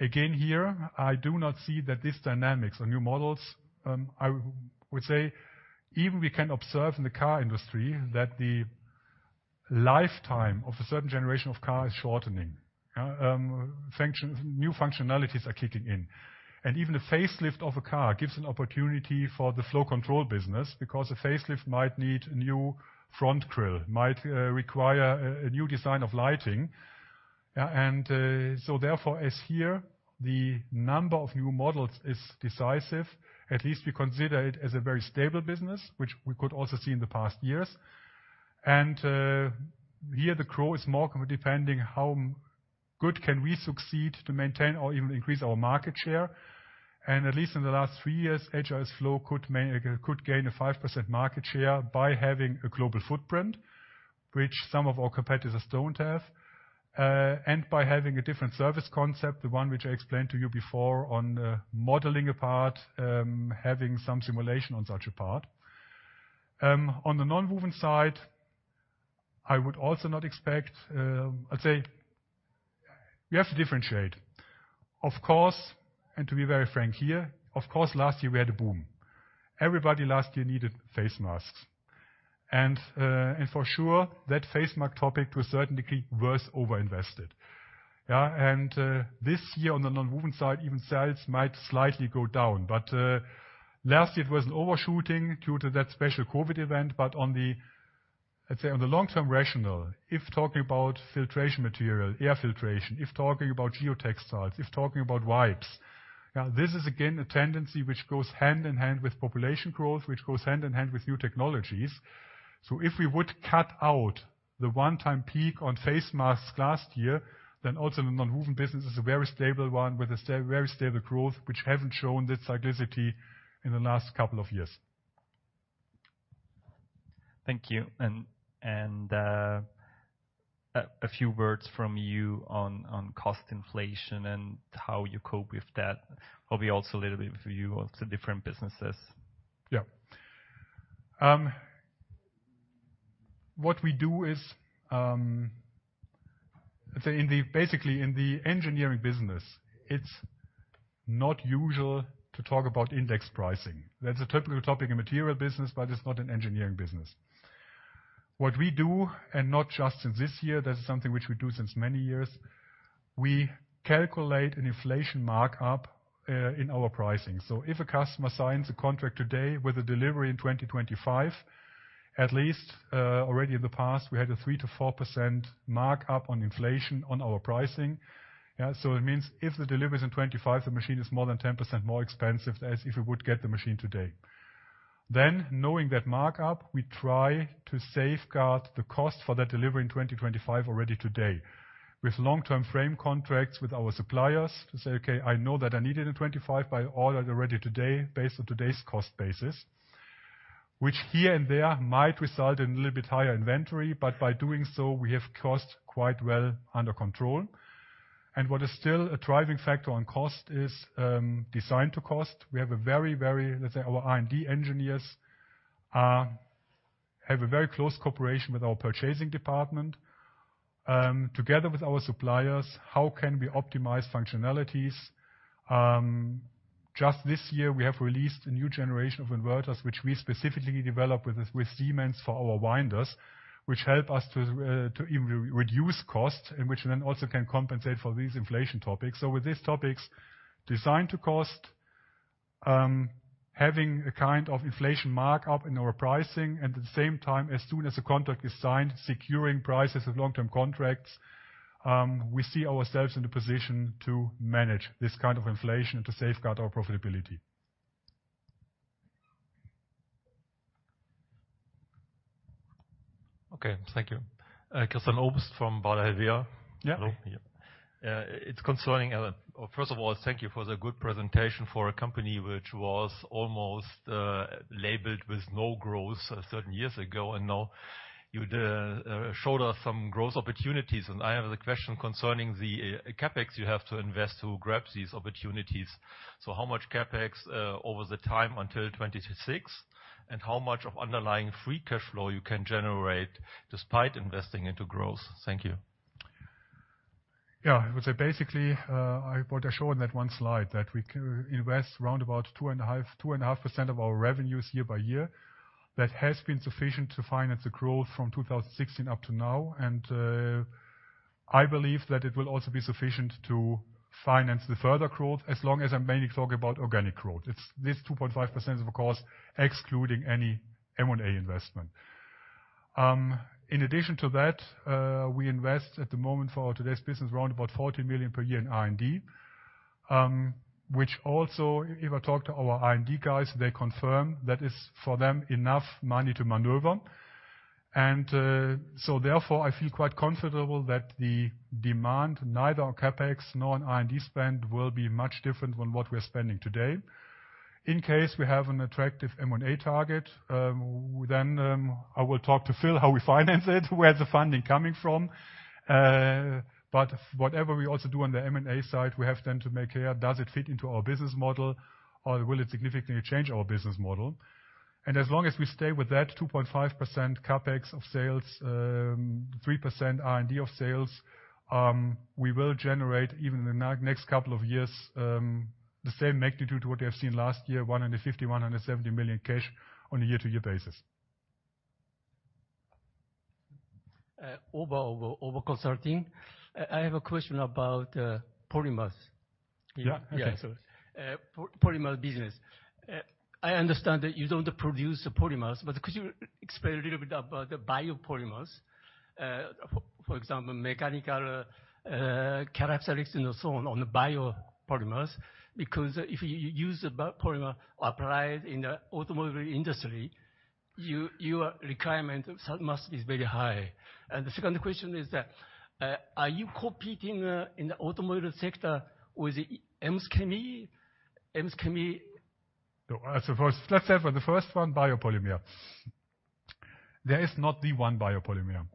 Again, here, I do not see that this dynamics on new models, I would say even we can observe in the car industry that the lifetime of a certain generation of car is shortening. New functionalities are kicking in. Even a facelift of a car gives an opportunity for the flow control business because a facelift might need a new front grill, might require a new design of lighting. as here, the number of new models is decisive. At least we consider it as a very stable business, which we could also see in the past years. Here the growth is more depending how good can we succeed to maintain or even increase our market share. At least in the last three years, HRSflow could gain a 5% market share by having a global footprint, which some of our competitors don't have. By having a different service concept, the one which I explained to you before on modeling a part, having some simulation on such a part. On the nonwoven side, I would also not expect. I'd say we have to differentiate. Of course, to be very frank here, of course, last year we had a boom. Everybody last year needed face masks. For sure, that face mask topic to a certain degree was over-invested. This year on the nonwoven side, even sales might slightly go down. Last year it was an overshooting due to that special COVID event. On the, I'd say, on the long-term rational, if talking about filtration material, air filtration, if talking about geotextiles, if talking about wipes, yeah, this is again a tendency which goes hand-in-hand with population growth, which goes hand-in-hand with new technologies. If we would cut out the one-time peak on face masks last year, then also the nonwoven business is a very stable one with a very stable growth, which hasn't shown the cyclicity in the last couple of years. Thank you. A few words from you on cost inflation and how you cope with that. Probably also a little bit of view of the different businesses. Yeah. What we do is, let's say basically in the engineering business, it's not usual to talk about index pricing. That's a typical topic in material business, but it's not an engineering business. What we do, and not just in this year, that's something which we do since many years, we calculate an inflation markup in our pricing. If a customer signs a contract today with a delivery in 2025, at least already in the past, we had a 3%-4% markup on inflation on our pricing. It means if the delivery is in 2025, the machine is more than 10% more expensive as if it would get the machine today. Knowing that markup, we try to safeguard the cost for that delivery in 2025 already today. With long-term frame contracts with our suppliers to say, "Okay, I know that I need it in 2025, buy all that already today based on today's cost basis." Which here and there might result in a little bit higher inventory, but by doing so, we have costs quite well under control. What is still a driving factor on cost is design to cost. We have a very, let's say, our R&D engineers have a very close cooperation with our purchasing department. Together with our suppliers, how can we optimize functionalities? Just this year, we have released a new generation of inverters which we specifically developed with Siemens for our winders, which help us to even reduce costs, in which then also can compensate for these inflation topics. With these topics designed to cost, having a kind of inflation markup in our pricing, and at the same time, as soon as the contract is signed, securing prices of long-term contracts, we see ourselves in the position to manage this kind of inflation to safeguard our profitability. Okay, thank you. Christian Obst from Baader Helvea. Yeah. Hello. Yeah, it's concerning first of all, thank you for the good presentation for a company which was almost labeled with no growth certain years ago. Now you'd showed us some growth opportunities. I have a question concerning the CapEx you have to invest to grab these opportunities. How much CapEx over the time until 2026? How much of underlying free cash flow you can generate despite investing into growth? Thank you. Yeah. I would say basically, what I showed in that one slide, that we can invest roundabout 2.5% of our revenues year-by-year. That has been sufficient to finance the growth from 2016 up to now. I believe that it will also be sufficient to finance the further growth, as long as I mainly talk about organic growth. It's this 2.5% of course, excluding any M&A investment. In addition to that, we invest at the moment for today's business roundabout 40 million per year in R&D. Which also, if I talk to our R&D guys, they confirm that is for them enough money to maneuver. I feel quite comfortable that the demand neither on CapEx nor on R&D spend will be much different than what we're spending today. In case we have an attractive M&A target, then I will talk to Phil how we finance it, where the funding coming from. Whatever we also do on the M&A side, we have then to make clear, does it fit into our business model or will it significantly change our business model? As long as we stay with that 2.5% CapEx of sales, 3% R&D of sales, we will generate even the next couple of years, the same magnitude what we have seen last year, 150 million-170 million cash on a year-to-year basis. [Uber Oba], OBA Consulting. I have a question about polymers. Yeah. Okay. Polymer business. I understand that you don't produce the polymers, but could you explain a little bit about the biopolymers? For example, mechanical characteristics and so on the biopolymers. Because if you use a polymer applied in the automotive industry, your requirement must be very high. The second question is that, are you competing in the automotive sector with Ems-Chemie? Let's start with the first one, biopolymer. There is not the one biopolymer.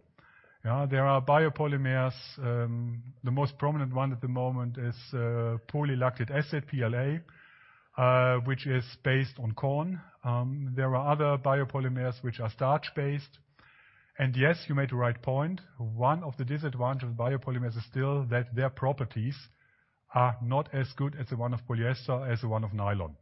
There are biopolymers, the most prominent one at the moment is polylactic acid, PLA, which is based on corn. There are other biopolymers which are starch-based. Yes, you made the right point. One of the disadvantage of biopolymers is still that their properties are not as good as the one of polyester, as the one of nylon.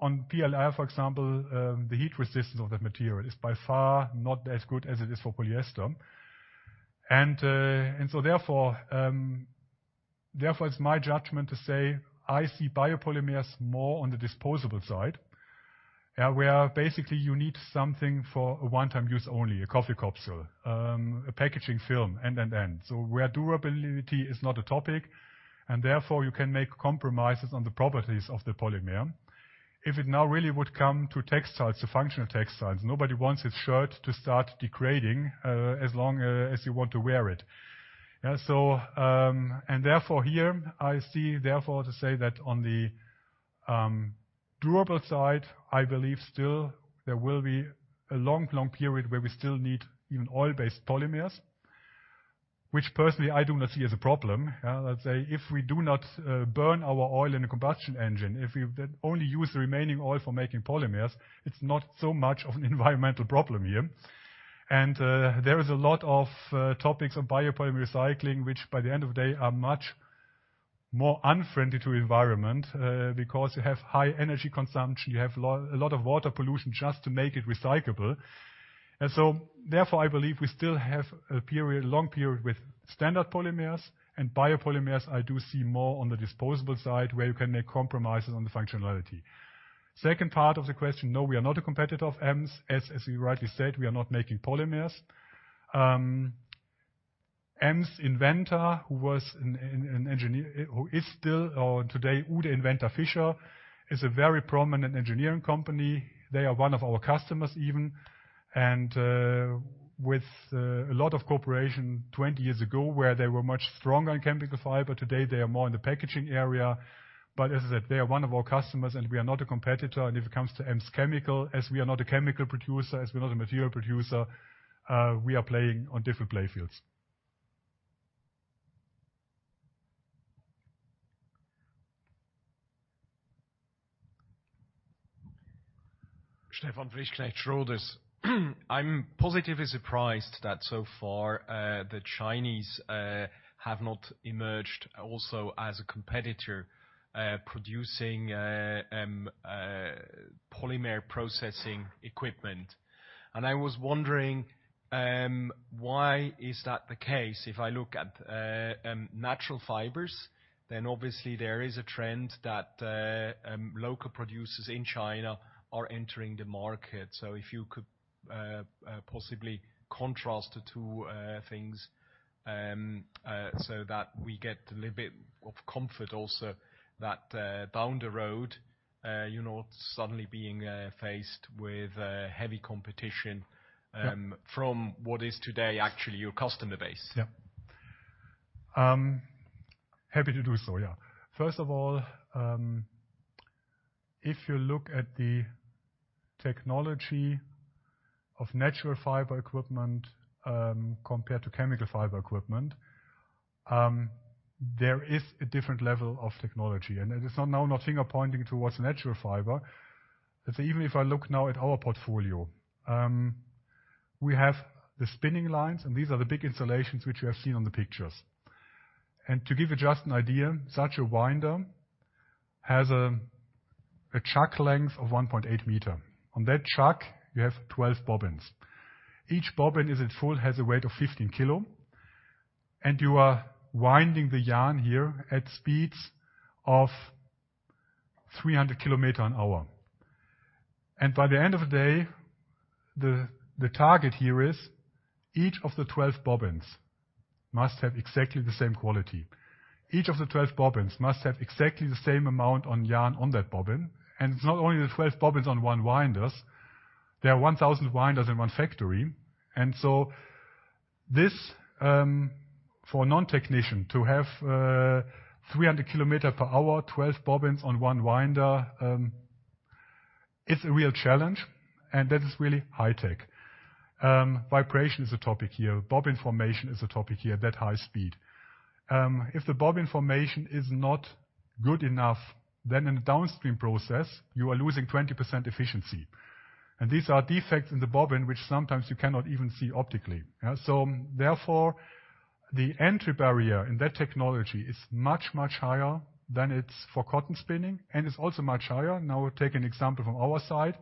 On PLA, for example, the heat resistance of that material is by far not as good as it is for polyester. Therefore, it's my judgment to say I see biopolymers more on the disposable side, where basically you need something for a one-time use only, a coffee capsule, a packaging film, and. Where durability is not a topic, and therefore you can make compromises on the properties of the polymer. If it now really would come to textiles, the functional textiles, nobody wants his shirt to start degrading as long as you want to wear it. Therefore, to say that on the durable side, I believe still there will be a long period where we still need even oil-based polymers, which personally I do not see as a problem. Let's say, if we do not burn our oil in a combustion engine, if we only use the remaining oil for making polymers, it's not so much of an environmental problem here. There is a lot of topics of biopolymer recycling, which by the end of the day, are much more unfriendly to environment, because you have high energy consumption, you have a lot of water pollution just to make it recyclable. Therefore, I believe we still have a period, long period with standard polymers and biopolymers I do see more on the disposable side, where you can make compromises on the functionality. Second part of the question, no, we are not a competitor of Ems. As you rightly said, we are not making polymers. Ems inventor who was an engineer, who is still or today Uhde Inventa-Fischer, is a very prominent engineering company. They are one of our customers even, and with a lot of cooperation 20 years ago, where they were much stronger in chemical fiber. Today they are more in the packaging area. As I said, they are one of our customers and we are not a competitor. If it comes to Ems-Chemie, as we are not a chemical producer, as we are not a material producer, we are playing on different play fields. Stefan Frischknecht, Schroders. I'm positively surprised that so far, the Chinese have not emerged also as a competitor producing polymer processing equipment. I was wondering, why is that the case? If I look at natural fibers, then obviously there is a trend that local producers in China are entering the market. If you could possibly contrast the two things, so that we get a little bit of comfort also that down the road, you're not suddenly being faced with heavy competition. Yep. from what is today actually your customer base. Yep. Happy to do so, yeah. First of all, if you look at the technology of natural fiber equipment, compared to chemical fiber equipment, there is a different level of technology, and it is not now nothing pointing towards natural fiber. Even if I look now at our portfolio, we have the spinning lines, and these are the big installations which you have seen on the pictures. To give you just an idea, such a winder has a chuck length of 1.8 meter. On that chuck, you have 12 bobbins. Each bobbin, if it's full, has a weight of 15 kilo. You are winding the yarn here at speeds of 300 km an hour. By the end of the day, the target here is each of the 12 bobbins must have exactly the same quality. Each of the 12 bobbins must have exactly the same amount of yarn on that bobbin. It's not only the 12 bobbins on one winder, there are 1,000 winders in one factory. This, for a non-technician to have 300 km per hour, 12 bobbins on one winder, it's a real challenge, and that is really high tech. Vibration is a topic here. Bobbin formation is a topic here at that high speed. If the bobbin formation is not good enough, then in the downstream process, you are losing 20% efficiency. These are defects in the bobbin, which sometimes you cannot even see optically. Yeah. Therefore, the entry barrier in that technology is much, much higher than it's for cotton spinning, and it's also much higher. Now we take an example from our side.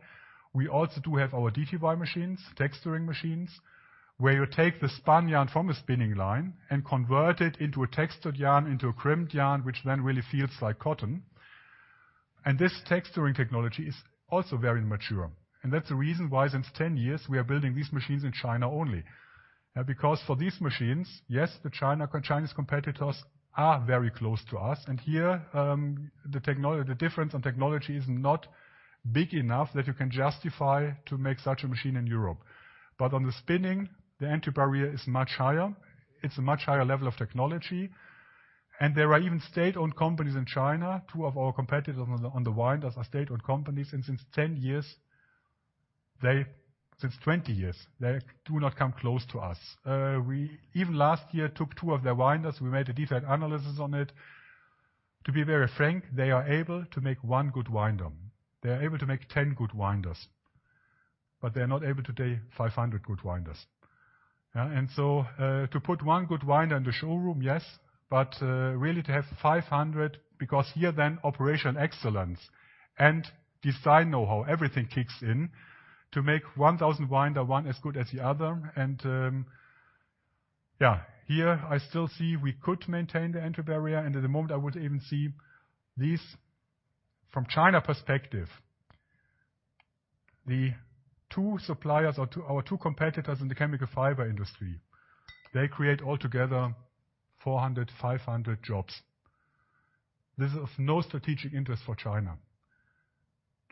We also do have our DTY machines, texturing machines, where you take the spun yarn from a spinning line and convert it into a textured yarn, into a crimped yarn, which then really feels like cotton. This texturing technology is also very mature. That's the reason why since 10 years, we are building these machines in China only. Because for these machines, yes, the Chinese competitors are very close to us. Here, the difference on technology is not big enough that you can justify to make such a machine in Europe. On the spinning, the entry barrier is much higher. It's a much higher level of technology. There are even state-owned companies in China. Two of our competitors on the winders are state-owned companies, and since 20 years, they do not come close to us. We even last year took two of their winders. We made a defect analysis on it. To be very frank, they are able to make one good winder. They are able to make 10 good winders, but they are not able to make 500 good winders. To put one good winder in the showroom, yes. Really to have 500, because here then operational excellence and design know-how, everything kicks in to make 1,000 winder, one as good as the other. Here I still see we could maintain the entry barrier. At the moment I would even see this from China perspective. Our two competitors in the chemical fiber industry create altogether 400-500 jobs. This is of no strategic interest for China.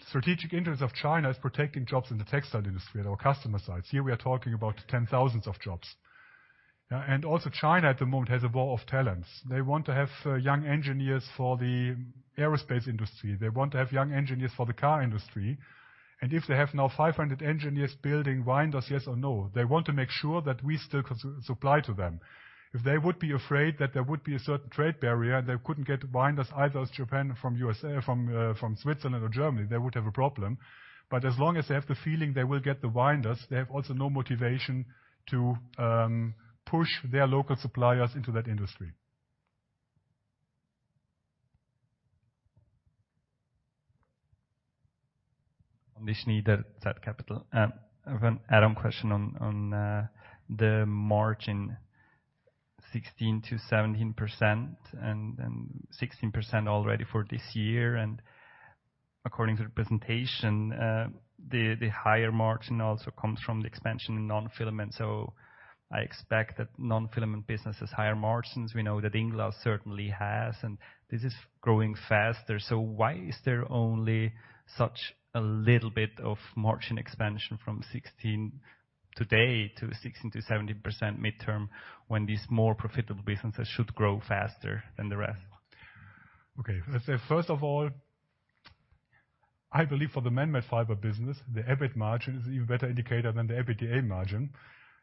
Strategic interest of China is protecting jobs in the textile industry at our customer sites. Here we are talking about 10,000 jobs. China at the moment has a war of talents. They want to have young engineers for the aerospace industry. They want to have young engineers for the car industry. If they have now 500 engineers building winders, yes or no, they want to make sure that we still can supply to them. If they would be afraid that there would be a certain trade barrier and they couldn't get winders either as Japan, from USA, from Switzerland or Germany, they would have a problem. As long as they have the feeling they will get the winders, they have also no motivation to push their local suppliers into that industry. Andy Schnyder, zCapital. I have an add-on question on the margin 16%-17% and 16% already for this year. According to the presentation, the higher margin also comes from the expansion in non-filament. I expect that non-filament business has higher margins. We know that INglass certainly has, and this is growing faster. Why is there only such a little bit of margin expansion from 16% today to 16%-17% midterm, when these more profitable businesses should grow faster than the rest? Okay. Let's say, first of all, I believe for the man-made fiber business, the EBIT margin is even better indicator than the EBITDA margin.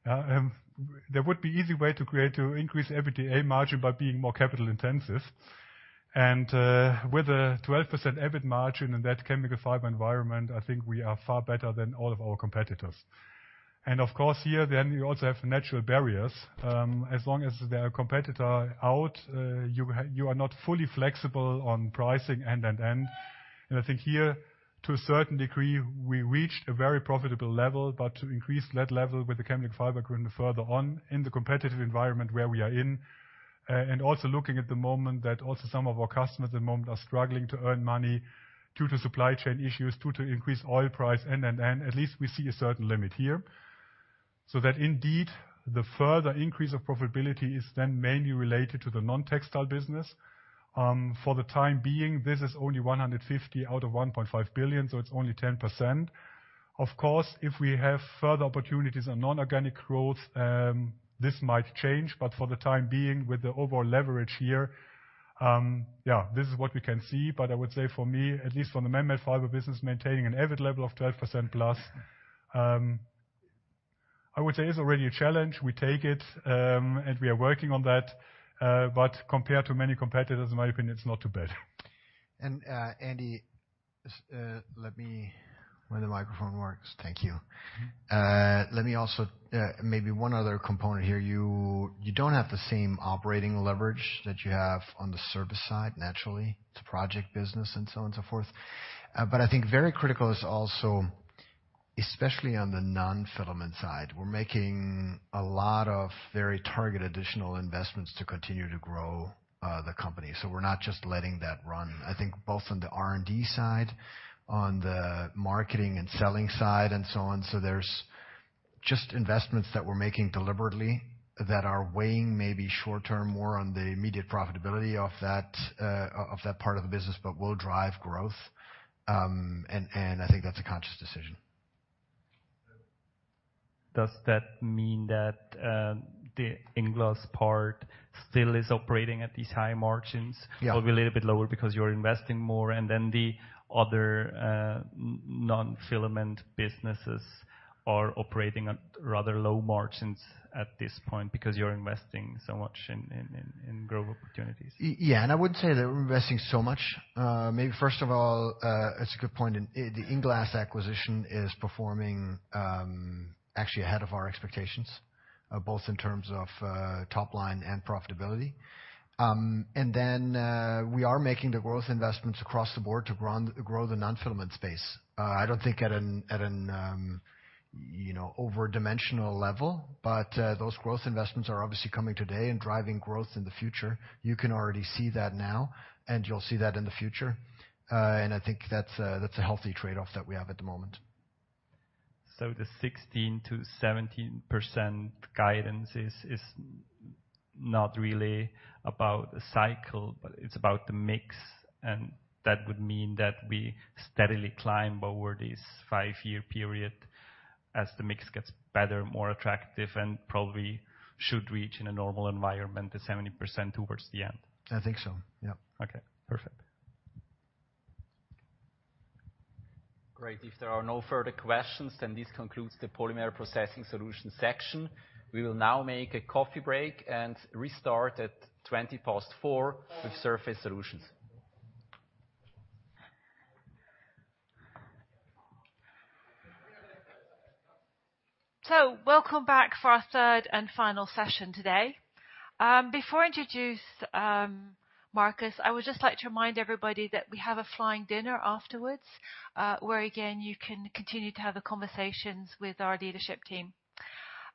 There would be easy way to create, to increase EBITDA margin by being more capital intensive. With a 12% EBIT margin in that chemical fiber environment, I think we are far better than all of our competitors. Of course here then you also have natural barriers. As long as there are competitor out, you are not fully flexible on pricing. I think here to a certain degree, we reached a very profitable level. To increase that level with the chemical fiber growing further on in the competitive environment where we are in, and also looking at the moment that also some of our customers at the moment are struggling to earn money due to supply chain issues, due to increased oil price. At least we see a certain limit here. So that indeed the further increase of profitability is then mainly related to the non-textile business. For the time being, this is only 150 million out of 1.5 billion, so it's only 10%. Of course, if we have further opportunities on inorganic growth, this might change. For the time being, with the overall leverage here, yeah, this is what we can see. I would say for me, at least from the man-made fiber business, maintaining an EBIT level of 12%+ is already a challenge. We take it, and we are working on that. Compared to many competitors, in my opinion, it's not too bad. Andy, let me also maybe one other component here. You don't have the same operating leverage that you have on the service side. Naturally, it's a project business and so on and so forth. I think very critical is also, especially on the non-filament side, we're making a lot of very targeted additional investments to continue to grow the company. We're not just letting that run. I think both on the R&D side, on the marketing and selling side and so on. There's just investments that we're making deliberately that are weighing maybe short-term more on the immediate profitability of that part of the business, but will drive growth. I think that's a conscious decision. Does that mean that the INglass part still is operating at these high margins? Yeah. Probably a little bit lower because you're investing more and then the other non-filament businesses are operating at rather low margins at this point because you're investing so much in growth opportunities. Yeah, I wouldn't say that we're investing so much. Maybe first of all, it's a good point. The INglass acquisition is performing actually ahead of our expectations, both in terms of top line and profitability. We are making the growth investments across the board to grow the non-filament space. I don't think at an you know over-dimensional level, but those growth investments are obviously coming today and driving growth in the future. You can already see that now, and you'll see that in the future. I think that's a healthy trade-off that we have at the moment. The 16%-17% guidance is not really about the cycle, but it's about the mix. That would mean that we steadily climb over this five-year period as the mix gets better, more attractive, and probably should reach in a normal environment, the 70% towards the end. I think so, yep. Okay, perfect. Great. If there are no further questions, then this concludes the Polymer Processing Solutions section. We will now make a coffee break and restart at 4:20 P.M. with Surface Solutions. Welcome back for our third and final session today. Before I introduce Markus, I would just like to remind everybody that we have a flying dinner afterwards, where again, you can continue to have the conversations with our leadership team.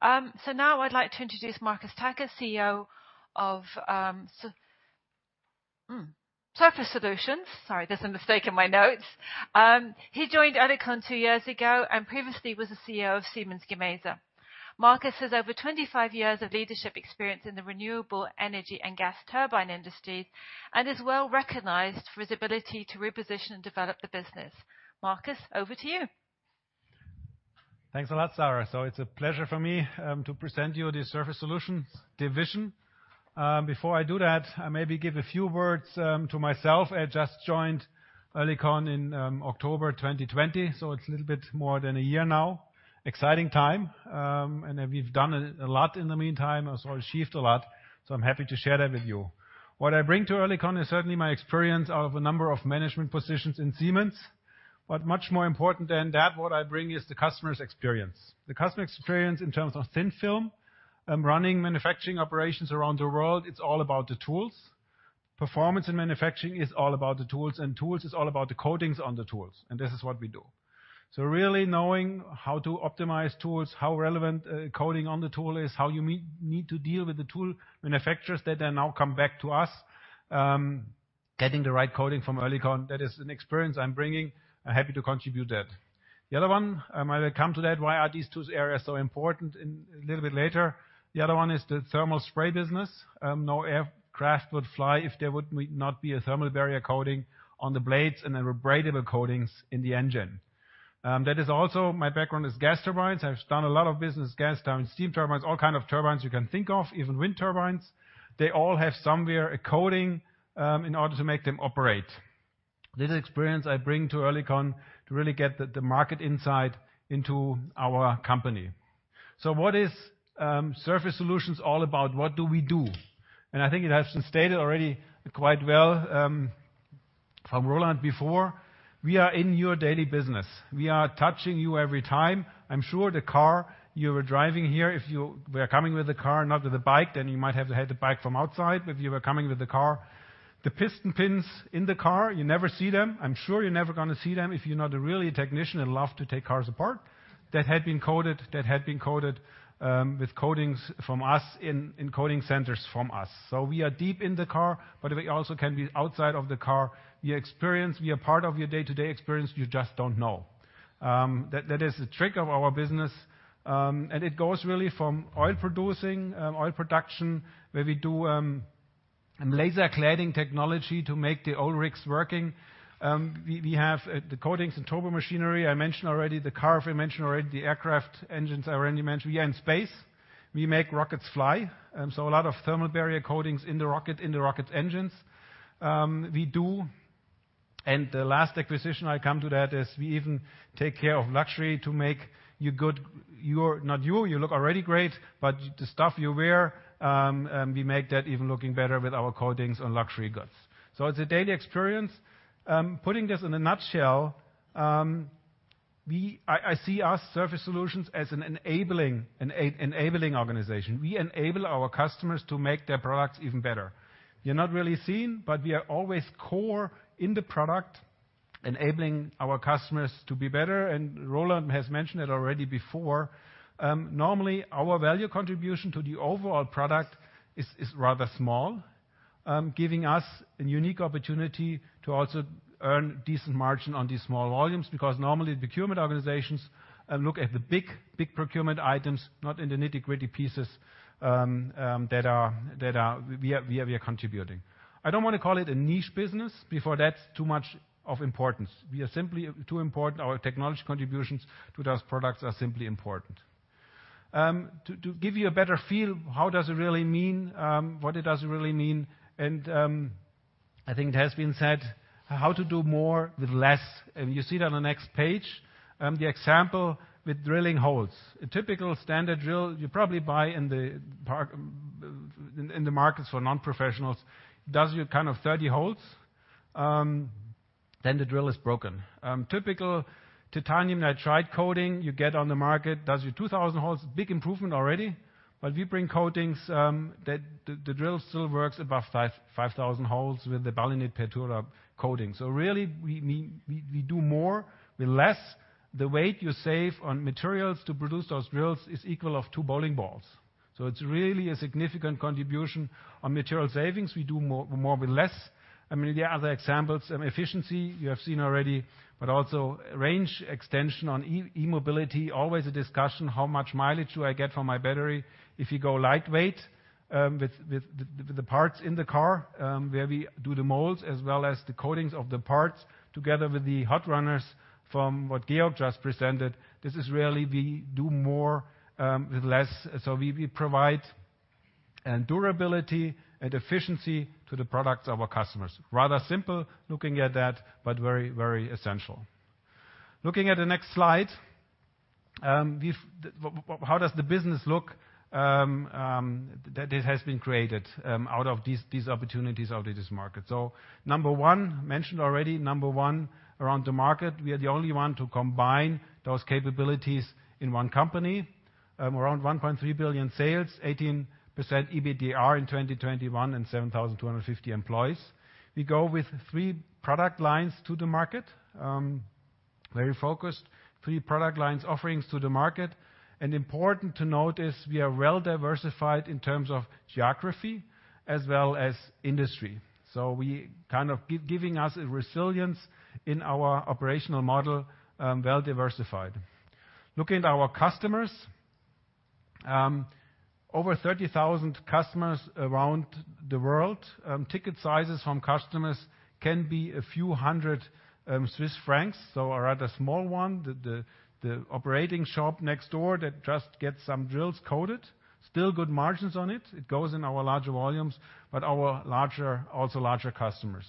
Now I'd like to introduce Markus Tacke, CEO of Surface Solutions. Sorry, there's a mistake in my notes. He joined Oerlikon two years ago and previously was the CEO of Siemens Gamesa. Markus has over 25 years of leadership experience in the renewable energy and gas turbine industry, and is well recognized for his ability to reposition and develop the business. Markus, over to you. Thanks a lot, Sara. It's a pleasure for me to present to you the Surface Solutions division. Before I do that, I maybe give a few words to myself. I just joined Oerlikon in October 2020, so it's a little bit more than a year now. Exciting time, and we've done a lot in the meantime. Also achieved a lot, so I'm happy to share that with you. What I bring to Oerlikon is certainly my experience of a number of management positions in Siemens, but much more important than that, what I bring is the customer's experience. The customer experience in terms of thin film running manufacturing operations around the world, it's all about the tools. Performance in manufacturing is all about the tools, and tools is all about the coatings on the tools, and this is what we do. Really knowing how to optimize tools, how relevant a coating on the tool is, how you need to deal with the tool manufacturers that then come back to us, getting the right coating from Oerlikon, that is an experience I'm bringing. I'm happy to contribute that. The other one, I will come to that, why these two areas are so important a little bit later. The other one is the thermal spray business. No aircraft would fly if there would not be a thermal barrier coating on the blades and there were abradable coatings in the engine. That is also my background, is gas turbines. I've done a lot of business, gas turbines, steam turbines, all kinds of turbines you can think of, even wind turbines. They all have somewhere a coating in order to make them operate. This experience I bring to Oerlikon to really get the market insight into our company. What is Surface Solutions all about? What do we do? I think it has been stated already quite well from Roland before. We are in your daily business. We are touching you every time. I'm sure the car you were driving here, if you were coming with the car, not with a bike, then you might have had the brake from outside, but if you were coming with the car, the piston pins in the car, you never see them. I'm sure you're never gonna see them if you're not really a technician and love to take cars apart. That had been coated with coatings from us in coating centers from us. We are deep in the car, but we also can be outside of the car. We are part of your day-to-day experience, you just don't know. That is the trick of our business, and it goes really from oil production, where we do laser cladding technology to make the oil rigs working. We have the coatings and turbomachinery I mentioned already. The car we mentioned already. The aircraft engines I already mentioned. We are in space. We make rockets fly, so a lot of thermal barrier coatings in the rocket's engines. We do, and the last acquisition I come to that, is we even take care of luxury to make you good. Not you look already great, but the stuff you wear, we make that even looking better with our coatings on luxury goods. It's a daily experience. Putting this in a nutshell, I see us, Surface Solutions, as an enabling organization. We enable our customers to make their products even better. We are not really seen, but we are always core in the product, enabling our customers to be better. Roland has mentioned it already before, normally our value contribution to the overall product is rather small, giving us a unique opportunity to also earn decent margin on these small volumes, because normally procurement organizations look at the big procurement items, not in the nitty-gritty pieces that we are contributing. I don't wanna call it a niche business, because that's too much of importance. We are simply too important. Our technology contributions to those products are simply important. To give you a better feel for what it really means, I think it has been said, how to do more with less. You see it on the next page, the example with drilling holes. A typical standard drill you probably buy in the markets for non-professionals does about 30 holes, then the drill is broken. A typical titanium nitride coating you get on the market does about 2000 holes. Big improvement already. We bring coatings that the drill still works above 5000 holes with the BALINIT PERTURA coating. Really, we do more with less. The weight you save on materials to produce those drills is equal to two bowling balls. It's really a significant contribution to material savings. We do more with less. I mean, the other examples, efficiency you have seen already, but also range extension in e-mobility. Always a discussion, how much mileage do I get from my battery? If you go lightweight with the parts in the car, where we do the molds as well as the coatings of the parts together with the hot runners from what Georg just presented, this is really we do more with less. We provide and durability and efficiency to the products of our customers. Rather simple looking at that, but very essential. Looking at the next slide, how does the business look that it has been created out of these opportunities out of this market? Number one, mentioned already, around the market, we are the only one to combine those capabilities in one company. Around 1.3 billion sales, 18% EBITDA in 2021 and 7,250 employees. We go with three product lines to the market, very focused, three product lines offerings to the market. Important to note is we are well diversified in terms of geography as well as industry. We kind of giving us a resilience in our operational model, well diversified. Looking at our customers, over 30,000 customers around the world. Ticket sizes from customers can be a few hundred Swiss-francs, so a rather small one. The operating shop next door that just gets some drills coated, still good margins on it. It goes in our larger volumes, but our larger customers.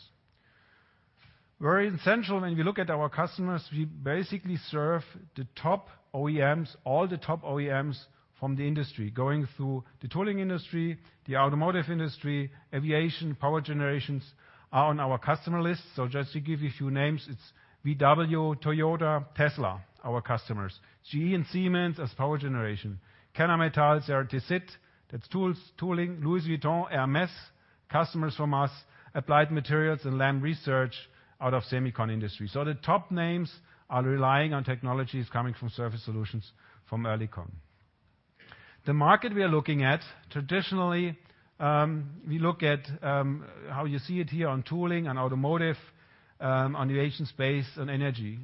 Very essential when we look at our customers, we basically serve the top OEMs from the industry. Going through the tooling industry, the automotive industry, aviation, power generation are on our customer list. Just to give you a few names, it's VW, Toyota, Tesla, our customers. GE and Siemens as power generation. Kennametal, Ceratizit, that's tooling. Louis Vuitton, Hermès, customers from us. Applied Materials and Lam Research out of semicon industry. The top names are relying on technologies coming from Surface Solutions from Oerlikon. The market we are looking at, traditionally, we look at how you see it here on tooling and automotive, on the Asian space and energy.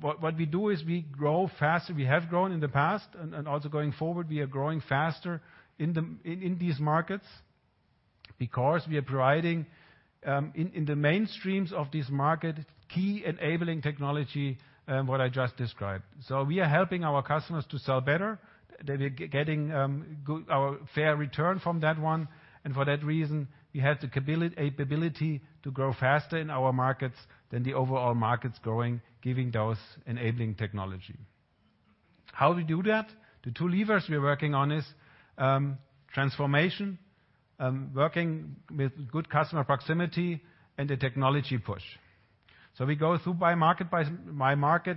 What we do is we grow faster. We have grown in the past and also going forward, we are growing faster in these markets because we are providing in the mainstreams of this market, key enabling technology, what I just described. We are helping our customers to sell better. They be getting good, our fair return from that one. For that reason, we have the capability to grow faster in our markets than the overall markets growing, given those enabling technology. How we do that? The two levers we are working on is transformation, working with good customer proximity and the technology push. We go through by market,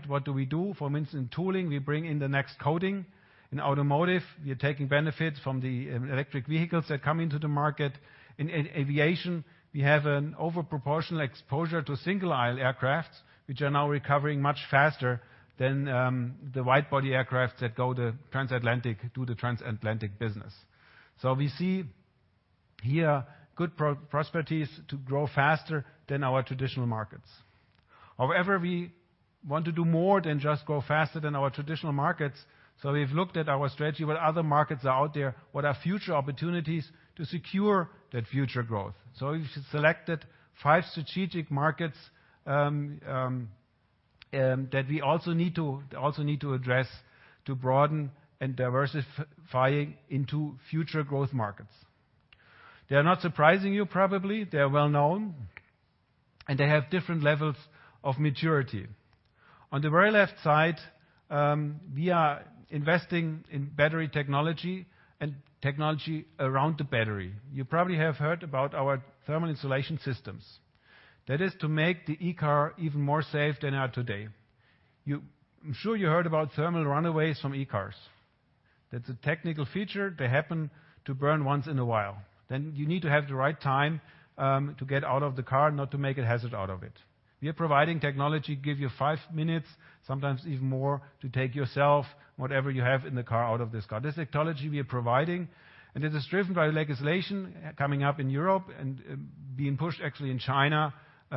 what do we do? For instance, in tooling, we bring in the next coating. In automotive, we are taking benefit from the electric vehicles that come into the market. In aviation, we have an overproportional exposure to single aisle aircraft, which are now recovering much faster than the wide body aircraft that go to transatlantic, do the transatlantic business. We see here good prospects to grow faster than our traditional markets. However, we want to do more than just grow faster than our traditional markets. We've looked at our strategy, what other markets are out there, what are future opportunities to secure that future growth. We selected five strategic markets that we also need to address to broaden and diversify into future growth markets. They are not surprising you probably. They are well known, and they have different levels of maturity. On the very left side, we are investing in battery technology and technology around the battery. You probably have heard about our thermal insulation systems. That is to make the e-car even more safe than are today. You, I'm sure you heard about thermal runaways from e-cars. That's a technical feature. They happen to burn once in a while. Then you need to have the right time, to get out of the car, not to make a hazard out of it. We are providing technology, give you five minutes, sometimes even more, to take yourself, whatever you have in the car, out of this car. This technology we are providing, and it is driven by legislation coming up in Europe and being pushed actually in China,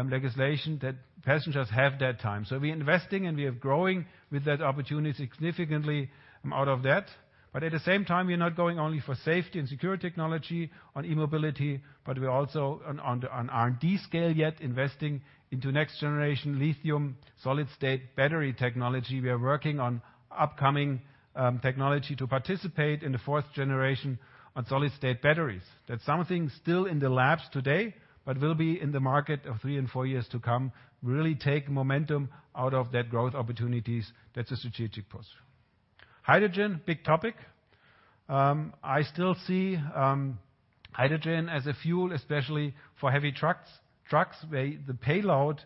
legislation that passengers have that time. We're investing, and we are growing with that opportunity significantly out of that. At the same time, we are not going only for safety and secure technology on e-mobility, but we are also on the R&D scale yet investing into next generation lithium solid-state battery technology. We are working on upcoming technology to participate in the 4th generation on solid-state batteries. That's something still in the labs today but will be in the market of three and four years to come, really take momentum out of that growth opportunities. That's a strategic push. Hydrogen, big topic. I still see hydrogen as a fuel, especially for heavy trucks. Trucks, the payload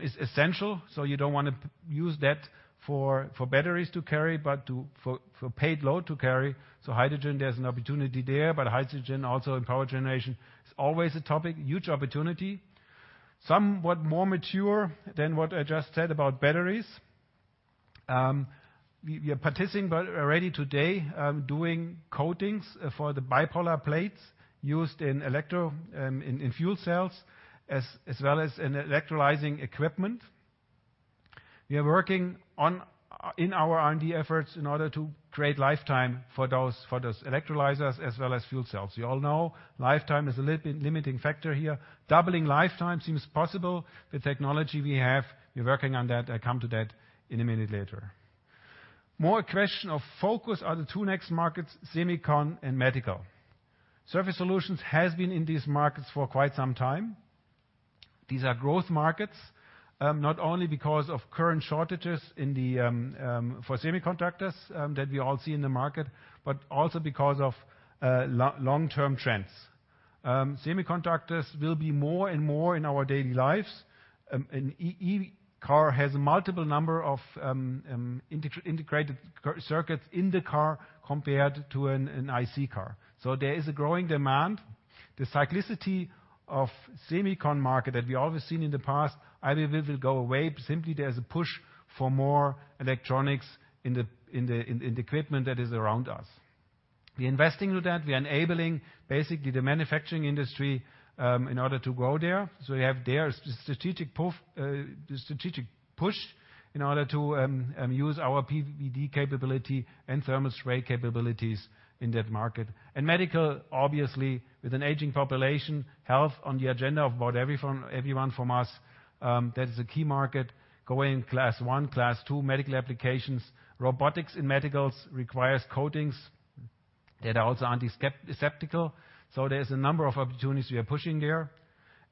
is essential, so you don't wanna use that for batteries to carry, but for payload to carry. Hydrogen, there's an opportunity there, but hydrogen also in power generation is always a topic, huge opportunity. Somewhat more mature than what I just said about batteries. We are participating but already today doing coatings for the bipolar plates used in fuel cells as well as in electrolyzing equipment. We are working in our R&D efforts in order to create lifetime for those electrolyzers as well as fuel cells. You all know lifetime is a limiting factor here. Doubling lifetime seems possible. The technology we have, we're working on that. I come to that in a minute later. More a question of focus are the two next markets, semicon and medical. Surface Solutions has been in these markets for quite some time. These are growth markets, not only because of current shortages in the semiconductor that we all see in the market, but also because of long-term trends. Semiconductors will be more and more in our daily lives. An EV car has multiple number of integrated circuits in the car compared to an IC car. There is a growing demand. The cyclicity of semicon market that we always seen in the past either will go away. Simply, there's a push for more electronics in the equipment that is around us. We're investing with that. We're enabling basically the manufacturing industry in order to grow there. We have their strategic push in order to use our PVD capability and thermal spray capabilities in that market. Medical, obviously, with an aging population, health on the agenda of about everyone from us, that is a key market for Class I, Class II medical applications. Robotics in medical requires coatings that are also antiseptical. There's a number of opportunities we are pushing there.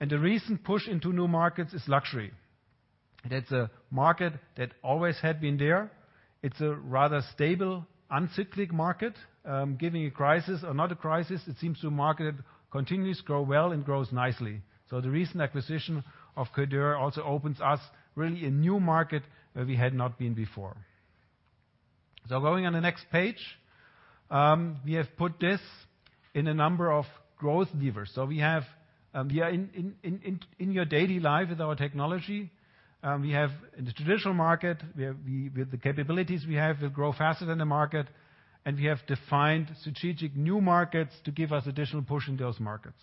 The recent push into new markets is luxury. That's a market that always had been there. It's a rather stable, uncyclic market, given a crisis or not a crisis, it seems the market continues to grow well and grows nicely. The recent acquisition of Coeurdor also opens us really a new market where we had not been before. Going on the next page, we have put this in a number of growth levers. We are in your daily life with our technology. We have in the traditional market with the capabilities we have, we grow faster than the market, and we have defined strategic new markets to give us additional push in those markets.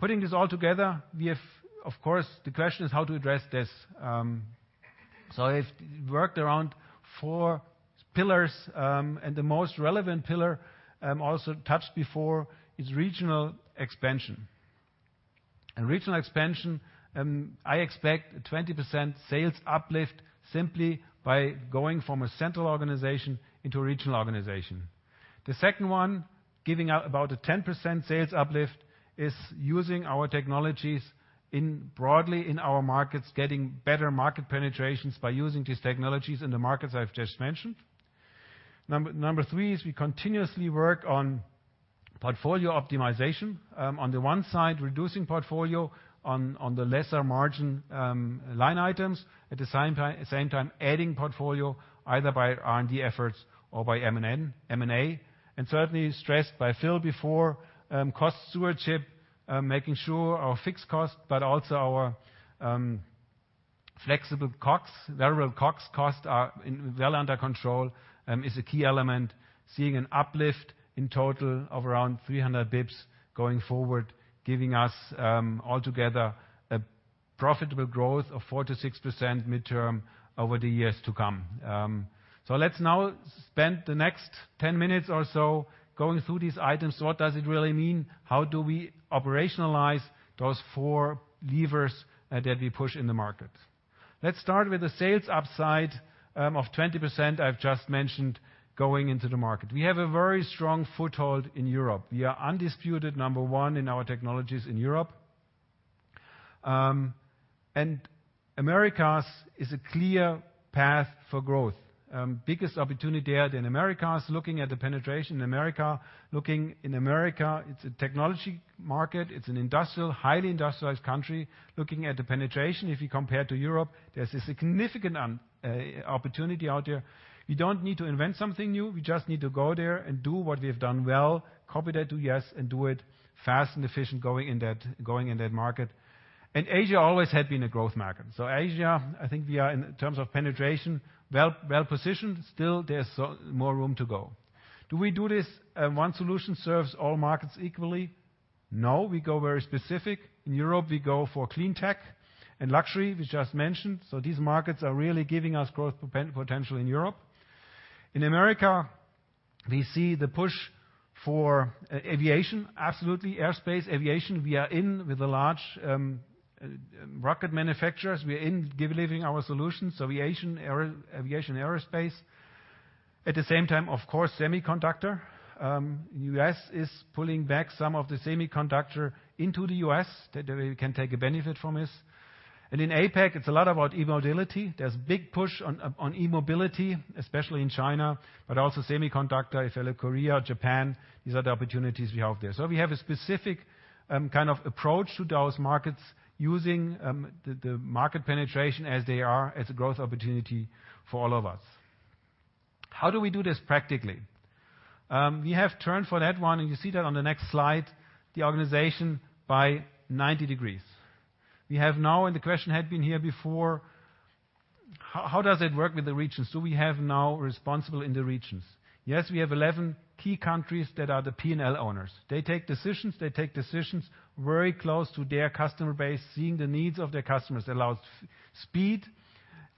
Putting this all together, we have, of course, the question is how to address this. I've worked around four pillars, and the most relevant pillar I'm also touched before is regional expansion. Regional expansion, I expect 20% sales uplift simply by going from a central organization into a regional organization. The second one, giving out about a 10% sales uplift, is using our technologies in broadly in our markets, getting better market penetrations by using these technologies in the markets I've just mentioned. Number three is we continuously work on portfolio optimization. On the one side, reducing portfolio on the lesser margin line items. At the same time, adding portfolio either by R&D efforts or by M&A, and certainly stressed by Phil before, cost stewardship, making sure our fixed cost, but also our flexible costs, variable costs are well under control, is a key element, seeing an uplift in total of around 300 basis points going forward, giving us altogether a profitable growth of 4%-6% midterm over the years to come. Let's now spend the next 10 minutes or so going through these items. What does it really mean? How do we operationalize those four levers that we push in the markets? Let's start with the sales upside of 20% I've just mentioned going into the market. We have a very strong foothold in Europe. We are undisputed number one in our technologies in Europe. Americas is a clear path for growth. Biggest opportunity out in Americas, looking at the penetration in America, it's a technology market, it's an industrial, highly industrialized country. Looking at the penetration, if you compare to Europe, there's a significant opportunity out there. We don't need to invent something new. We just need to go there and do what we have done well, copy that to U.S. and do it fast and efficient going in that market. Asia always had been a growth market. Asia, I think we are in terms of penetration, well-positioned. Still, there's more room to go. Do we do this, one solution serves all markets equally? No, we go very specific. In Europe, we go for clean tech and luxury, we just mentioned. These markets are really giving us growth potential in Europe. In America, we see the push for aviation, absolutely aerospace aviation. We are in with the large, rocket manufacturers. We are in delivering our solutions, aviation, aerospace. At the same time, of course, semiconductor. U.S. is pulling back some of the semiconductor into the U.S. that we can take a benefit from this. In APAC, it's a lot about e-mobility. There's a big push on e-mobility, especially in China, but also semiconductors in Korea, Japan. These are the opportunities we have there. We have a specific kind of approach to those markets using the market penetration as they are as a growth opportunity for all of us. How do we do this practically? We have turned for that one, and you see that on the next slide, the organization by 90 degrees. We have now. The question had been here before, how does it work with the regions? Do we have now responsible in the regions? Yes, we have 11 key countries that are the P&L owners. They take decisions very close to their customer base, seeing the needs of their customers. It allows speed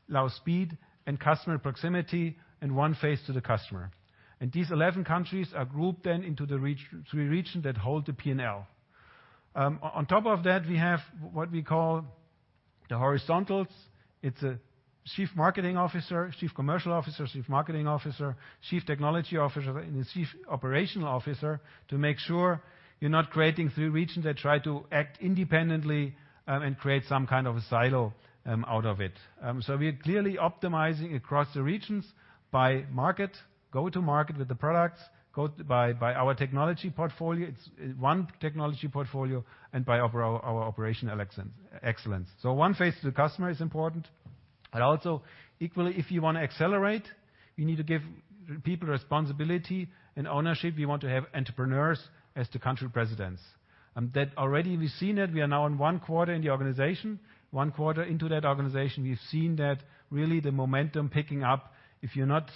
and customer proximity and one face to the customer. These 11 countries are grouped then into the three regions that hold the P&L. On top of that, we have what we call the horizontals. It's a Chief Marketing Officer, Chief Commercial Officer, Chief Technology Officer and the Chief Operational Officer to make sure you're not creating three regions that try to act independently, and create some kind of a silo out of it. We're clearly optimizing across the regions by market, go-to-market with the products, go by our technology portfolio. It's one technology portfolio and by our operational excellence. One face to the customer is important, but also equally, if you wanna accelerate, we need to give people responsibility and ownership. We want to have entrepreneurs as the country presidents. That already we've seen it. We are now in one quarter in the organization. One quarter into that organization, we've seen that really the momentum picking up. If you're not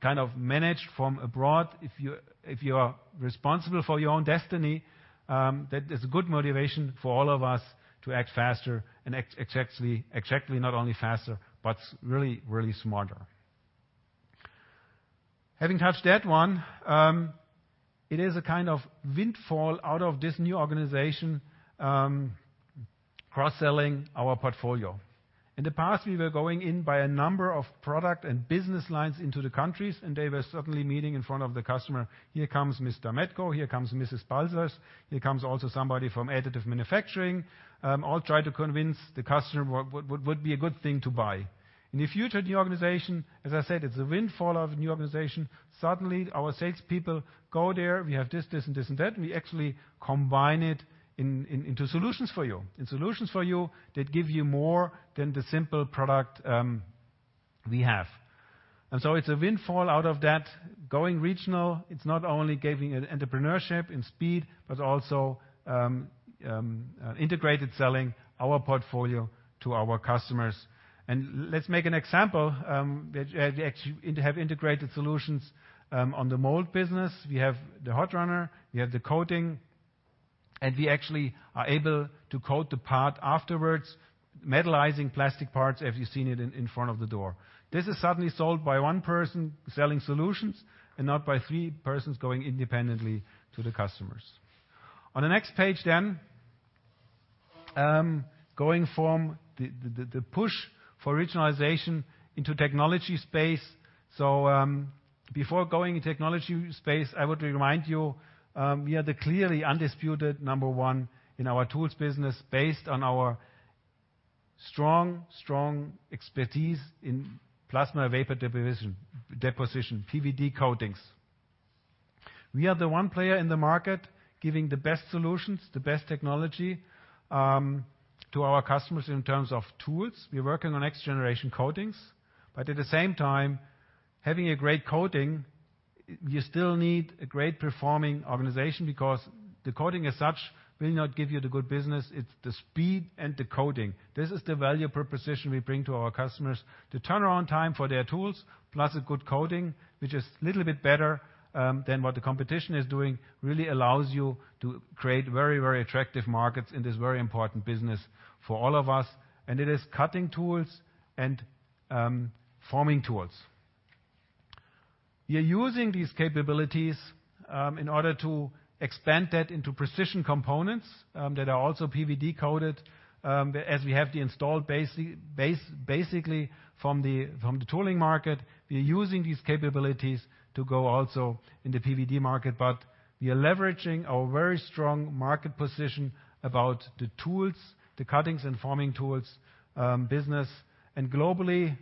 kind of managed from abroad, if you are responsible for your own destiny, that is a good motivation for all of us to act faster and exactly not only faster, but really smarter. Having touched that one, it is a kind of windfall out of this new organization, cross-selling our portfolio. In the past, we were going in by a number of product and business lines into the countries, and they were suddenly meeting in front of the customer. Here comes Mr. Metco, here comes Mrs. Balzers, here comes also somebody from additive manufacturing. All try to convince the customer what would be a good thing to buy. In the future, the organization, as I said, it's a windfall of new organization. Suddenly, our salespeople go there. We have this, and this, and that. We actually combine it into solutions for you and solutions for you that give you more than the simple product we have. It's a windfall out of that. Going regional, it's not only giving an entrepreneurship and speed, but also integrated selling our portfolio to our customers. Let's make an example that we actually have integrated solutions on the mold business. We have the hot runner, we have the coating, and we actually are able to coat the part afterwards, metallizing plastic parts, if you've seen it in front of the door. This is suddenly sold by one person selling solutions and not by three persons going independently to the customers. On the next page, going from the push for regionalization into technology space. Before going in technology space, I want to remind you, we are the clearly undisputed number one in our tools business based on our strong expertise in plasma vapor deposition, PVD coatings. We are the one player in the market giving the best solutions, the best technology, to our customers in terms of tools. We're working on next generation coatings, but at the same time, having a great coating, you still need a great performing organization because the coating as such will not give you the good business. It's the speed and the coating. This is the value proposition we bring to our customers. The turnaround time for their tools, plus a good coating, which is a little bit better than what the competition is doing, really allows you to create very, very attractive markets in this very important business for all of us, and it is cutting tools and forming tools. We are using these capabilities in order to expand that into precision components that are also PVD coated, as we have the installed base, basically from the tooling market. We are using these capabilities to go also in the PVD market, but we are leveraging our very strong market position about the tools, the cutting and forming tools business. Globally,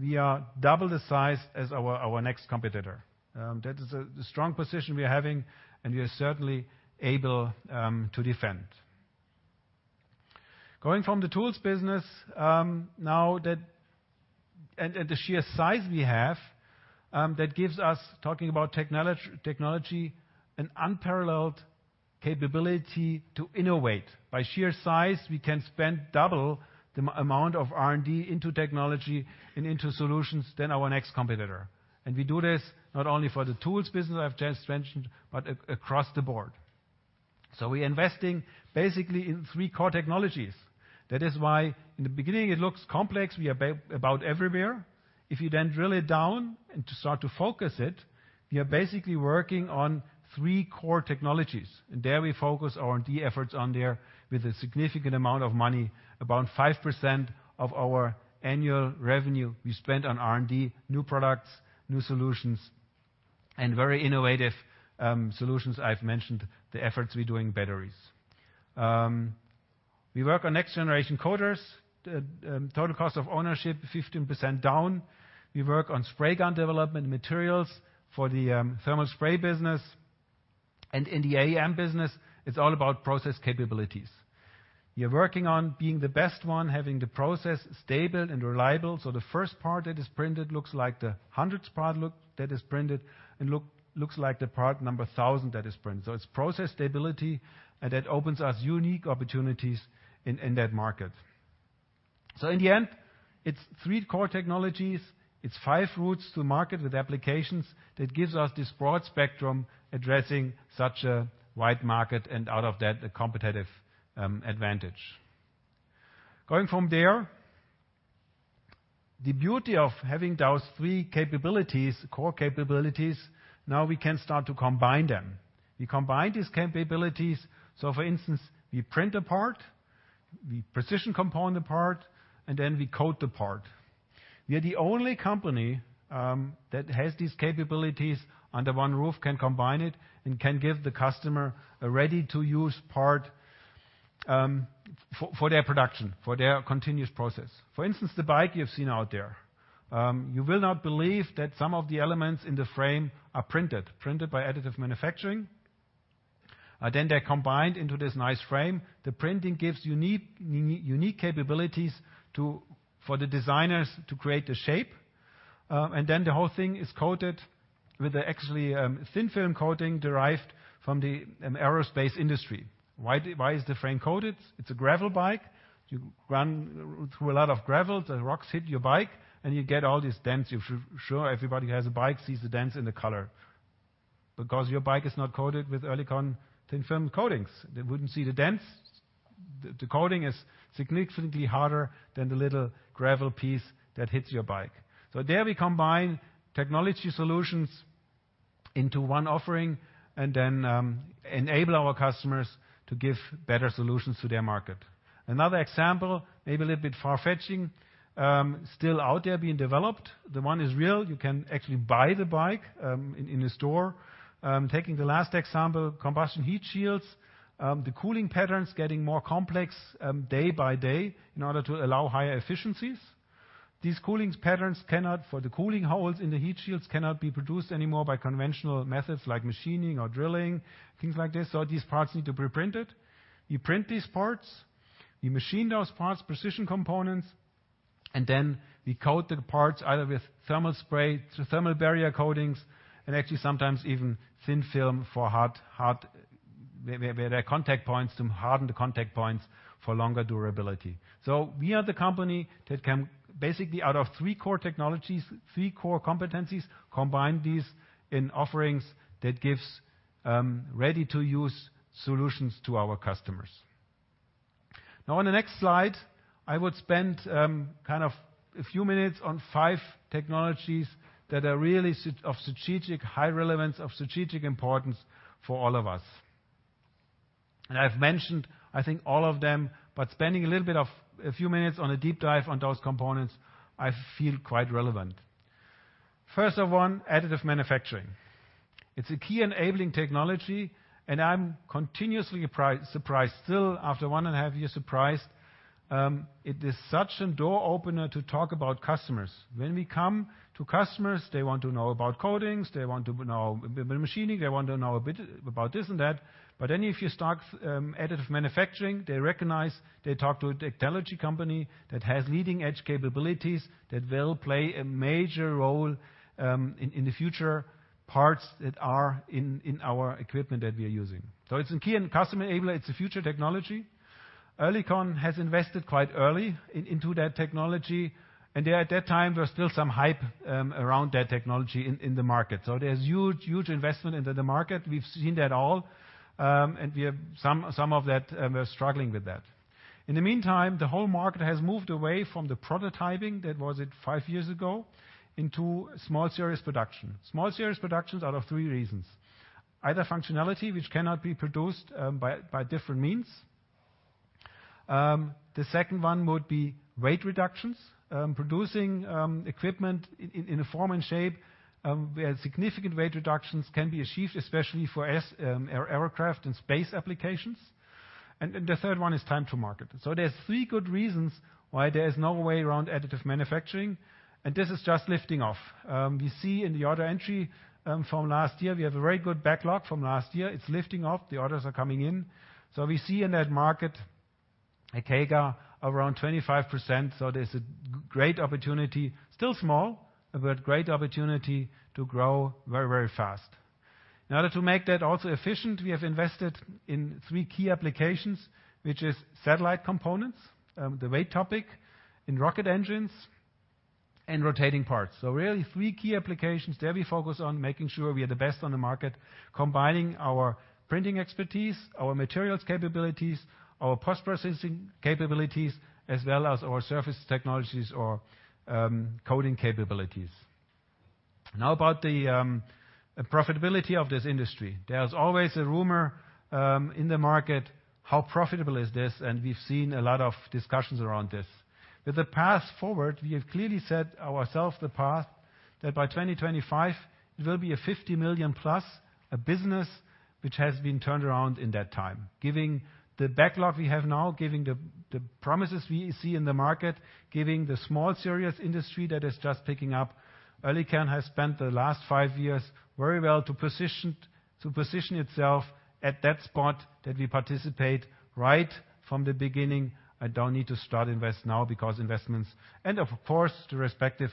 we are double the size as our next competitor. That is the strong position we're having, and we are certainly able to defend. Going from the tools business, and the sheer size we have, that gives us, talking about technology, an unparalleled capability to innovate. By sheer size, we can spend double the amount of R&D into technology and into solutions than our next competitor. We do this not only for the tools business I've just mentioned, but across the board. We're investing basically in three core technologies. That is why in the beginning it looks complex. We are about everywhere. If you then drill it down and to start to focus it, we are basically working on three core technologies, and there we focus R&D efforts on there with a significant amount of money, about 5% of our annual revenue we spend on R&D, new products, new solutions and very innovative solutions. I've mentioned the efforts we're doing in batteries. We work on next generation coaters. The total cost of ownership, 15% down. We work on spray gun development materials for the thermal spray business. In the AM business, it's all about process capabilities. We're working on being the best one, having the process stable and reliable, so the first part that is printed looks like the hundredth part that is printed and looks like the thousandth part that is printed. It's process stability, and that opens us unique opportunities in that market. In the end, it's three core technologies. It's five routes to market with applications that gives us this broad spectrum addressing such a wide market and out of that, a competitive advantage. Going from there. The beauty of having those three capabilities, core capabilities, now we can start to combine them. We combine these capabilities, so for instance, we print a part, a precision component part, and then we coat the part. We are the only company that has these capabilities under one roof, can combine it, and can give the customer a ready-to-use part for their production, for their continuous process. For instance, the bike you've seen out there, you will not believe that some of the elements in the frame are printed by additive manufacturing. Then they're combined into this nice frame. The printing gives unique capabilities to the designers to create the shape. Then the whole thing is coated with actually thin film coating derived from the aerospace industry. Why is the frame coated? It's a gravel bike. You run through a lot of gravel, the rocks hit your bike, and you get all these dents. You for sure, everybody who has a bike sees the dents in the color because your bike is not coated with Oerlikon thin film coatings. They wouldn't see the dents. The coating is significantly harder than the little gravel piece that hits your bike. There we combine technology solutions into one offering and then enable our customers to give better solutions to their market. Another example, maybe a little bit far-fetched, still out there being developed. The one is real. You can actually buy the bike in a store. Taking the last example, combustion heat shields. The cooling patterns getting more complex day by day in order to allow higher efficiencies. These cooling patterns for the cooling holes in the heat shields cannot be produced anymore by conventional methods like machining or drilling, things like this. These parts need to be printed. We print these parts, we machine those parts, precision components, and then we coat the parts either with thermal spray, thermal barrier coatings, and actually sometimes even thin film where there are contact points to harden the contact points for longer durability. We are the company that can basically out of three core technologies, three core competencies, combine these in offerings that gives ready-to-use solutions to our customers. Now on the next slide, I would spend kind of a few minutes on five technologies that are really of strategic high relevance, of strategic importance for all of us. I've mentioned, I think all of them, but spending a little bit of a few minutes on a deep dive on those components, I feel it's quite relevant. First one, additive manufacturing. It's a key enabling technology, and I'm continuously surprised still after one and a half years. It is such a door opener to talk about customers. When we come to customers, they want to know about coatings, they want to know machining, they want to know a bit about this and that, but then if you start additive manufacturing, they recognize they talk to a technology company that has leading-edge capabilities that will play a major role in the future parts that are in our equipment that we are using. It's a key customer enabler. It's a future technology. Oerlikon has invested quite early into that technology, and there at that time, there was still some hype around that technology in the market. There's huge investment into the market. We've seen that all, and we have some of that, we're struggling with that. In the meantime, the whole market has moved away from the prototyping, that was it five years ago, into small series production. Small series production out of three reasons, either functionality which cannot be produced by different means. The second one would be weight reductions. Producing equipment in a form and shape where significant weight reductions can be achieved, especially for aircraft and space applications. The third one is time to market. There's three good reasons why there is no way around additive manufacturing, and this is just lifting off. We see in the order entry, from last year, we have a very good backlog from last year. It's lifting off. The orders are coming in. We see in that market a CAGR around 25%, so there's a great opportunity, still small, but great opportunity to grow very, very fast. In order to make that also efficient, we have invested in three key applications, which is satellite components, the weight topic in rocket engines and rotating parts. Really three key applications. There we focus on making sure we are the best on the market, combining our printing expertise, our materials capabilities, our post-processing capabilities, as well as our surface technologies or, coating capabilities. Now about the profitability of this industry. There's always a rumor in the market, how profitable is this? We've seen a lot of discussions around this. With the path forward, we have clearly set ourselves the path that by 2025 it will be a 50 million-plus business which has been turned around in that time. Given the backlog we have now, given the promises we see in the market, giving the small series industry that is just picking up, Oerlikon has spent the last five years very well to position itself at that spot that we participate right from the beginning and don't need to start invest now because investments and of course the respective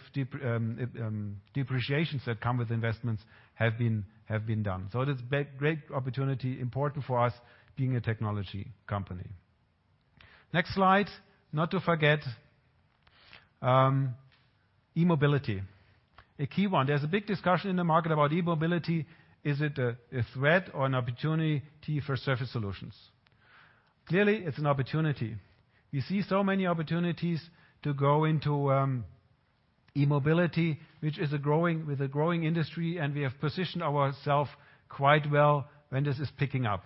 depreciations that come with investments have been done. It is big, great opportunity, important for us being a technology company. Next slide. Not to forget, e-mobility. A key one. There's a big discussion in the market about e-mobility. Is it a threat or an opportunity for Surface Solutions? Clearly, it's an opportunity. We see so many opportunities to go into e-mobility, which is a growing industry, and we have positioned ourself quite well when this is picking up.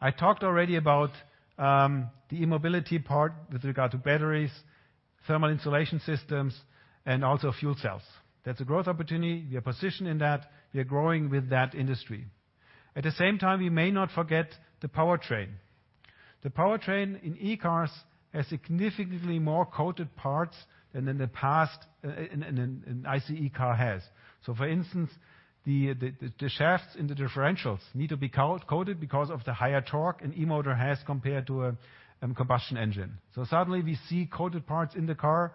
I talked already about the e-mobility part with regard to batteries, thermal insulation systems, and also fuel cells. That's a growth opportunity. We are positioned in that. We are growing with that industry. At the same time, we may not forget the powertrain. The powertrain in e-cars has significantly more coated parts than an ICE car has. For instance, the shafts in the differentials need to be coated because of the higher torque an e-motor has compared to a combustion engine. Suddenly we see coated parts in the car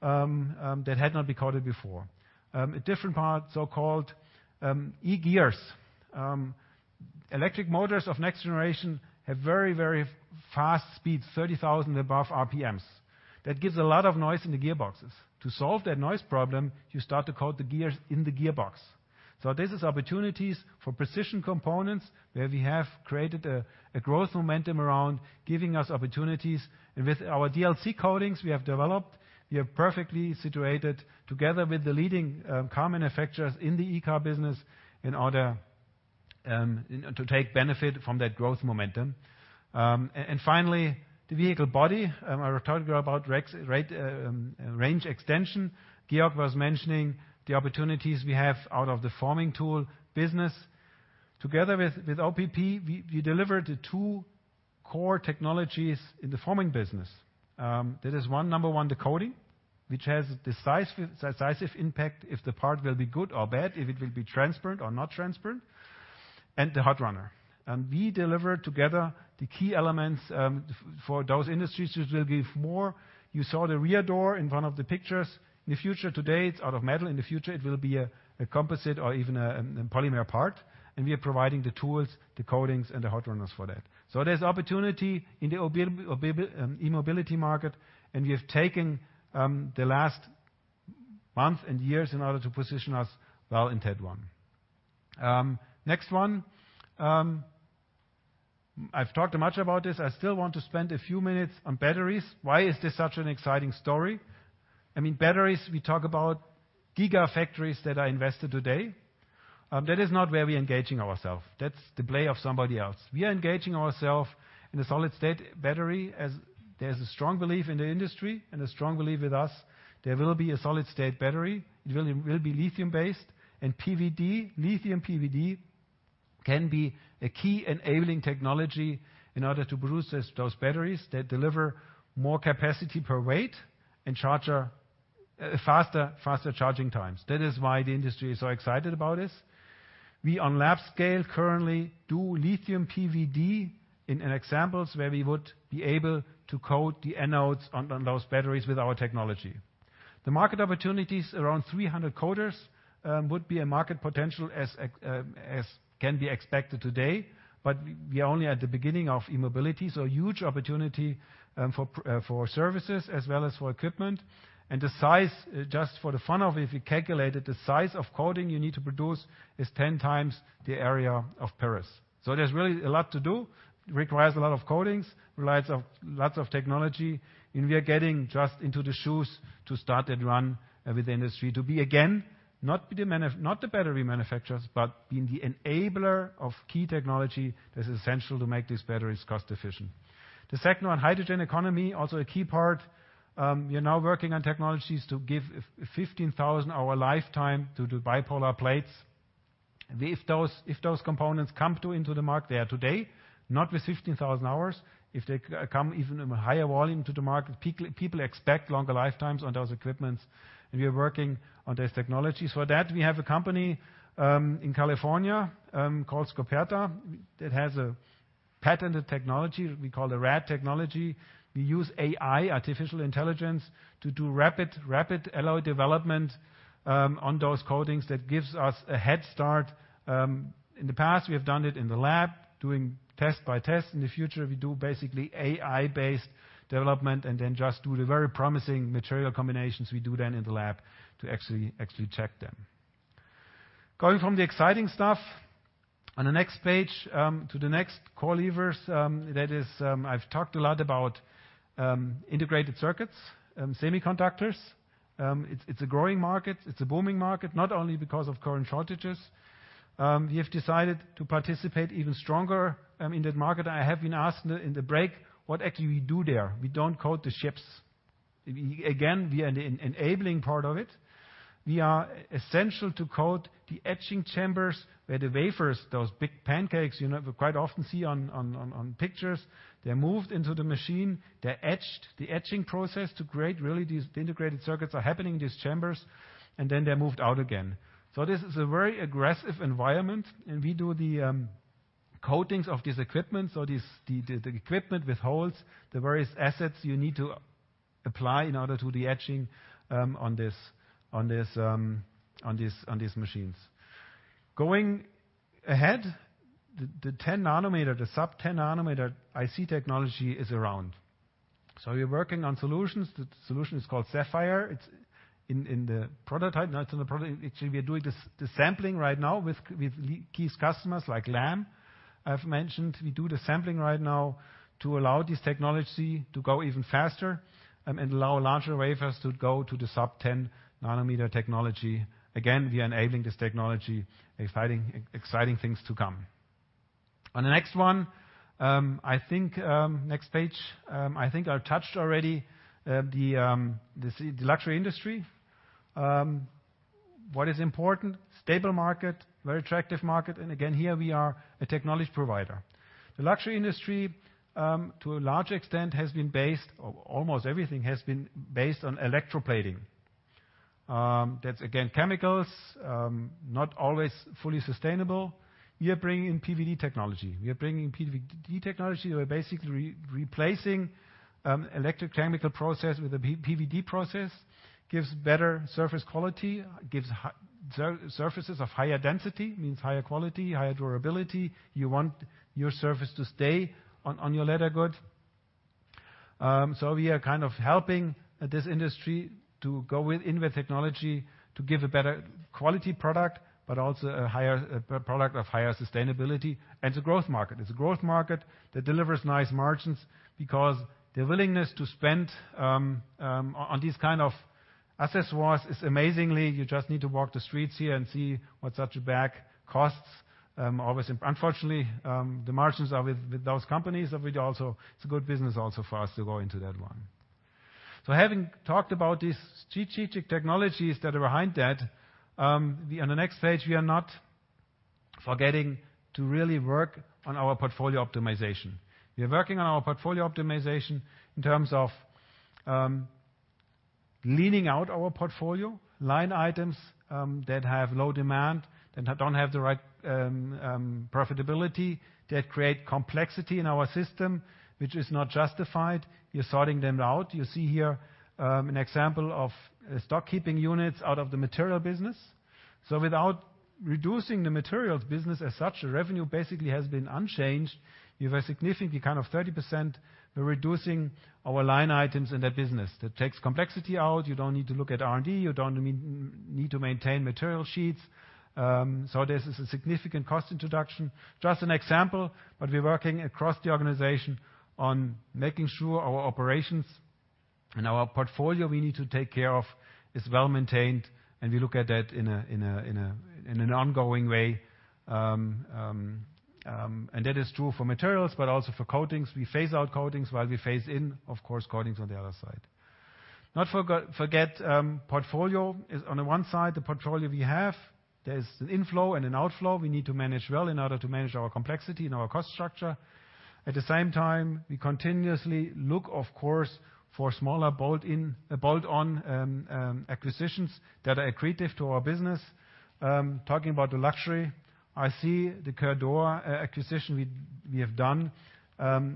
that had not been coated before. A different part, so-called e-gears. Electric motors of next generation have very fast speeds, 30,000 above RPMs. That gives a lot of noise in the gearboxes. To solve that noise problem, you start to coat the gears in the gearbox. This is opportunities for precision components, where we have created a growth momentum around giving us opportunities. With our DLC coatings we have developed, we are perfectly situated together with the leading car manufacturers in the e-car business in order, you know, to take benefit from that growth momentum. Finally, the vehicle body. I talked about rex, right, range extension. Georg was mentioning the opportunities we have out of the forming tool business. Together with OPP, we deliver the two core technologies in the forming business. That is number one, the coating, which has decisive impact if the part will be good or bad, if it will be transparent or not transparent, and the hot runner. We deliver together the key elements for those industries which will give more. You saw the rear door in one of the pictures. Today, it's out of metal. In the future, it will be a composite or even a polymer part, and we are providing the tools, the coatings, and the hot runners for that. There's opportunity in the e-mobility market, and we have taken the last month and years in order to position us well in that one. Next one. I've talked much about this. I still want to spend a few minutes on batteries. Why is this such an exciting story? I mean, batteries, we talk about gigafactories that are invested today. That is not where we're engaging ourself. That's the play of somebody else. We are engaging ourself in the solid-state battery, as there's a strong belief in the industry and a strong belief with us there will be a solid-state battery. It will be lithium-based and PVD, lithium PVD can be a key enabling technology in order to produce those batteries that deliver more capacity per weight and charge faster charging times. That is why the industry is so excited about this. We, on lab scale, currently do lithium PVD in examples where we would be able to coat the anodes on those batteries with our technology. The market opportunities, around 300 coaters, would be a market potential as can be expected today. We are only at the beginning of e-mobility, so huge opportunity for services as well as for equipment. The size, just for the fun of it, if you calculated the size of coating you need to produce, is 10 times the area of Paris. There's really a lot to do. It requires a lot of coatings, relies on lots of technology. We are getting just into the shoes to start and run with the industry to be, again, not the battery manufacturers, but being the enabler of key technology that is essential to make these batteries cost efficient. The second one, hydrogen economy, also a key part. We are now working on technologies to give 15,000 hour lifetime to the bipolar plates. If those components come into the market, they are today not with 15,000 hours. If they come even in higher volume to the market, people expect longer lifetimes on those equipments. We are working on these technologies. For that, we have a company in California called Scoperta. It has a patented technology we call the RAD technology. We use AI, artificial intelligence, to do rapid alloy development on those coatings that gives us a head start. In the past, we have done it in the lab, doing test by test. In the future, we do basically AI-based development and then just do the very promising material combinations we do then in the lab to check them. Going from the exciting stuff on the next page to the next core levers, that is, I've talked a lot about integrated circuits, semiconductors. It's a growing market. It's a booming market, not only because of current shortages. We have decided to participate even stronger in that market. I have been asked in the break what actually we do there. We don't coat the chips. We, again, are an enabling part of it. We are essential to coat the etching chambers where the wafers, those big pancakes, you know, quite often seen on pictures. They're moved into the machine. They're etched. The etching process to create really these integrated circuits are happening in these chambers, and then they're moved out again. This is a very aggressive environment, and we do the coatings of these equipment. These the equipment with holes, the various assets you need to apply in order to the etching on these machines. Going ahead, the 10 nanometer, the sub-10 nanometer IC technology is around. We're working on solutions. The solution is called Sapphire. It's in the prototype, not in the prototype. Actually, we are doing the sampling right now with key customers like Lam. I've mentioned we do the sampling right now to allow this technology to go even faster and allow larger wafers to go to the sub-10 nanometer technology. Again, we are enabling this technology. Exciting things to come. On the next one, I think next page, I think I touched already the luxury industry. What is important, stable market, very attractive market, and again, here we are a technology provider. The luxury industry, to a large extent, has been based. Almost everything has been based on electroplating. That's again chemicals, not always fully sustainable. We are bringing in PVD technology. We're basically replacing electrochemical process with a PVD process. Gives better surface quality. Gives surfaces of higher density, means higher quality, higher durability. You want your surface to stay on your leather goods. We are kind of helping this industry to go within with technology to give a better quality product, but also a product of higher sustainability and a growth market. It's a growth market that delivers nice margins because the willingness to spend on these kind of accessories is amazingly. You just need to walk the streets here and see what such a bag costs. Obviously, unfortunately, the margins are with those companies, but it's a good business also for us to go into that one. Having talked about these strategic technologies that are behind that, we, on the next page, are not forgetting to really work on our portfolio optimization. We are working on our portfolio optimization in terms of leaning out our portfolio line items that have low demand, that don't have the right profitability, that create complexity in our system, which is not justified. We are sorting them out. You see here an example of stock keeping units out of the material business. Without reducing the materials business as such, revenue basically has been unchanged. We were significantly, kind of 30%, reducing our line items in that business. That takes complexity out. You don't need to look at R&D. You don't need to maintain material sheets. This is a significant cost introduction. Just an example, but we're working across the organization on making sure our operations and our portfolio we need to take care of is well-maintained, and we look at that in an ongoing way. That is true for materials, but also for coatings. We phase out coatings while we phase in, of course, coatings on the other side. Not forget, portfolio is on the one side, the portfolio we have. There's an inflow and an outflow we need to manage well in order to manage our complexity and our cost structure. At the same time, we continuously look, of course, for smaller bolt-on acquisitions that are accretive to our business. Talking about the luxury, I see the Coeurdor acquisition we have done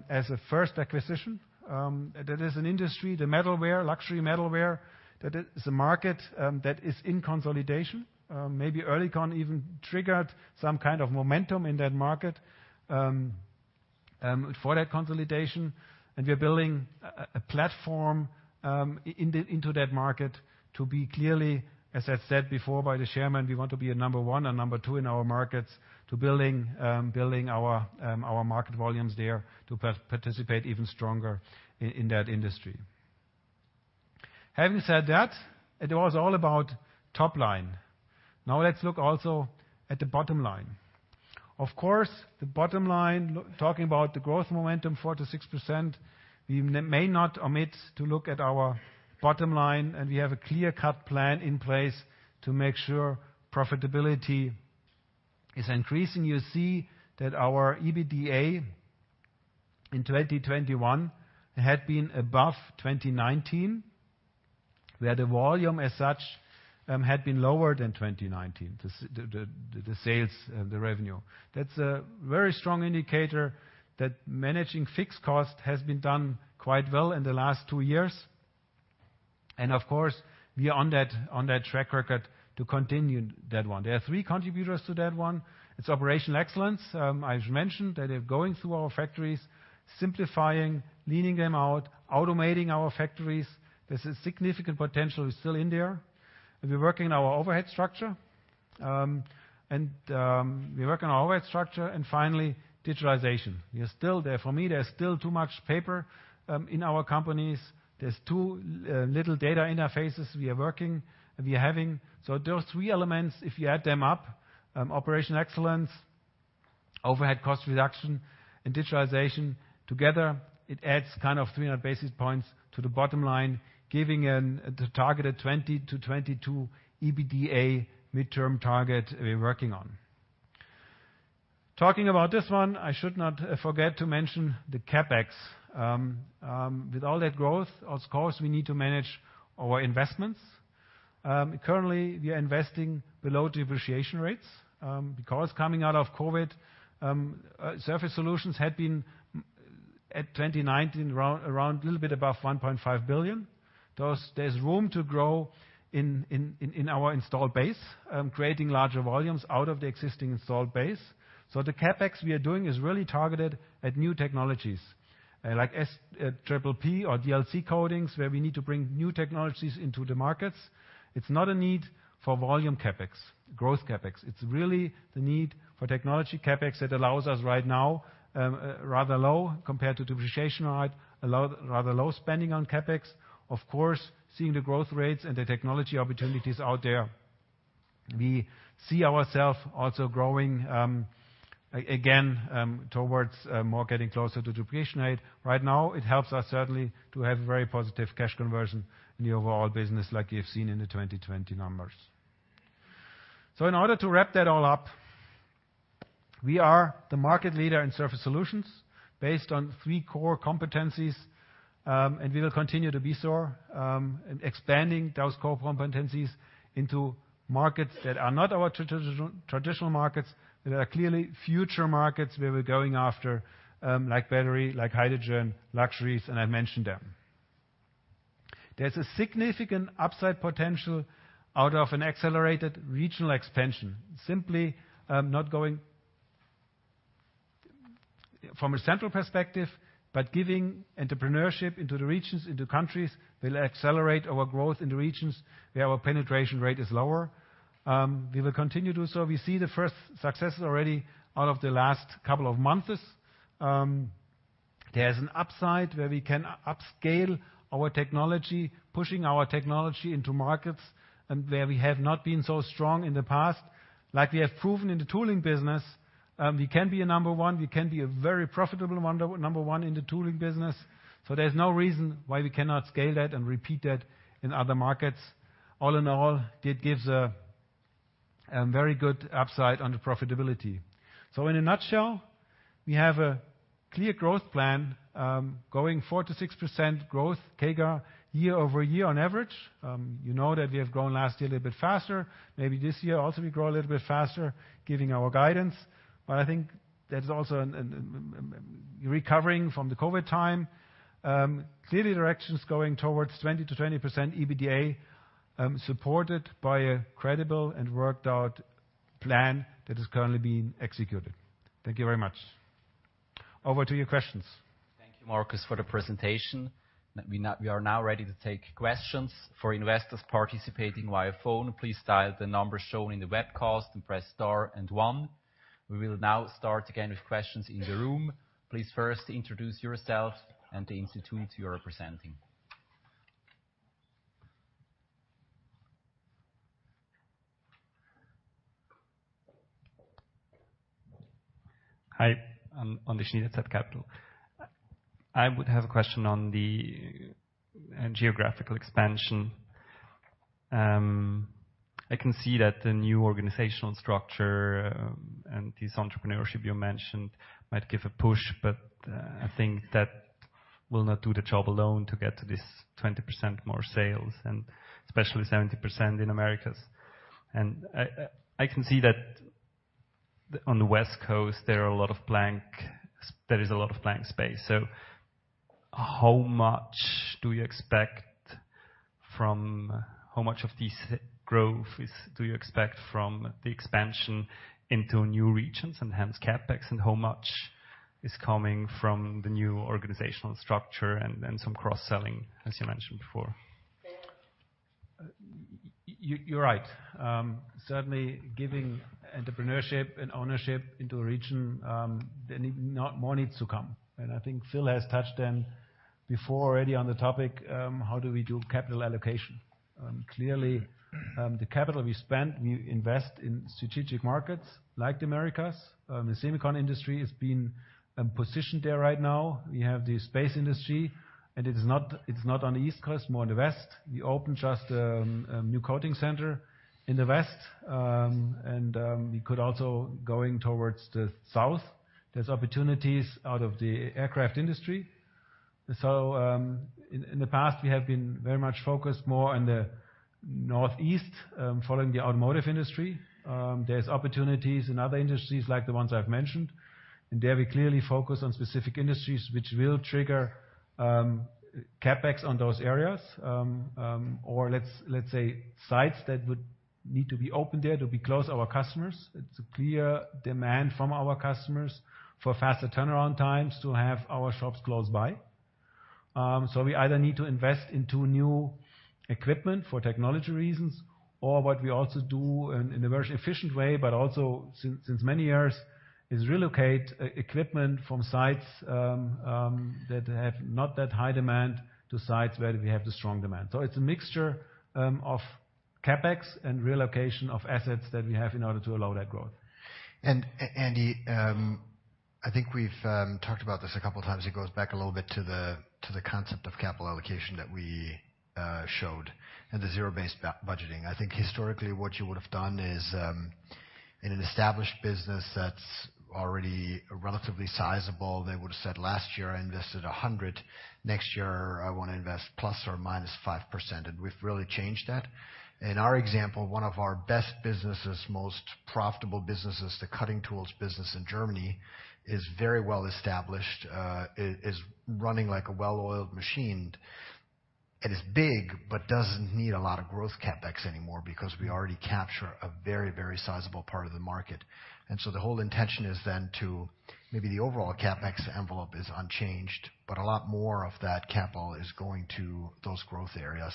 as a first acquisition. That is an industry, the metalware, luxury metalware. That is a market that is in consolidation. Maybe Oerlikon even triggered some kind of momentum in that market for that consolidation. We are building a platform in into that market to be clearly, as I've said before by the chairman, we want to be a number one and number two in our markets to building our market volumes there to participate even stronger in that industry. Having said that, it was all about top line. Now let's look also at the bottom line. Of course, the bottom line, talking about the growth momentum, 4%-6%, we may not omit to look at our bottom line, and we have a clear-cut plan in place to make sure profitability is increasing. You see that our EBITDA in 2021 had been above 2019, where the volume as such had been lower than 2019, the sales, the revenue. That's a very strong indicator that managing fixed cost has been done quite well in the last two years. Of course, we are on that track record to continue that one. There are three contributors to that one. It's operational excellence. I've mentioned that we're going through our factories, simplifying, leaning them out, automating our factories. There's a significant potential is still in there. We're working on our overhead structure and finally digitalization. We are still there. For me, there's still too much paper in our companies. There's too little data interfaces we are working, we are having. Those three elements, if you add them up, operational excellence, overhead cost reduction, and digitalization together, it adds kind of 300 basis points to the bottom line, giving the targeted 20%-22% EBITDA midterm target we're working on. Talking about this one, I should not forget to mention the CapEx. With all that growth, of course, we need to manage our investments. Currently, we are investing below depreciation rates, because coming out of COVID, Surface Solutions had been at 2019, around a little bit above 1.5 billion. Thus there's room to grow in our installed base, creating larger volumes out of the existing installed base. The CapEx we are doing is really targeted at new technologies, like S3p or DLC coatings, where we need to bring new technologies into the markets. It's not a need for volume CapEx, growth CapEx. It's really the need for technology CapEx that allows us right now, rather low compared to depreciation rate, allow rather low spending on CapEx. Of course, seeing the growth rates and the technology opportunities out there, we see ourself also growing towards more getting closer to depreciation rate. Right now, it helps us certainly to have very positive cash conversion in the overall business like you've seen in the 2020 numbers. In order to wrap that all up, we are the market leader in Surface Solutions based on three core competencies, and we will continue to be so, expanding those core competencies into markets that are not our traditional markets, that are clearly future markets where we're going after, like battery, like hydrogen, luxuries, and I've mentioned them. There's a significant upside potential out of an accelerated regional expansion. Simply, not going from a central perspective, but giving entrepreneurship into the regions, into countries will accelerate our growth in the regions where our penetration rate is lower. We will continue to do so. We see the first successes already out of the last couple of months. There's an upside where we can upscale our technology, pushing our technology into markets where we have not been so strong in the past. Like we have proven in the tooling business, we can be a number one, we can be a very profitable one, number one in the tooling business. There's no reason why we cannot scale that and repeat that in other markets. All in all, it gives a very good upside on the profitability. In a nutshell, we have a clear growth plan going 4%-6% growth CAGR year over year on average. You know that we have grown last year a little bit faster. Maybe this year also, we grow a little bit faster giving our guidance. But I think that is also a recovery from the COVID time. Clearly directions going towards 20%-20% EBITDA, supported by a credible and worked out plan that is currently being executed. Thank you very much. Over to your questions. Thank you, Markus, for the presentation. We are now ready to take questions. For investors participating via phone, please dial the number shown in the webcast and press star and one. We will now start again with questions in the room. Please first introduce yourself and the institute you are representing. Hi, I'm Andy Schnyder, zCapital. I would have a question on the geographical expansion. I can see that the new organizational structure and this entrepreneurship you mentioned might give a push, but I think that will not do the job alone to get to this 20% more sales, and especially 70% in Americas. I can see that on the West Coast, there is a lot of blank space. How much of this growth do you expect from the expansion into new regions and hence CapEx, and how much is coming from the new organizational structure and some cross-selling, as you mentioned before? You're right. Certainly giving entrepreneurship and ownership into a region, more needs to come. I think Phil has touched on before already on the topic, how do we do capital allocation? Clearly, the capital we spend, we invest in strategic markets like the Americas. The silicon industry has been positioned there right now. We have the space industry, and it's not on the East Coast, more on the West. We opened just a new coating center in the West. We could also going towards the South. There's opportunities out of the aircraft industry. In the past, we have been very much focused more on the Northeast, following the automotive industry. There's opportunities in other industries like the ones I've mentioned. There we clearly focus on specific industries which will trigger CapEx on those areas. Or let's say sites that would need to be opened there to be close to our customers. It's a clear demand from our customers for faster turnaround times to have our shops close by. We either need to invest into new equipment for technology reasons or what we also do in a very efficient way, but also since many years, is relocate equipment from sites that have not that high demand to sites where we have the strong demand. It's a mixture of CapEx and relocation of assets that we have in order to allow that growth. Andy, I think we've talked about this a couple times. It goes back a little bit to the concept of capital allocation that we showed and the zero-based budgeting. I think historically, what you would have done is, in an established business that's already relatively sizable, they would have said, "Last year, I invested 100. Next year, I wanna invest ±5%." We've really changed that. In our example, one of our best businesses, most profitable businesses, the cutting tools business in Germany, is very well established, is running like a well-oiled machine. It is big, but doesn't need a lot of growth CapEx anymore because we already capture a very, very sizable part of the market. The whole intention is then to maybe the overall CapEx envelope is unchanged, but a lot more of that capital is going to those growth areas.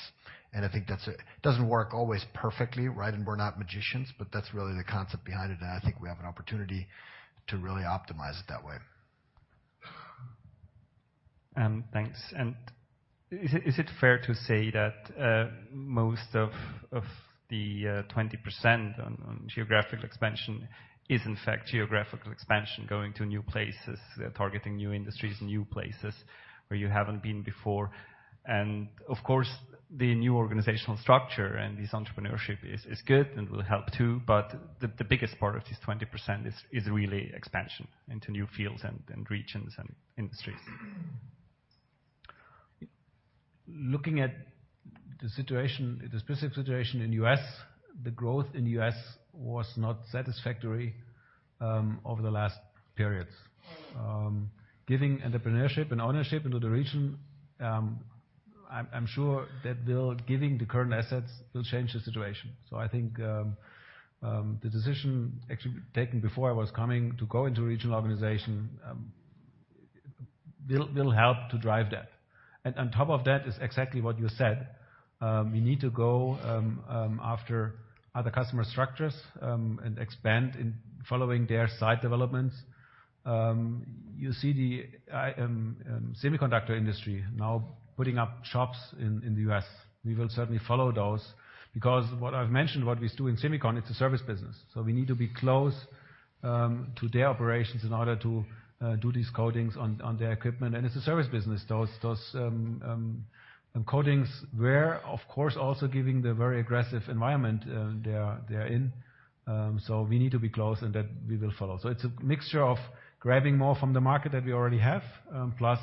I think that doesn't work always perfectly, right? We're not magicians, but that's really the concept behind it. I think we have an opportunity to really optimize it that way. Thanks. Is it fair to say that most of the 20% on geographic expansion is in fact geographical expansion, going to new places, targeting new industries, new places where you haven't been before. Of course, the new organizational structure and this entrepreneurship is good and will help too. The biggest part of this 20% is really expansion into new fields and regions and industries. Looking at the situation, the specific situation in the U.S., the growth in the U.S. was not satisfactory over the last periods. Given the current assets will change the situation. I think the decision actually taken before I was coming to go into regional organization will help to drive that. On top of that is exactly what you said, we need to go after other customer structures and expand in following their site developments. You see the semiconductor industry now putting up shops in the U.S. We will certainly follow those because what I've mentioned, what we do in semicon, it's a service business. We need to be close to their operations in order to do these coatings on their equipment. It's a service business. Those coatings were of course also giving the very aggressive environment they are in. We need to be close, that we will follow. It's a mixture of grabbing more from the market that we already have, plus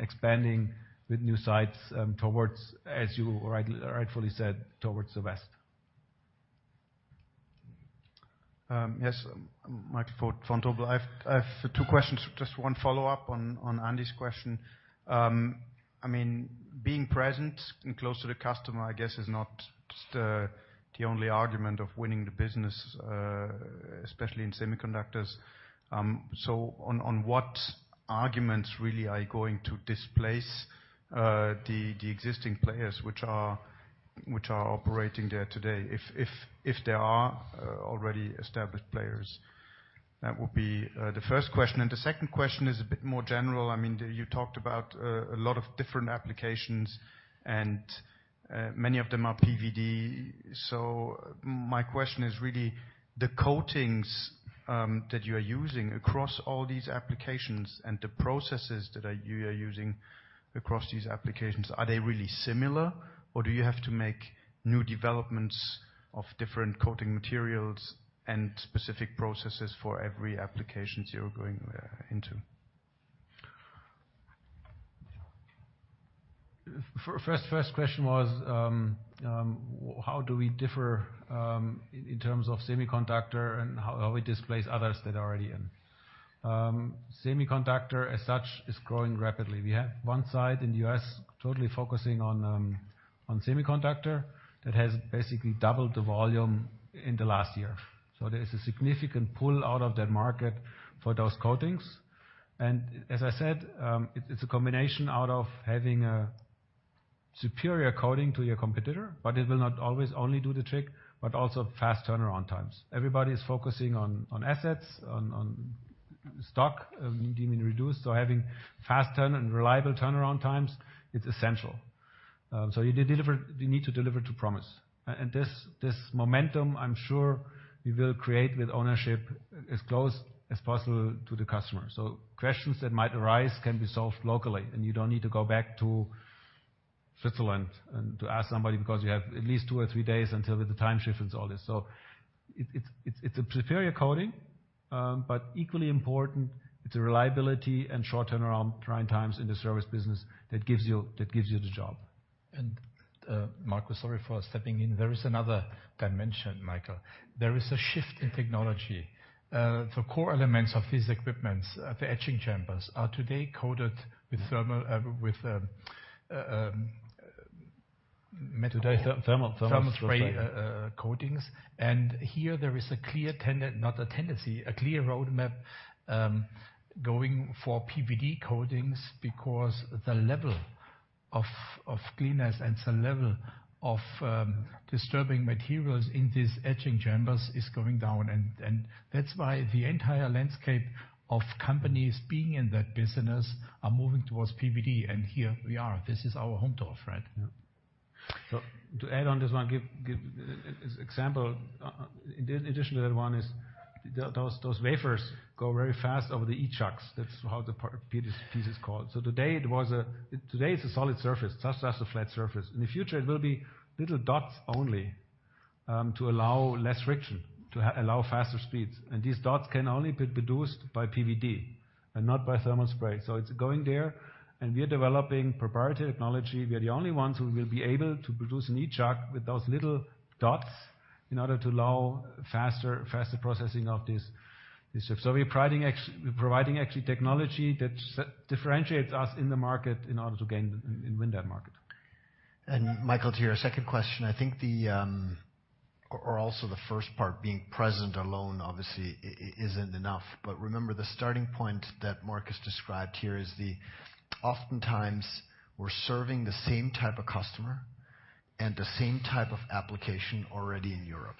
expanding with new sites towards, as you rightfully said, towards the West. Yes. Michael Foeth, Vontobel. I've two questions. Just one follow-up on Andy's question. I mean, being present and close to the customer, I guess is not just the only argument of winning the business, especially in semiconductors. On what arguments really are you going to displace the existing players which are operating there today? If there are already established players? That would be the first question. And the second question is a bit more general. I mean, you talked about a lot of different applications and many of them are PVD. My question is really the coatings that you are using across all these applications and the processes that you are using across these applications, are they really similar, or do you have to make new developments of different coating materials and specific processes for every applications you're going into? First question was, how do we differ in terms of semiconductor and how we displace others that are already in? Semiconductor as such is growing rapidly. We have one site in the U.S. totally focusing on semiconductor that has basically doubled the volume in the last year. There is a significant pull out of that market for those coatings. As I said, it's a combination out of having a superior coating to your competitor, but it will not always only do the trick, but also fast turnaround times. Everybody is focusing on assets, on stock being reduced. Having fast turn and reliable turnaround times, it's essential. You need to deliver to promise. This momentum I'm sure we will create with ownership as close as possible to the customer. Questions that might arise can be solved locally, and you don't need to go back to Switzerland and to ask somebody because you have at least two or three days until the time shift and all this. It's a superior coating, but equally important, it's a reliability and short turnaround time, times in the service business that gives you the job. Markus, sorry for stepping in. There is another dimension, Michael. There is a shift in technology. The core elements of these equipment, the etching chambers, are today coated with thermal with metal. Today, thermal spray. Thermal spray coatings. Here there is a clear roadmap going for PVD coatings because the level of cleanness and the level of disturbing materials in these etching chambers is going down. That's why the entire landscape of companies being in that business are moving towards PVD, and here we are. This is our home turf, right? To add on this one, give example. In addition to that one is those wafers go very fast over the e-chucks. That's how the piece is called. Today, it's a solid surface, just as a flat surface. In the future, it will be little dots only, to allow less friction, to allow faster speeds. These dots can only be produced by PVD and not by thermal spray. It's going there and we are developing proprietary technology. We are the only ones who will be able to produce an e-chuck with those little dots. In order to allow faster processing of this. We're providing actually technology that's differentiates us in the market in order to gain and win that market. Michael, to your second question, I think or also the first part, being present alone obviously isn't enough. Remember the starting point that Markus described here is that oftentimes we're serving the same type of customer and the same type of application already in Europe.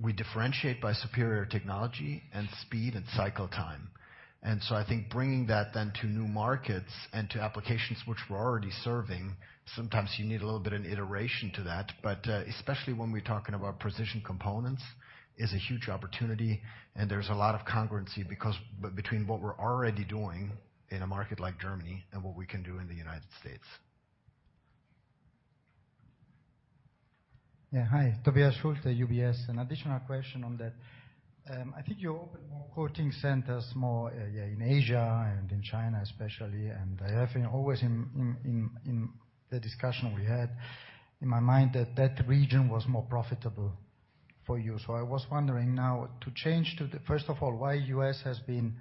We differentiate by superior technology and speed and cycle time. I think bringing that then to new markets and to applications which we're already serving, sometimes you need a little bit of an iteration to that. Especially when we're talking about precision components, is a huge opportunity and there's a lot of congruency because between what we're already doing in a market like Germany and what we can do in the United States. Hi, Tobias Schulte, UBS. An additional question on that. I think you opened more coating centers in Asia and in China especially, and I have been always in the discussion we had in my mind that region was more profitable for you. I was wondering now to change to the, first of all, why U.S. has been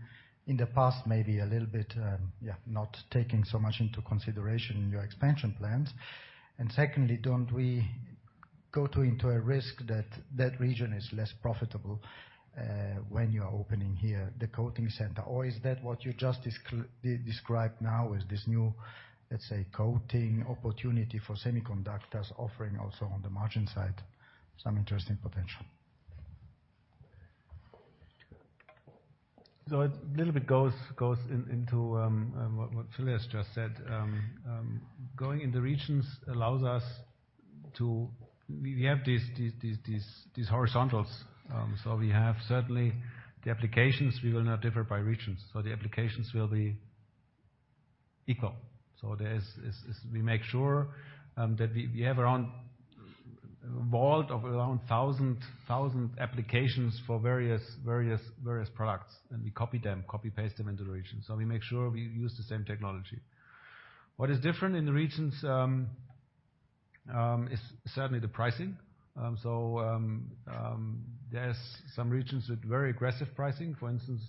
in the past maybe a little bit not taking so much into consideration in your expansion plans. Secondly, don't we go into a risk that region is less profitable when you are opening here the coating center? Or is that what you just described now is this new, let's say, coating opportunity for semiconductors offering also on the margin side some interesting potential? A little bit goes into what Tobias just said. Going in the regions allows us to. We have these horizontals. We have certainly the applications will not differ by regions, so the applications will be equal. We make sure that we have around a world of around 1,000 applications for various products, and we copy-paste them into regions. We make sure we use the same technology. What is different in the regions is certainly the pricing. There's some regions with very aggressive pricing. For instance,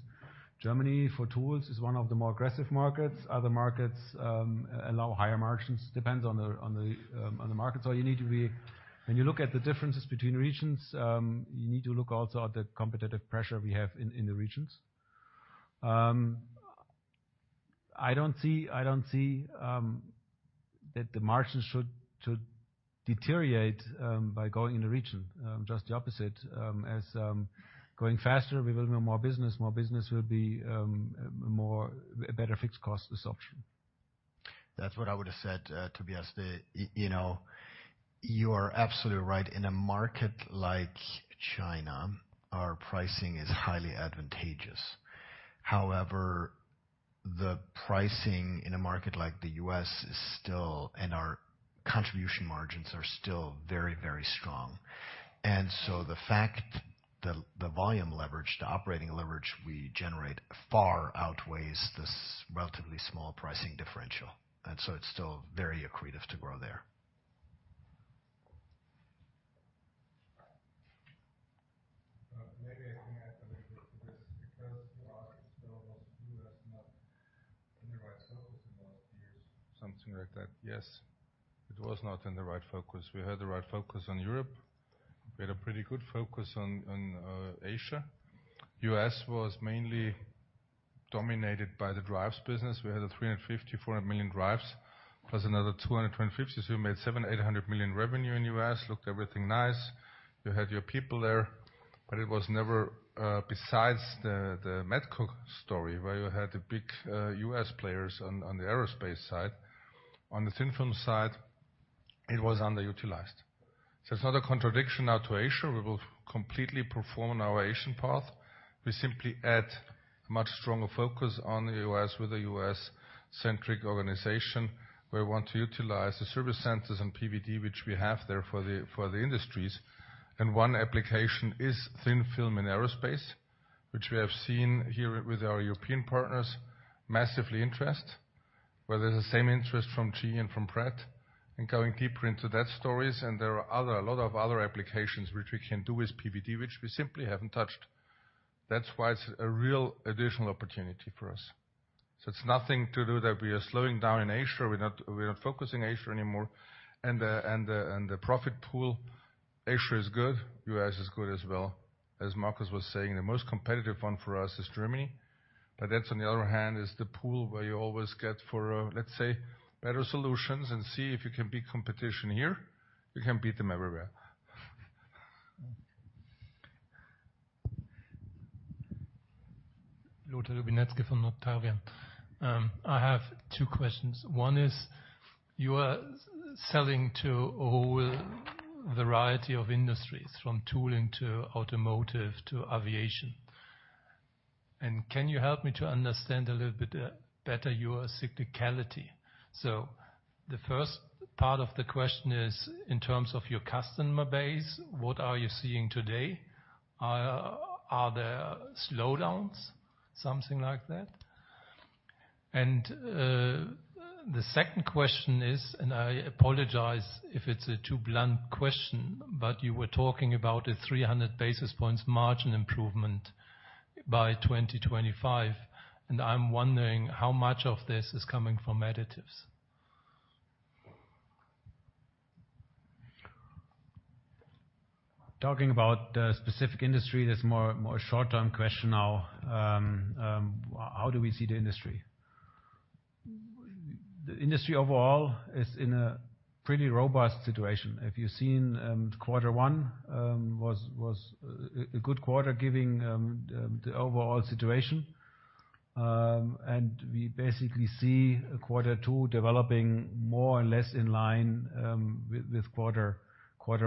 Germany for tools is one of the more aggressive markets. Other markets allow higher margins, depends on the market. When you look at the differences between regions, you need to look also at the competitive pressure we have in the regions. I don't see that the margins should deteriorate by going in the region. Just the opposite, as going faster, we will grow more business. More business will be more, a better fixed cost assumption. That's what I would've said, Tobias. You know, you are absolutely right. In a market like China, our pricing is highly advantageous. However, the pricing in a market like the U.S. is still, and our contribution margins are still very, very strong. The fact that the volume leverage, the operating leverage we generate far outweighs this relatively small pricing differential, and so it's still very accretive to grow there. Maybe I can add a little bit to this, because you asked, though, was U.S. not in the right focus in the last years, something like that. Yes, it was not in the right focus. We had the right focus on Europe. We had a pretty good focus on Asia. U.S. was mainly dominated by the drives business. We had 350 million-400 million drives, plus another 220 million-250 million, so we made 700 million-800 million revenue in U.S. Looked everything nice. You had your people there, but it was never, besides the Metco story, where you had the big U.S. players on the aerospace side. On the thin film side, it was underutilized. It's not a contradiction now to Asia. We will completely perform on our Asian path. We simply add a much stronger focus on the U.S. with a U.S.-centric organization, where we want to utilize the service centers and PVD which we have there for the industries. One application is thin film in aerospace, which we have seen here with our European partners massive interest. There's the same interest from GE and from Pratt & Whitney, and going deeper into those stories, and there are a lot of other applications which we can do with PVD which we simply haven't touched. That's why it's a real additional opportunity for us. It's nothing to do that we are slowing down in Asia. We're not de-focusing Asia anymore. The profit pool, Asia is good. U.S. is good as well. As Markus was saying, the most competitive one for us is Germany. That, on the other hand, is the pool where you always go for, let's say, better solutions and see if you can beat competition here. You can beat them everywhere. Lothar Lubinetzki from Octavian. I have two questions. One is, you are selling to a whole variety of industries, from tooling to automotive to aviation. Can you help me to understand a little bit better your cyclicality? The first part of the question is, in terms of your customer base, what are you seeing today? Are there slowdowns, something like that? The second question is, and I apologize if it's a too blunt question, but you were talking about a 300 basis points margin improvement by 2025, and I'm wondering how much of this is coming from additives? Talking about the specific industry, that's more short-term question now. How do we see the industry? The industry overall is in a pretty robust situation. If you've seen quarter one was a good quarter given the overall situation. We basically see quarter two developing more or less in line with quarter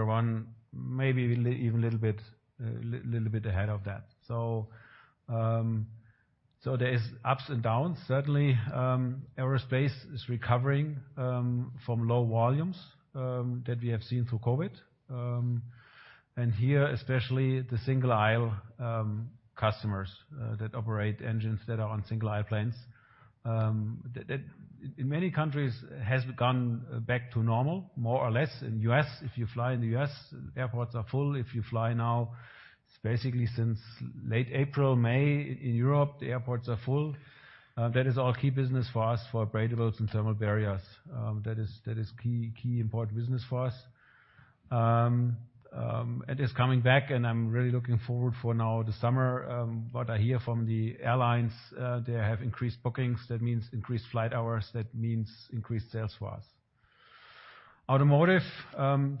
one, maybe even a little bit ahead of that. There is ups and downs. Certainly, aerospace is recovering from low volumes that we have seen through COVID. Here, especially the single aisle customers that operate engines that are on single aisle planes. That in many countries has gone back to normal, more or less. In U.S., if you fly in the U.S., airports are full. If you fly now, basically since late April, May in Europe, the airports are full. That is our key business for us for abradables and thermal barriers. That is key important business for us. It is coming back, and I'm really looking forward for now the summer. What I hear from the airlines, they have increased bookings. That means increased flight hours. That means increased sales for us. Automotive,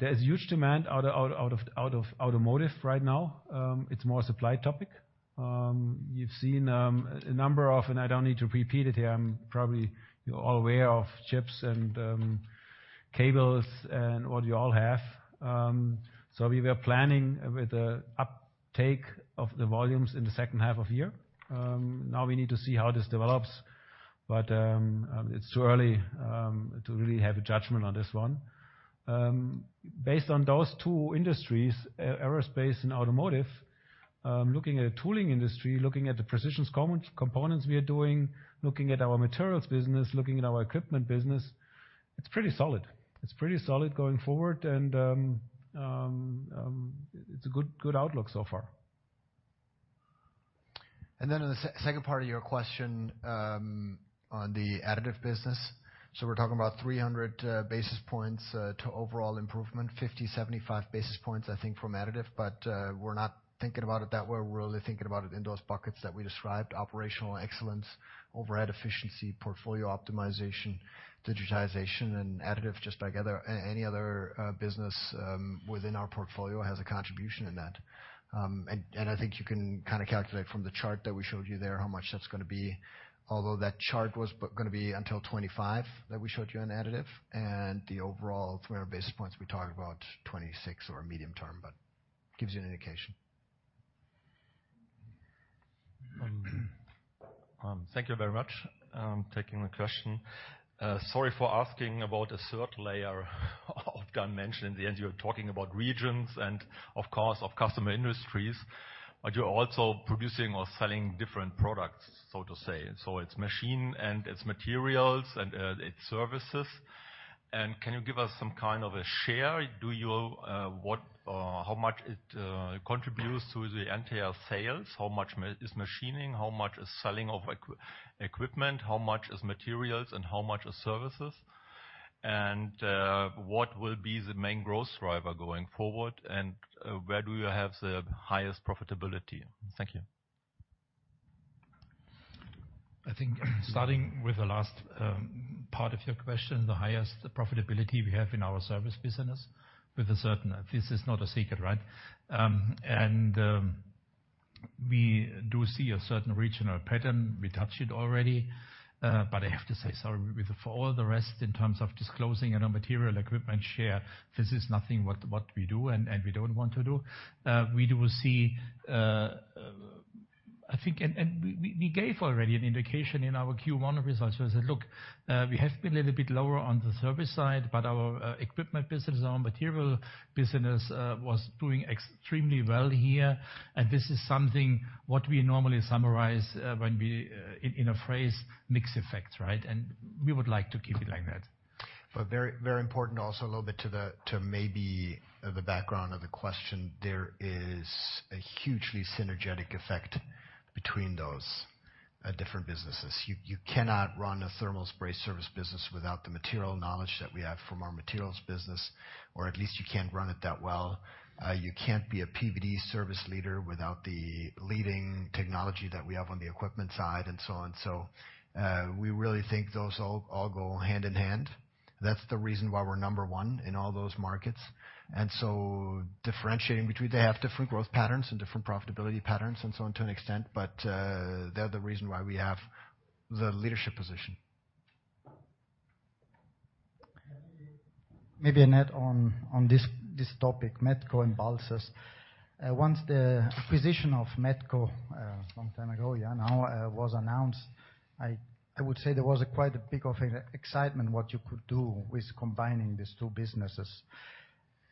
there is huge demand out of automotive right now. It's more supply topic. You've seen a number of, and I don't need to repeat it here, I'm probably, you're all aware of chips and cables and what you all have. We were planning with the uptake of the volumes in the second half of year. Now we need to see how this develops, but it's too early to really have a judgment on this one. Based on those two industries, aerospace and automotive, looking at the tooling industry, looking at the precision components we are doing, looking at our materials business, looking at our equipment business, it's pretty solid. It's pretty solid going forward and it's a good outlook so far. On the second part of your question, on the additive business. We're talking about 300 basis points to overall improvement, 50, 75 basis points, I think, from additive. We're not thinking about it that way. We're really thinking about it in those buckets that we described, operational excellence, overhead efficiency, portfolio optimization, digitization, and additive, just like other, any other, business within our portfolio has a contribution in that. I think you can kind of calculate from the chart that we showed you there, how much that's gonna be. Although that chart was gonna be until 2025 that we showed you on additive and the overall 300 basis points we talked about 2026 or medium term, but gives you an indication. Thank you very much. Taking the question. Sorry for asking about a third layer of dimension. In the end, you're talking about regions and, of course, customer industries, but you're also producing or selling different products, so to say. It's machine and it's materials and it's services. Can you give us some kind of a share? Do you what how much it contributes to the entire sales? How much is machining? How much is selling of equipment? How much is materials and how much is services? What will be the main growth driver going forward and where do you have the highest profitability? Thank you. I think starting with the last part of your question, the highest profitability we have in our service business. This is not a secret, right? We do see a certain regional pattern. We touched it already. I have to say, sorry, with, for all the rest in terms of disclosing in our material equipment share, this is nothing what we do and we don't want to do. We do see, I think we gave already an indication in our Q1 results. We said, "Look, we have been a little bit lower on the service side, but our equipment business, our material business was doing extremely well here." This is something what we normally summarize when we in a phrase, mix effects, right? We would like to keep it like that. Very, very important also a little bit to maybe the background of the question, there is a hugely synergetic effect between those different businesses. You cannot run a thermal spray service business without the material knowledge that we have from our materials business, or at least you can't run it that well. You can't be a PVD service leader without the leading technology that we have on the equipment side and so on. We really think those all go hand in hand. That's the reason why we're number one in all those markets. Differentiating between them, they have different growth patterns and different profitability patterns and so on to an extent, but they're the reason why we have the leadership position. Maybe a comment on this topic, Metco and Balzers. Once the acquisition of Metco some time ago was announced, I would say there was quite a bit of excitement about what you could do with combining these two businesses.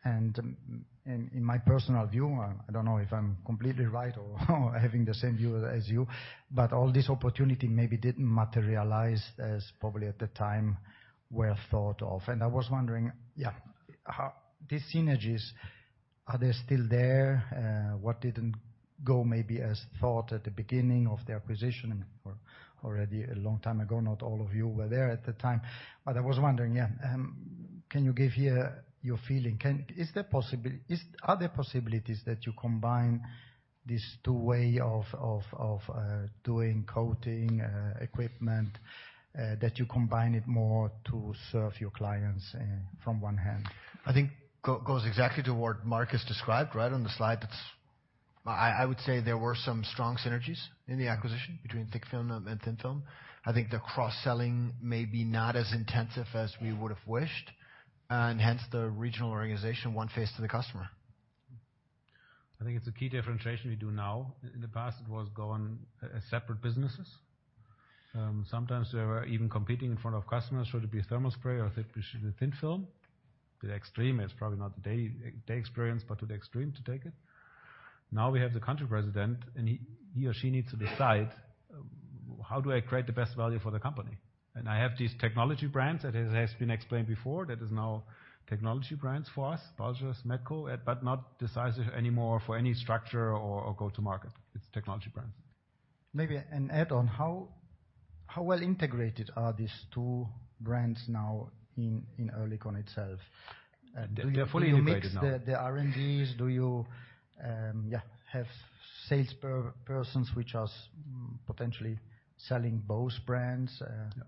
In my personal view, I don't know if I'm completely right or having the same view as you, but all this opportunity maybe didn't materialize as probably at the time were thought of. I was wondering how these synergies, are they still there? What didn't go maybe as thought at the beginning of the acquisition or already a long time ago? Not all of you were there at the time, but I was wondering, can you give here your feeling? Are there possibilities that you combine these two ways of doing coating equipment that you combine it more to serve your clients from one hand? I think goes exactly to what Markus described, right, on the slide. That's. I would say there were some strong synergies in the acquisition between thick film and thin film. I think the cross-selling may be not as intensive as we would have wished, and hence the regional organization one face to the customer. I think it's a key differentiation we do now. In the past, it was going on as separate businesses. Sometimes they were even competing in front of customers. Should it be thermal spray or it should be thin film? The extreme is probably not today, the experience, but to take it to the extreme. Now we have the country president, and he or she needs to decide, how do I create the best value for the company? I have these technology brands that has been explained before that is now technology brands for us, Balzers, Metco, but not decisive anymore for any structure or go to market. It's technology brands. Maybe an add-on. How well integrated are these two brands now in Oerlikon itself? They're fully integrated now. Do you mix the R&Ds? Do you have sales personnel which are potentially selling both brands? Yeah. Yeah.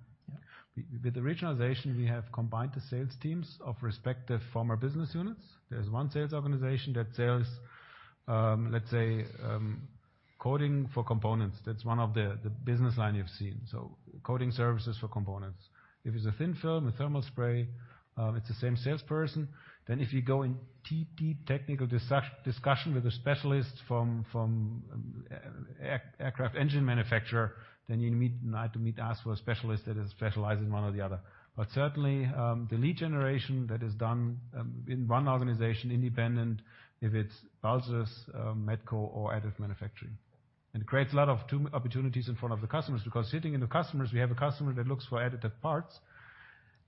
With the regionalization, we have combined the sales teams of respective former business units. There's one sales organization that sells, let's say, coating for components. That's one of the business line you've seen. Coating services for components. If it's a thin film, a thermal spray, it's the same salesperson. If you go in deep technical discussion with the specialists from an aircraft engine manufacturer, you might need to meet or ask for a specialist that is specialized in one or the other. Certainly, the lead generation that is done in one organization independent if it's Balzers, Metco or additive manufacturing. It creates a lot of new opportunities in front of the customers, because sitting with the customers, we have a customer that looks for additive parts,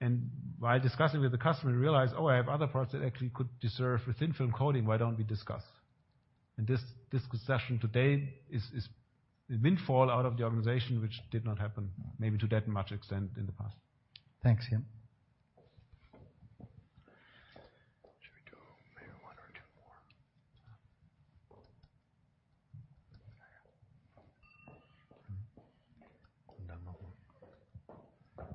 and while discussing with the customer, realize, "Oh, I have other parts that actually could be served with thin film coating, why don't we discuss?" This conversation today is windfall out of the organization which did not happen maybe to that much extent in the past. Thanks. Yeah. Should we do maybe one or two more? Yeah. One more.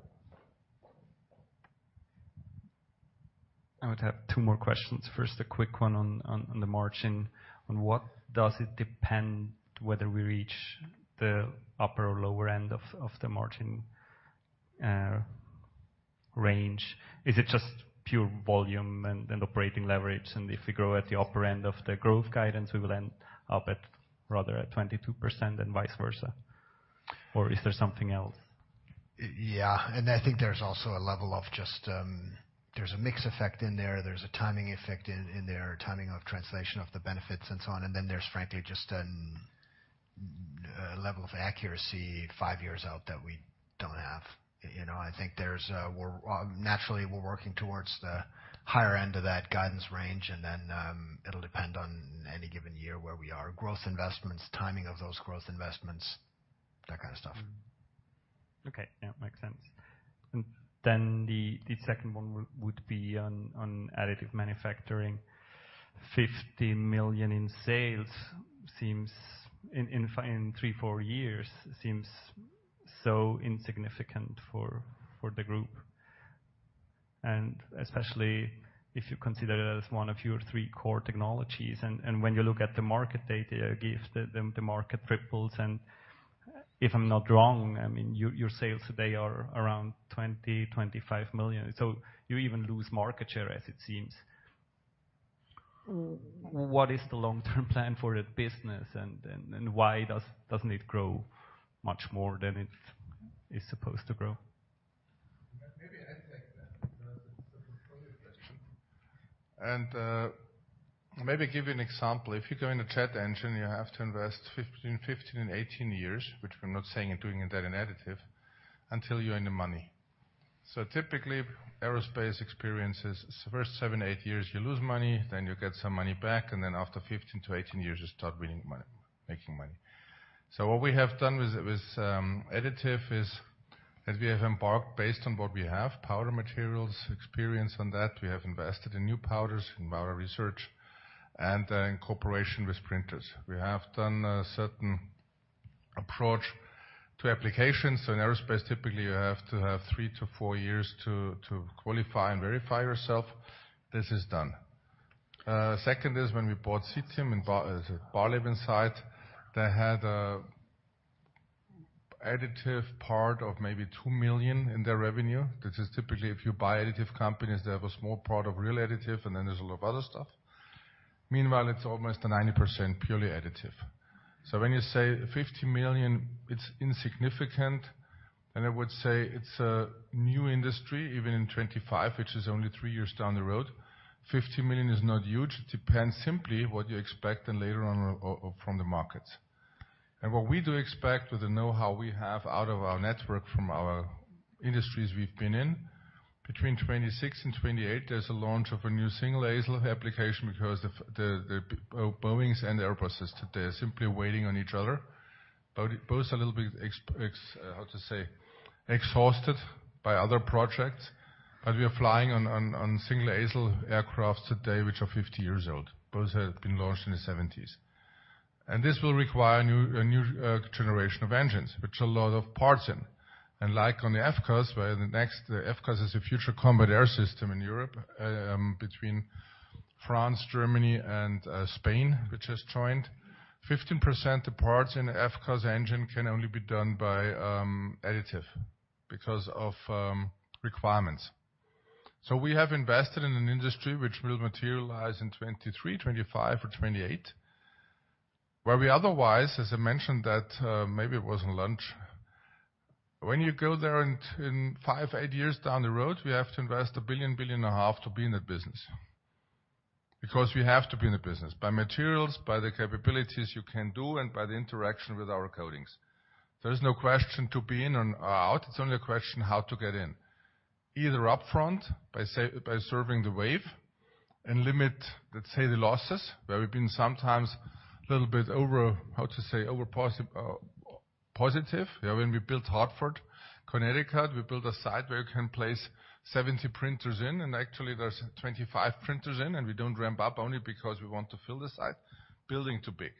I would have two more questions. First, a quick one on the margin. On what does it depend whether we reach the upper or lower end of the margin range? Is it just pure volume and operating leverage? If we grow at the upper end of the growth guidance, we will end up at rather at 22% than vice versa. Or is there something else? Yeah. I think there's also a level of just, there's a mix effect in there's a timing effect in there, timing of translation of the benefits and so on. Then there's frankly just a level of accuracy five years out that we don't have. You know, I think we're naturally working towards the higher end of that guidance range, and then it'll depend on any given year where we are. Growth investments, timing of those growth investments, that kind of stuff. Okay. Yeah. Makes sense. Then the second one would be on additive manufacturing. 50 million in sales seems in three, four years so insignificant for the group. Especially if you consider it as one of your three core technologies, and when you look at the market data, it gives the market triples. If I'm not wrong, I mean, your sales today are around 20 million-25 million. You even lose market share, as it seems. What is the long-term plan for that business? Why doesn't it grow much more than it's supposed to grow? Maybe I take that one, because it's a control question. Maybe give you an example. If you go in a jet engine, you have to invest between 15 and 18 years, which we're not saying and doing that in additive, until you earn your money. Typically, aerospace experiences first seven, eight years you lose money, then you get some money back, and then after 15-18 years, you start making money. What we have done with additive is as we have embarked, based on what we have, powder materials, experience on that, we have invested in new powders, in powder research, and in cooperation with printers. We have done a certain approach to applications. In aerospace, typically, you have to have three to four years to qualify and verify yourself. This is done. Second is when we bought Citim and Barleben site, they had an additive part of maybe 2 million in their revenue, which is typically if you buy additive companies, they have a small part of real additive, and then there's a lot of other stuff. Meanwhile, it's almost 90% purely additive. When you say 50 million, it's insignificant, and I would say it's a new industry, even in 2025, which is only three years down the road. 50 million is not huge. It depends simply what you expect and later on from the markets. What we do expect with the know-how we have out of our network from our industries we've been in, between 2026 and 2028, there's a launch of a new single-aisle application because the Boeing and Airbus, they're simply waiting on each other. Both a little bit exhausted by other projects. We are flying on single-aisle aircraft today which are 50 years old. Both have been launched in the 1970s. This will require a new generation of engines, which a lot of parts in. Like on the FCAS, where the next FCAS is a future combat air system in Europe, between France, Germany, and Spain, which has joined. 15% of parts in FCAS engine can only be done by additive because of requirements. We have invested in an industry which will materialize in 2023, 2025 or 2028, where we otherwise, as I mentioned that, maybe it was in lunch. When you go there in five, eight years down the road, we have to invest 1 billion-1.5 billion to be in the business. Because we have to be in the business by materials, by the capabilities you can do, and by the interaction with our coatings. There is no question to be in or out. It's only a question how to get in. Either upfront by serving the wave and limit, let's say, the losses, where we've been sometimes a little bit over, how to say, over positive. You know, when we built Hartford, Connecticut, we built a site where you can place 70 printers in, and actually there's 25 printers in, and we don't ramp up only because we want to fill the site. Building too big.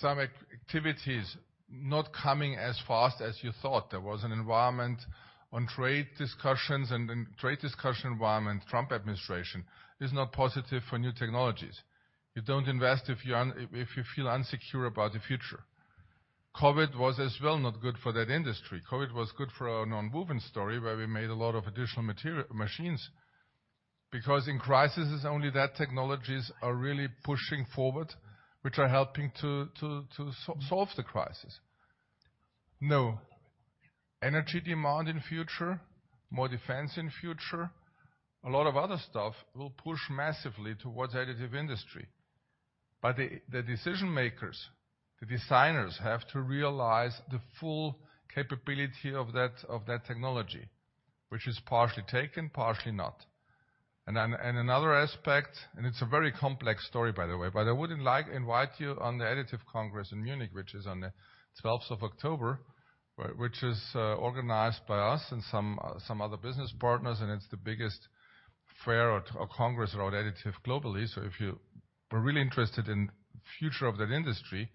Some activities not coming as fast as you thought. There was an environment on trade discussions and trade discussion environment. Trump administration is not positive for new technologies. You don't invest if you feel insecure about the future. COVID was as well not good for that industry. COVID was good for our nonwoven story, where we made a lot of additional machines because in crisis, it's only that technologies are really pushing forward which are helping to solve the crisis. Energy demand in future, more defense in future, a lot of other stuff will push massively towards additive industry. The decision makers, the designers, have to realize the full capability of that technology, which is partially taken, partially not. Another aspect, and it's a very complex story, by the way, but I would like invite you on the Additive Congress in Munich, which is on the 12th of October, which is organized by us and some other business partners, and it's the biggest fair or congress around additive globally. If you are really interested in future of that industry,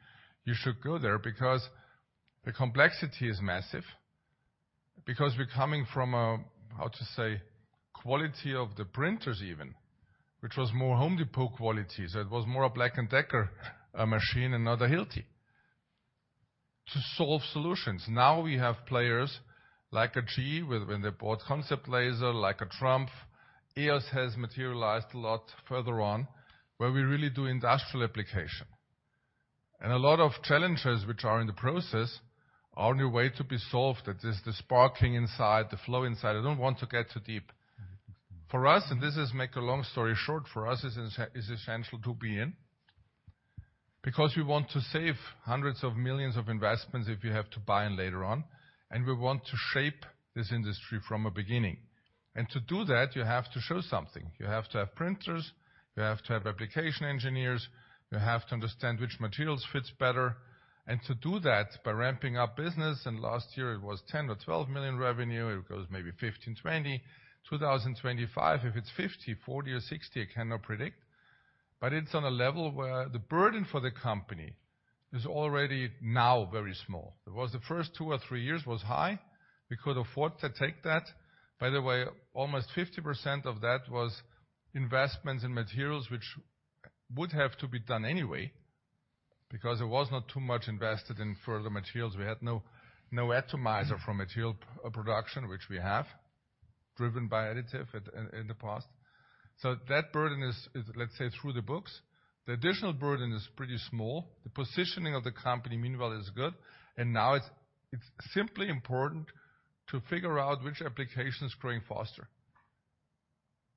you should go there because the complexity is massive because we're coming from a, how to say, quality of the printers even, which was more Home Depot quality. It was more a Black & Decker machine and not a Hilti tool solution. Now we have players like a GE when they bought Concept Laser, like a TRUMPF. EOS has materialized a lot further on, where we really do industrial application. A lot of challenges which are in the process are on your way to be solved. That is the sparking inside, the flow inside. I don't want to get too deep. For us, to make a long story short, for us, it's essential to be in because we want to save CHF hundreds of millions of investments if you have to buy in later on. We want to shape this industry from the beginning. To do that, you have to show something. You have to have printers, you have to have application engineers, you have to understand which materials fits better. To do that by ramping up business, and last year it was 10 million or 12 million revenue, it goes maybe 15, 20. 2025, if it's 50, 40 or 60, I cannot predict. It's on a level where the burden for the company is already now very small. It was the first two or three years was high. We could afford to take that. By the way, almost 50% of that was investments in materials which would have to be done anyway because there was not too much invested in further materials. We had no atomizer for material production which we have driven by additive in the past. That burden is, let's say, through the books. The additional burden is pretty small. The positioning of the company, meanwhile, is good. Now it's simply important to figure out which application is growing faster.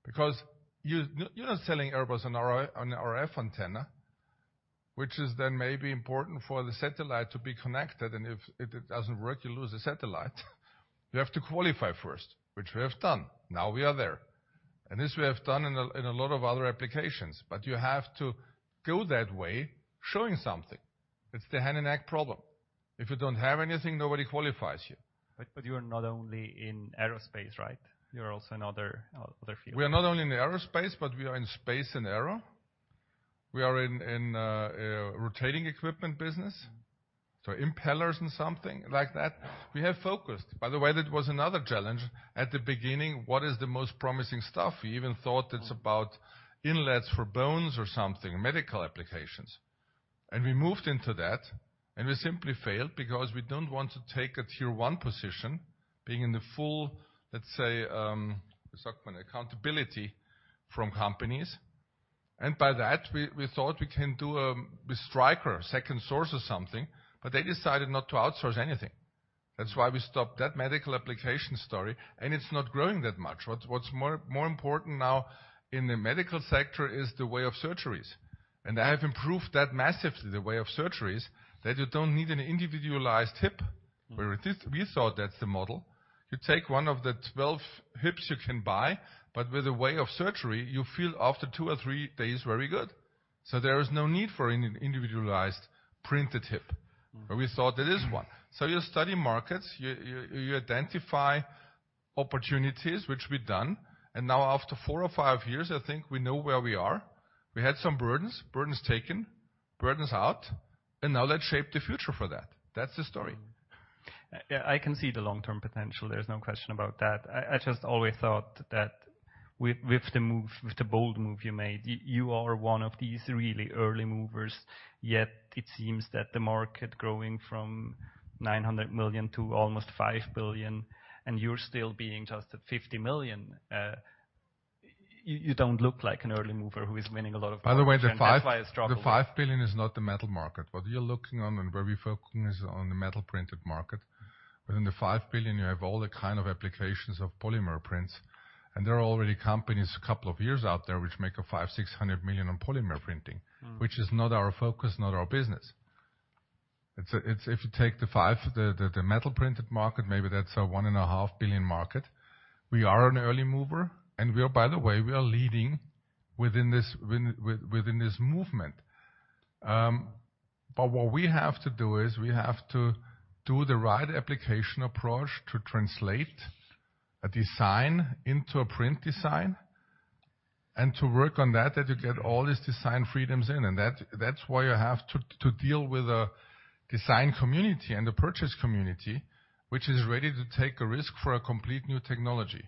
Because you're not selling Airbus an RF antenna, which is then maybe important for the satellite to be connected, and if it doesn't work, you lose the satellite. You have to qualify first, which we have done. Now we are there. This we have done in a lot of other applications. You have to go that way showing something. It's the hen and egg problem. If you don't have anything, nobody qualifies you. You are not only in aerospace, right? You are also in other fields. We are not only in the aerospace, but we are in space and aero. We are in rotating equipment business. So impellers and something like that. We have focused. By the way, that was another challenge. At the beginning, what is the most promising stuff? We even thought it's about inlets for bones or something, medical applications. We moved into that, and we simply failed because we don't want to take a Tier 1 position being in the full, let's say, accountability from companies. By that, we thought we can do with Stryker, second source or something, but they decided not to outsource anything. That's why we stopped that medical application story, and it's not growing that much. What's more important now in the medical sector is the way of surgeries. They have improved that massively, the way of surgeries, that you don't need an individualized hip. We thought that's the model. You take one of the 12 hips you can buy, but with the way of surgery, you feel after two or three days very good. There is no need for an individualized printed hip. We thought there is one. You study markets, you identify opportunities which we've done. Now after four or five years, I think we know where we are. We had some burdens. Burdens taken, burdens out, and now let's shape the future for that. That's the story. Yeah, I can see the long-term potential. There's no question about that. I just always thought that with the bold move you made, you are one of these really early movers. Yet it seems that the market growing from 900 million to almost 5 billion and you're still being just at 50 million. You don't look like an early mover who is winning a lot of market. That's why I struggle. By the way, the 5 billion is not the metal market. What you're looking at and where we focus on the metal printed market. Within the 5 billion, you have all the kind of applications of polymer prints, and there are already companies a couple of years out there which make 500 million-600 million on polymer printing. Mm. Which is not our focus, not our business. It's if you take the 3D metal printed market, maybe that's a 1.5 billion market. We are an early mover, and we are, by the way, leading within this movement. What we have to do is do the right application approach to translate a design into a print design and to work on that you get all these design freedoms in. That's why you have to deal with a design community and a purchase community which is ready to take a risk for a complete new technology.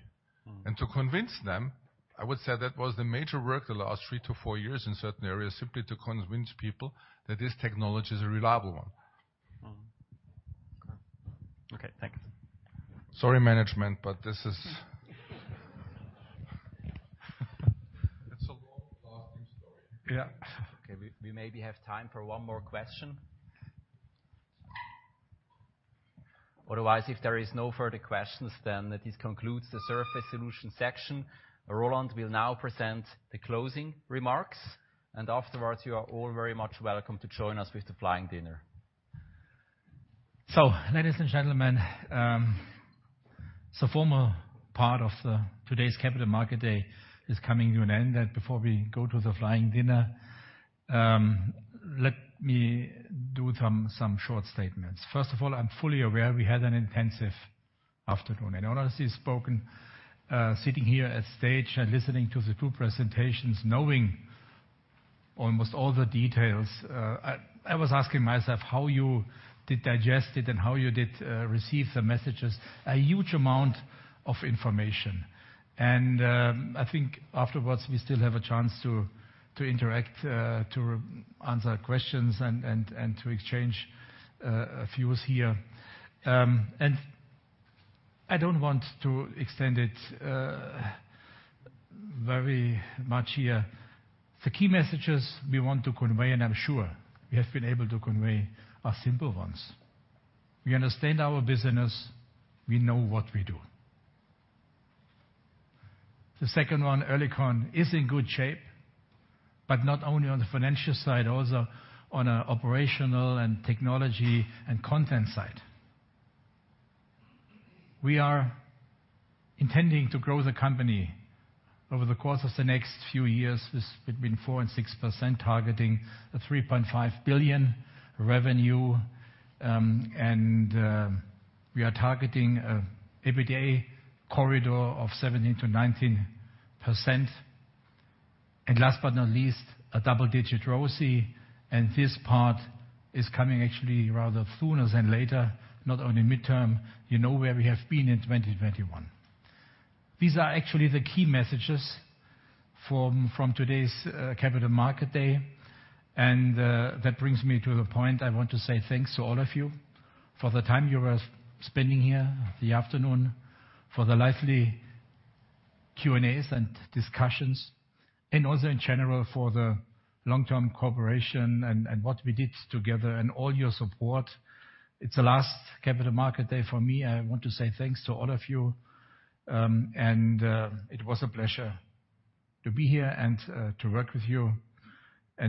Mm. To convince them, I would say that was the major work the last three to four years in certain areas, simply to convince people that this technology is a reliable one. Okay, thanks. Sorry, management, but this is. It's a long lasting story. Yeah. Okay. We maybe have time for one more question. Otherwise, if there is no further questions, then this concludes the Surface Solutions section. Roland will now present the closing remarks, and afterwards, you are all very much welcome to join us with the flying dinner. Ladies and gentlemen, the formal part of today's capital market day is coming to an end. Before we go to the flying dinner, let me do some short statements. First of all, I'm fully aware we had an intensive afternoon. Honestly spoken, sitting here at stage and listening to the two presentations, knowing almost all the details, I was asking myself how you did digest it and how you did receive the messages. A huge amount of information. I think afterwards we still have a chance to interact, to answer questions and to exchange views here. I don't want to extend it very much here. The key messages we want to convey, and I'm sure we have been able to convey, are simple ones. We understand our business. We know what we do. The second one, Oerlikon is in good shape, but not only on the financial side, also on an operational and technology and content side. We are intending to grow the company over the course of the next few years, between 4% and 6%, targeting a 3.5 billion revenue. We are targeting an EBITDA corridor of 17%-19%. Last but not least, a double-digit ROCE. This part is coming actually rather sooner than later, not only midterm. You know where we have been in 2021. These are actually the key messages from today's capital market day. That brings me to the point I want to say thanks to all of you for the time you are spending here, the afternoon, for the lively Q&As and discussions, and also in general for the long-term cooperation and what we did together and all your support. It's the last Capital Market Day for me. I want to say thanks to all of you. It was a pleasure to be here and to work with you.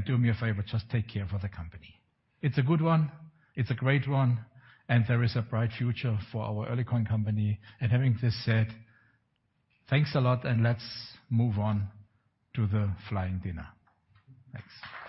Do me a favor, just take care for the company. It's a good one. It's a great one. There is a bright future for our Oerlikon company. Having this said, thanks a lot, and let's move on to the flying dinner. Thanks.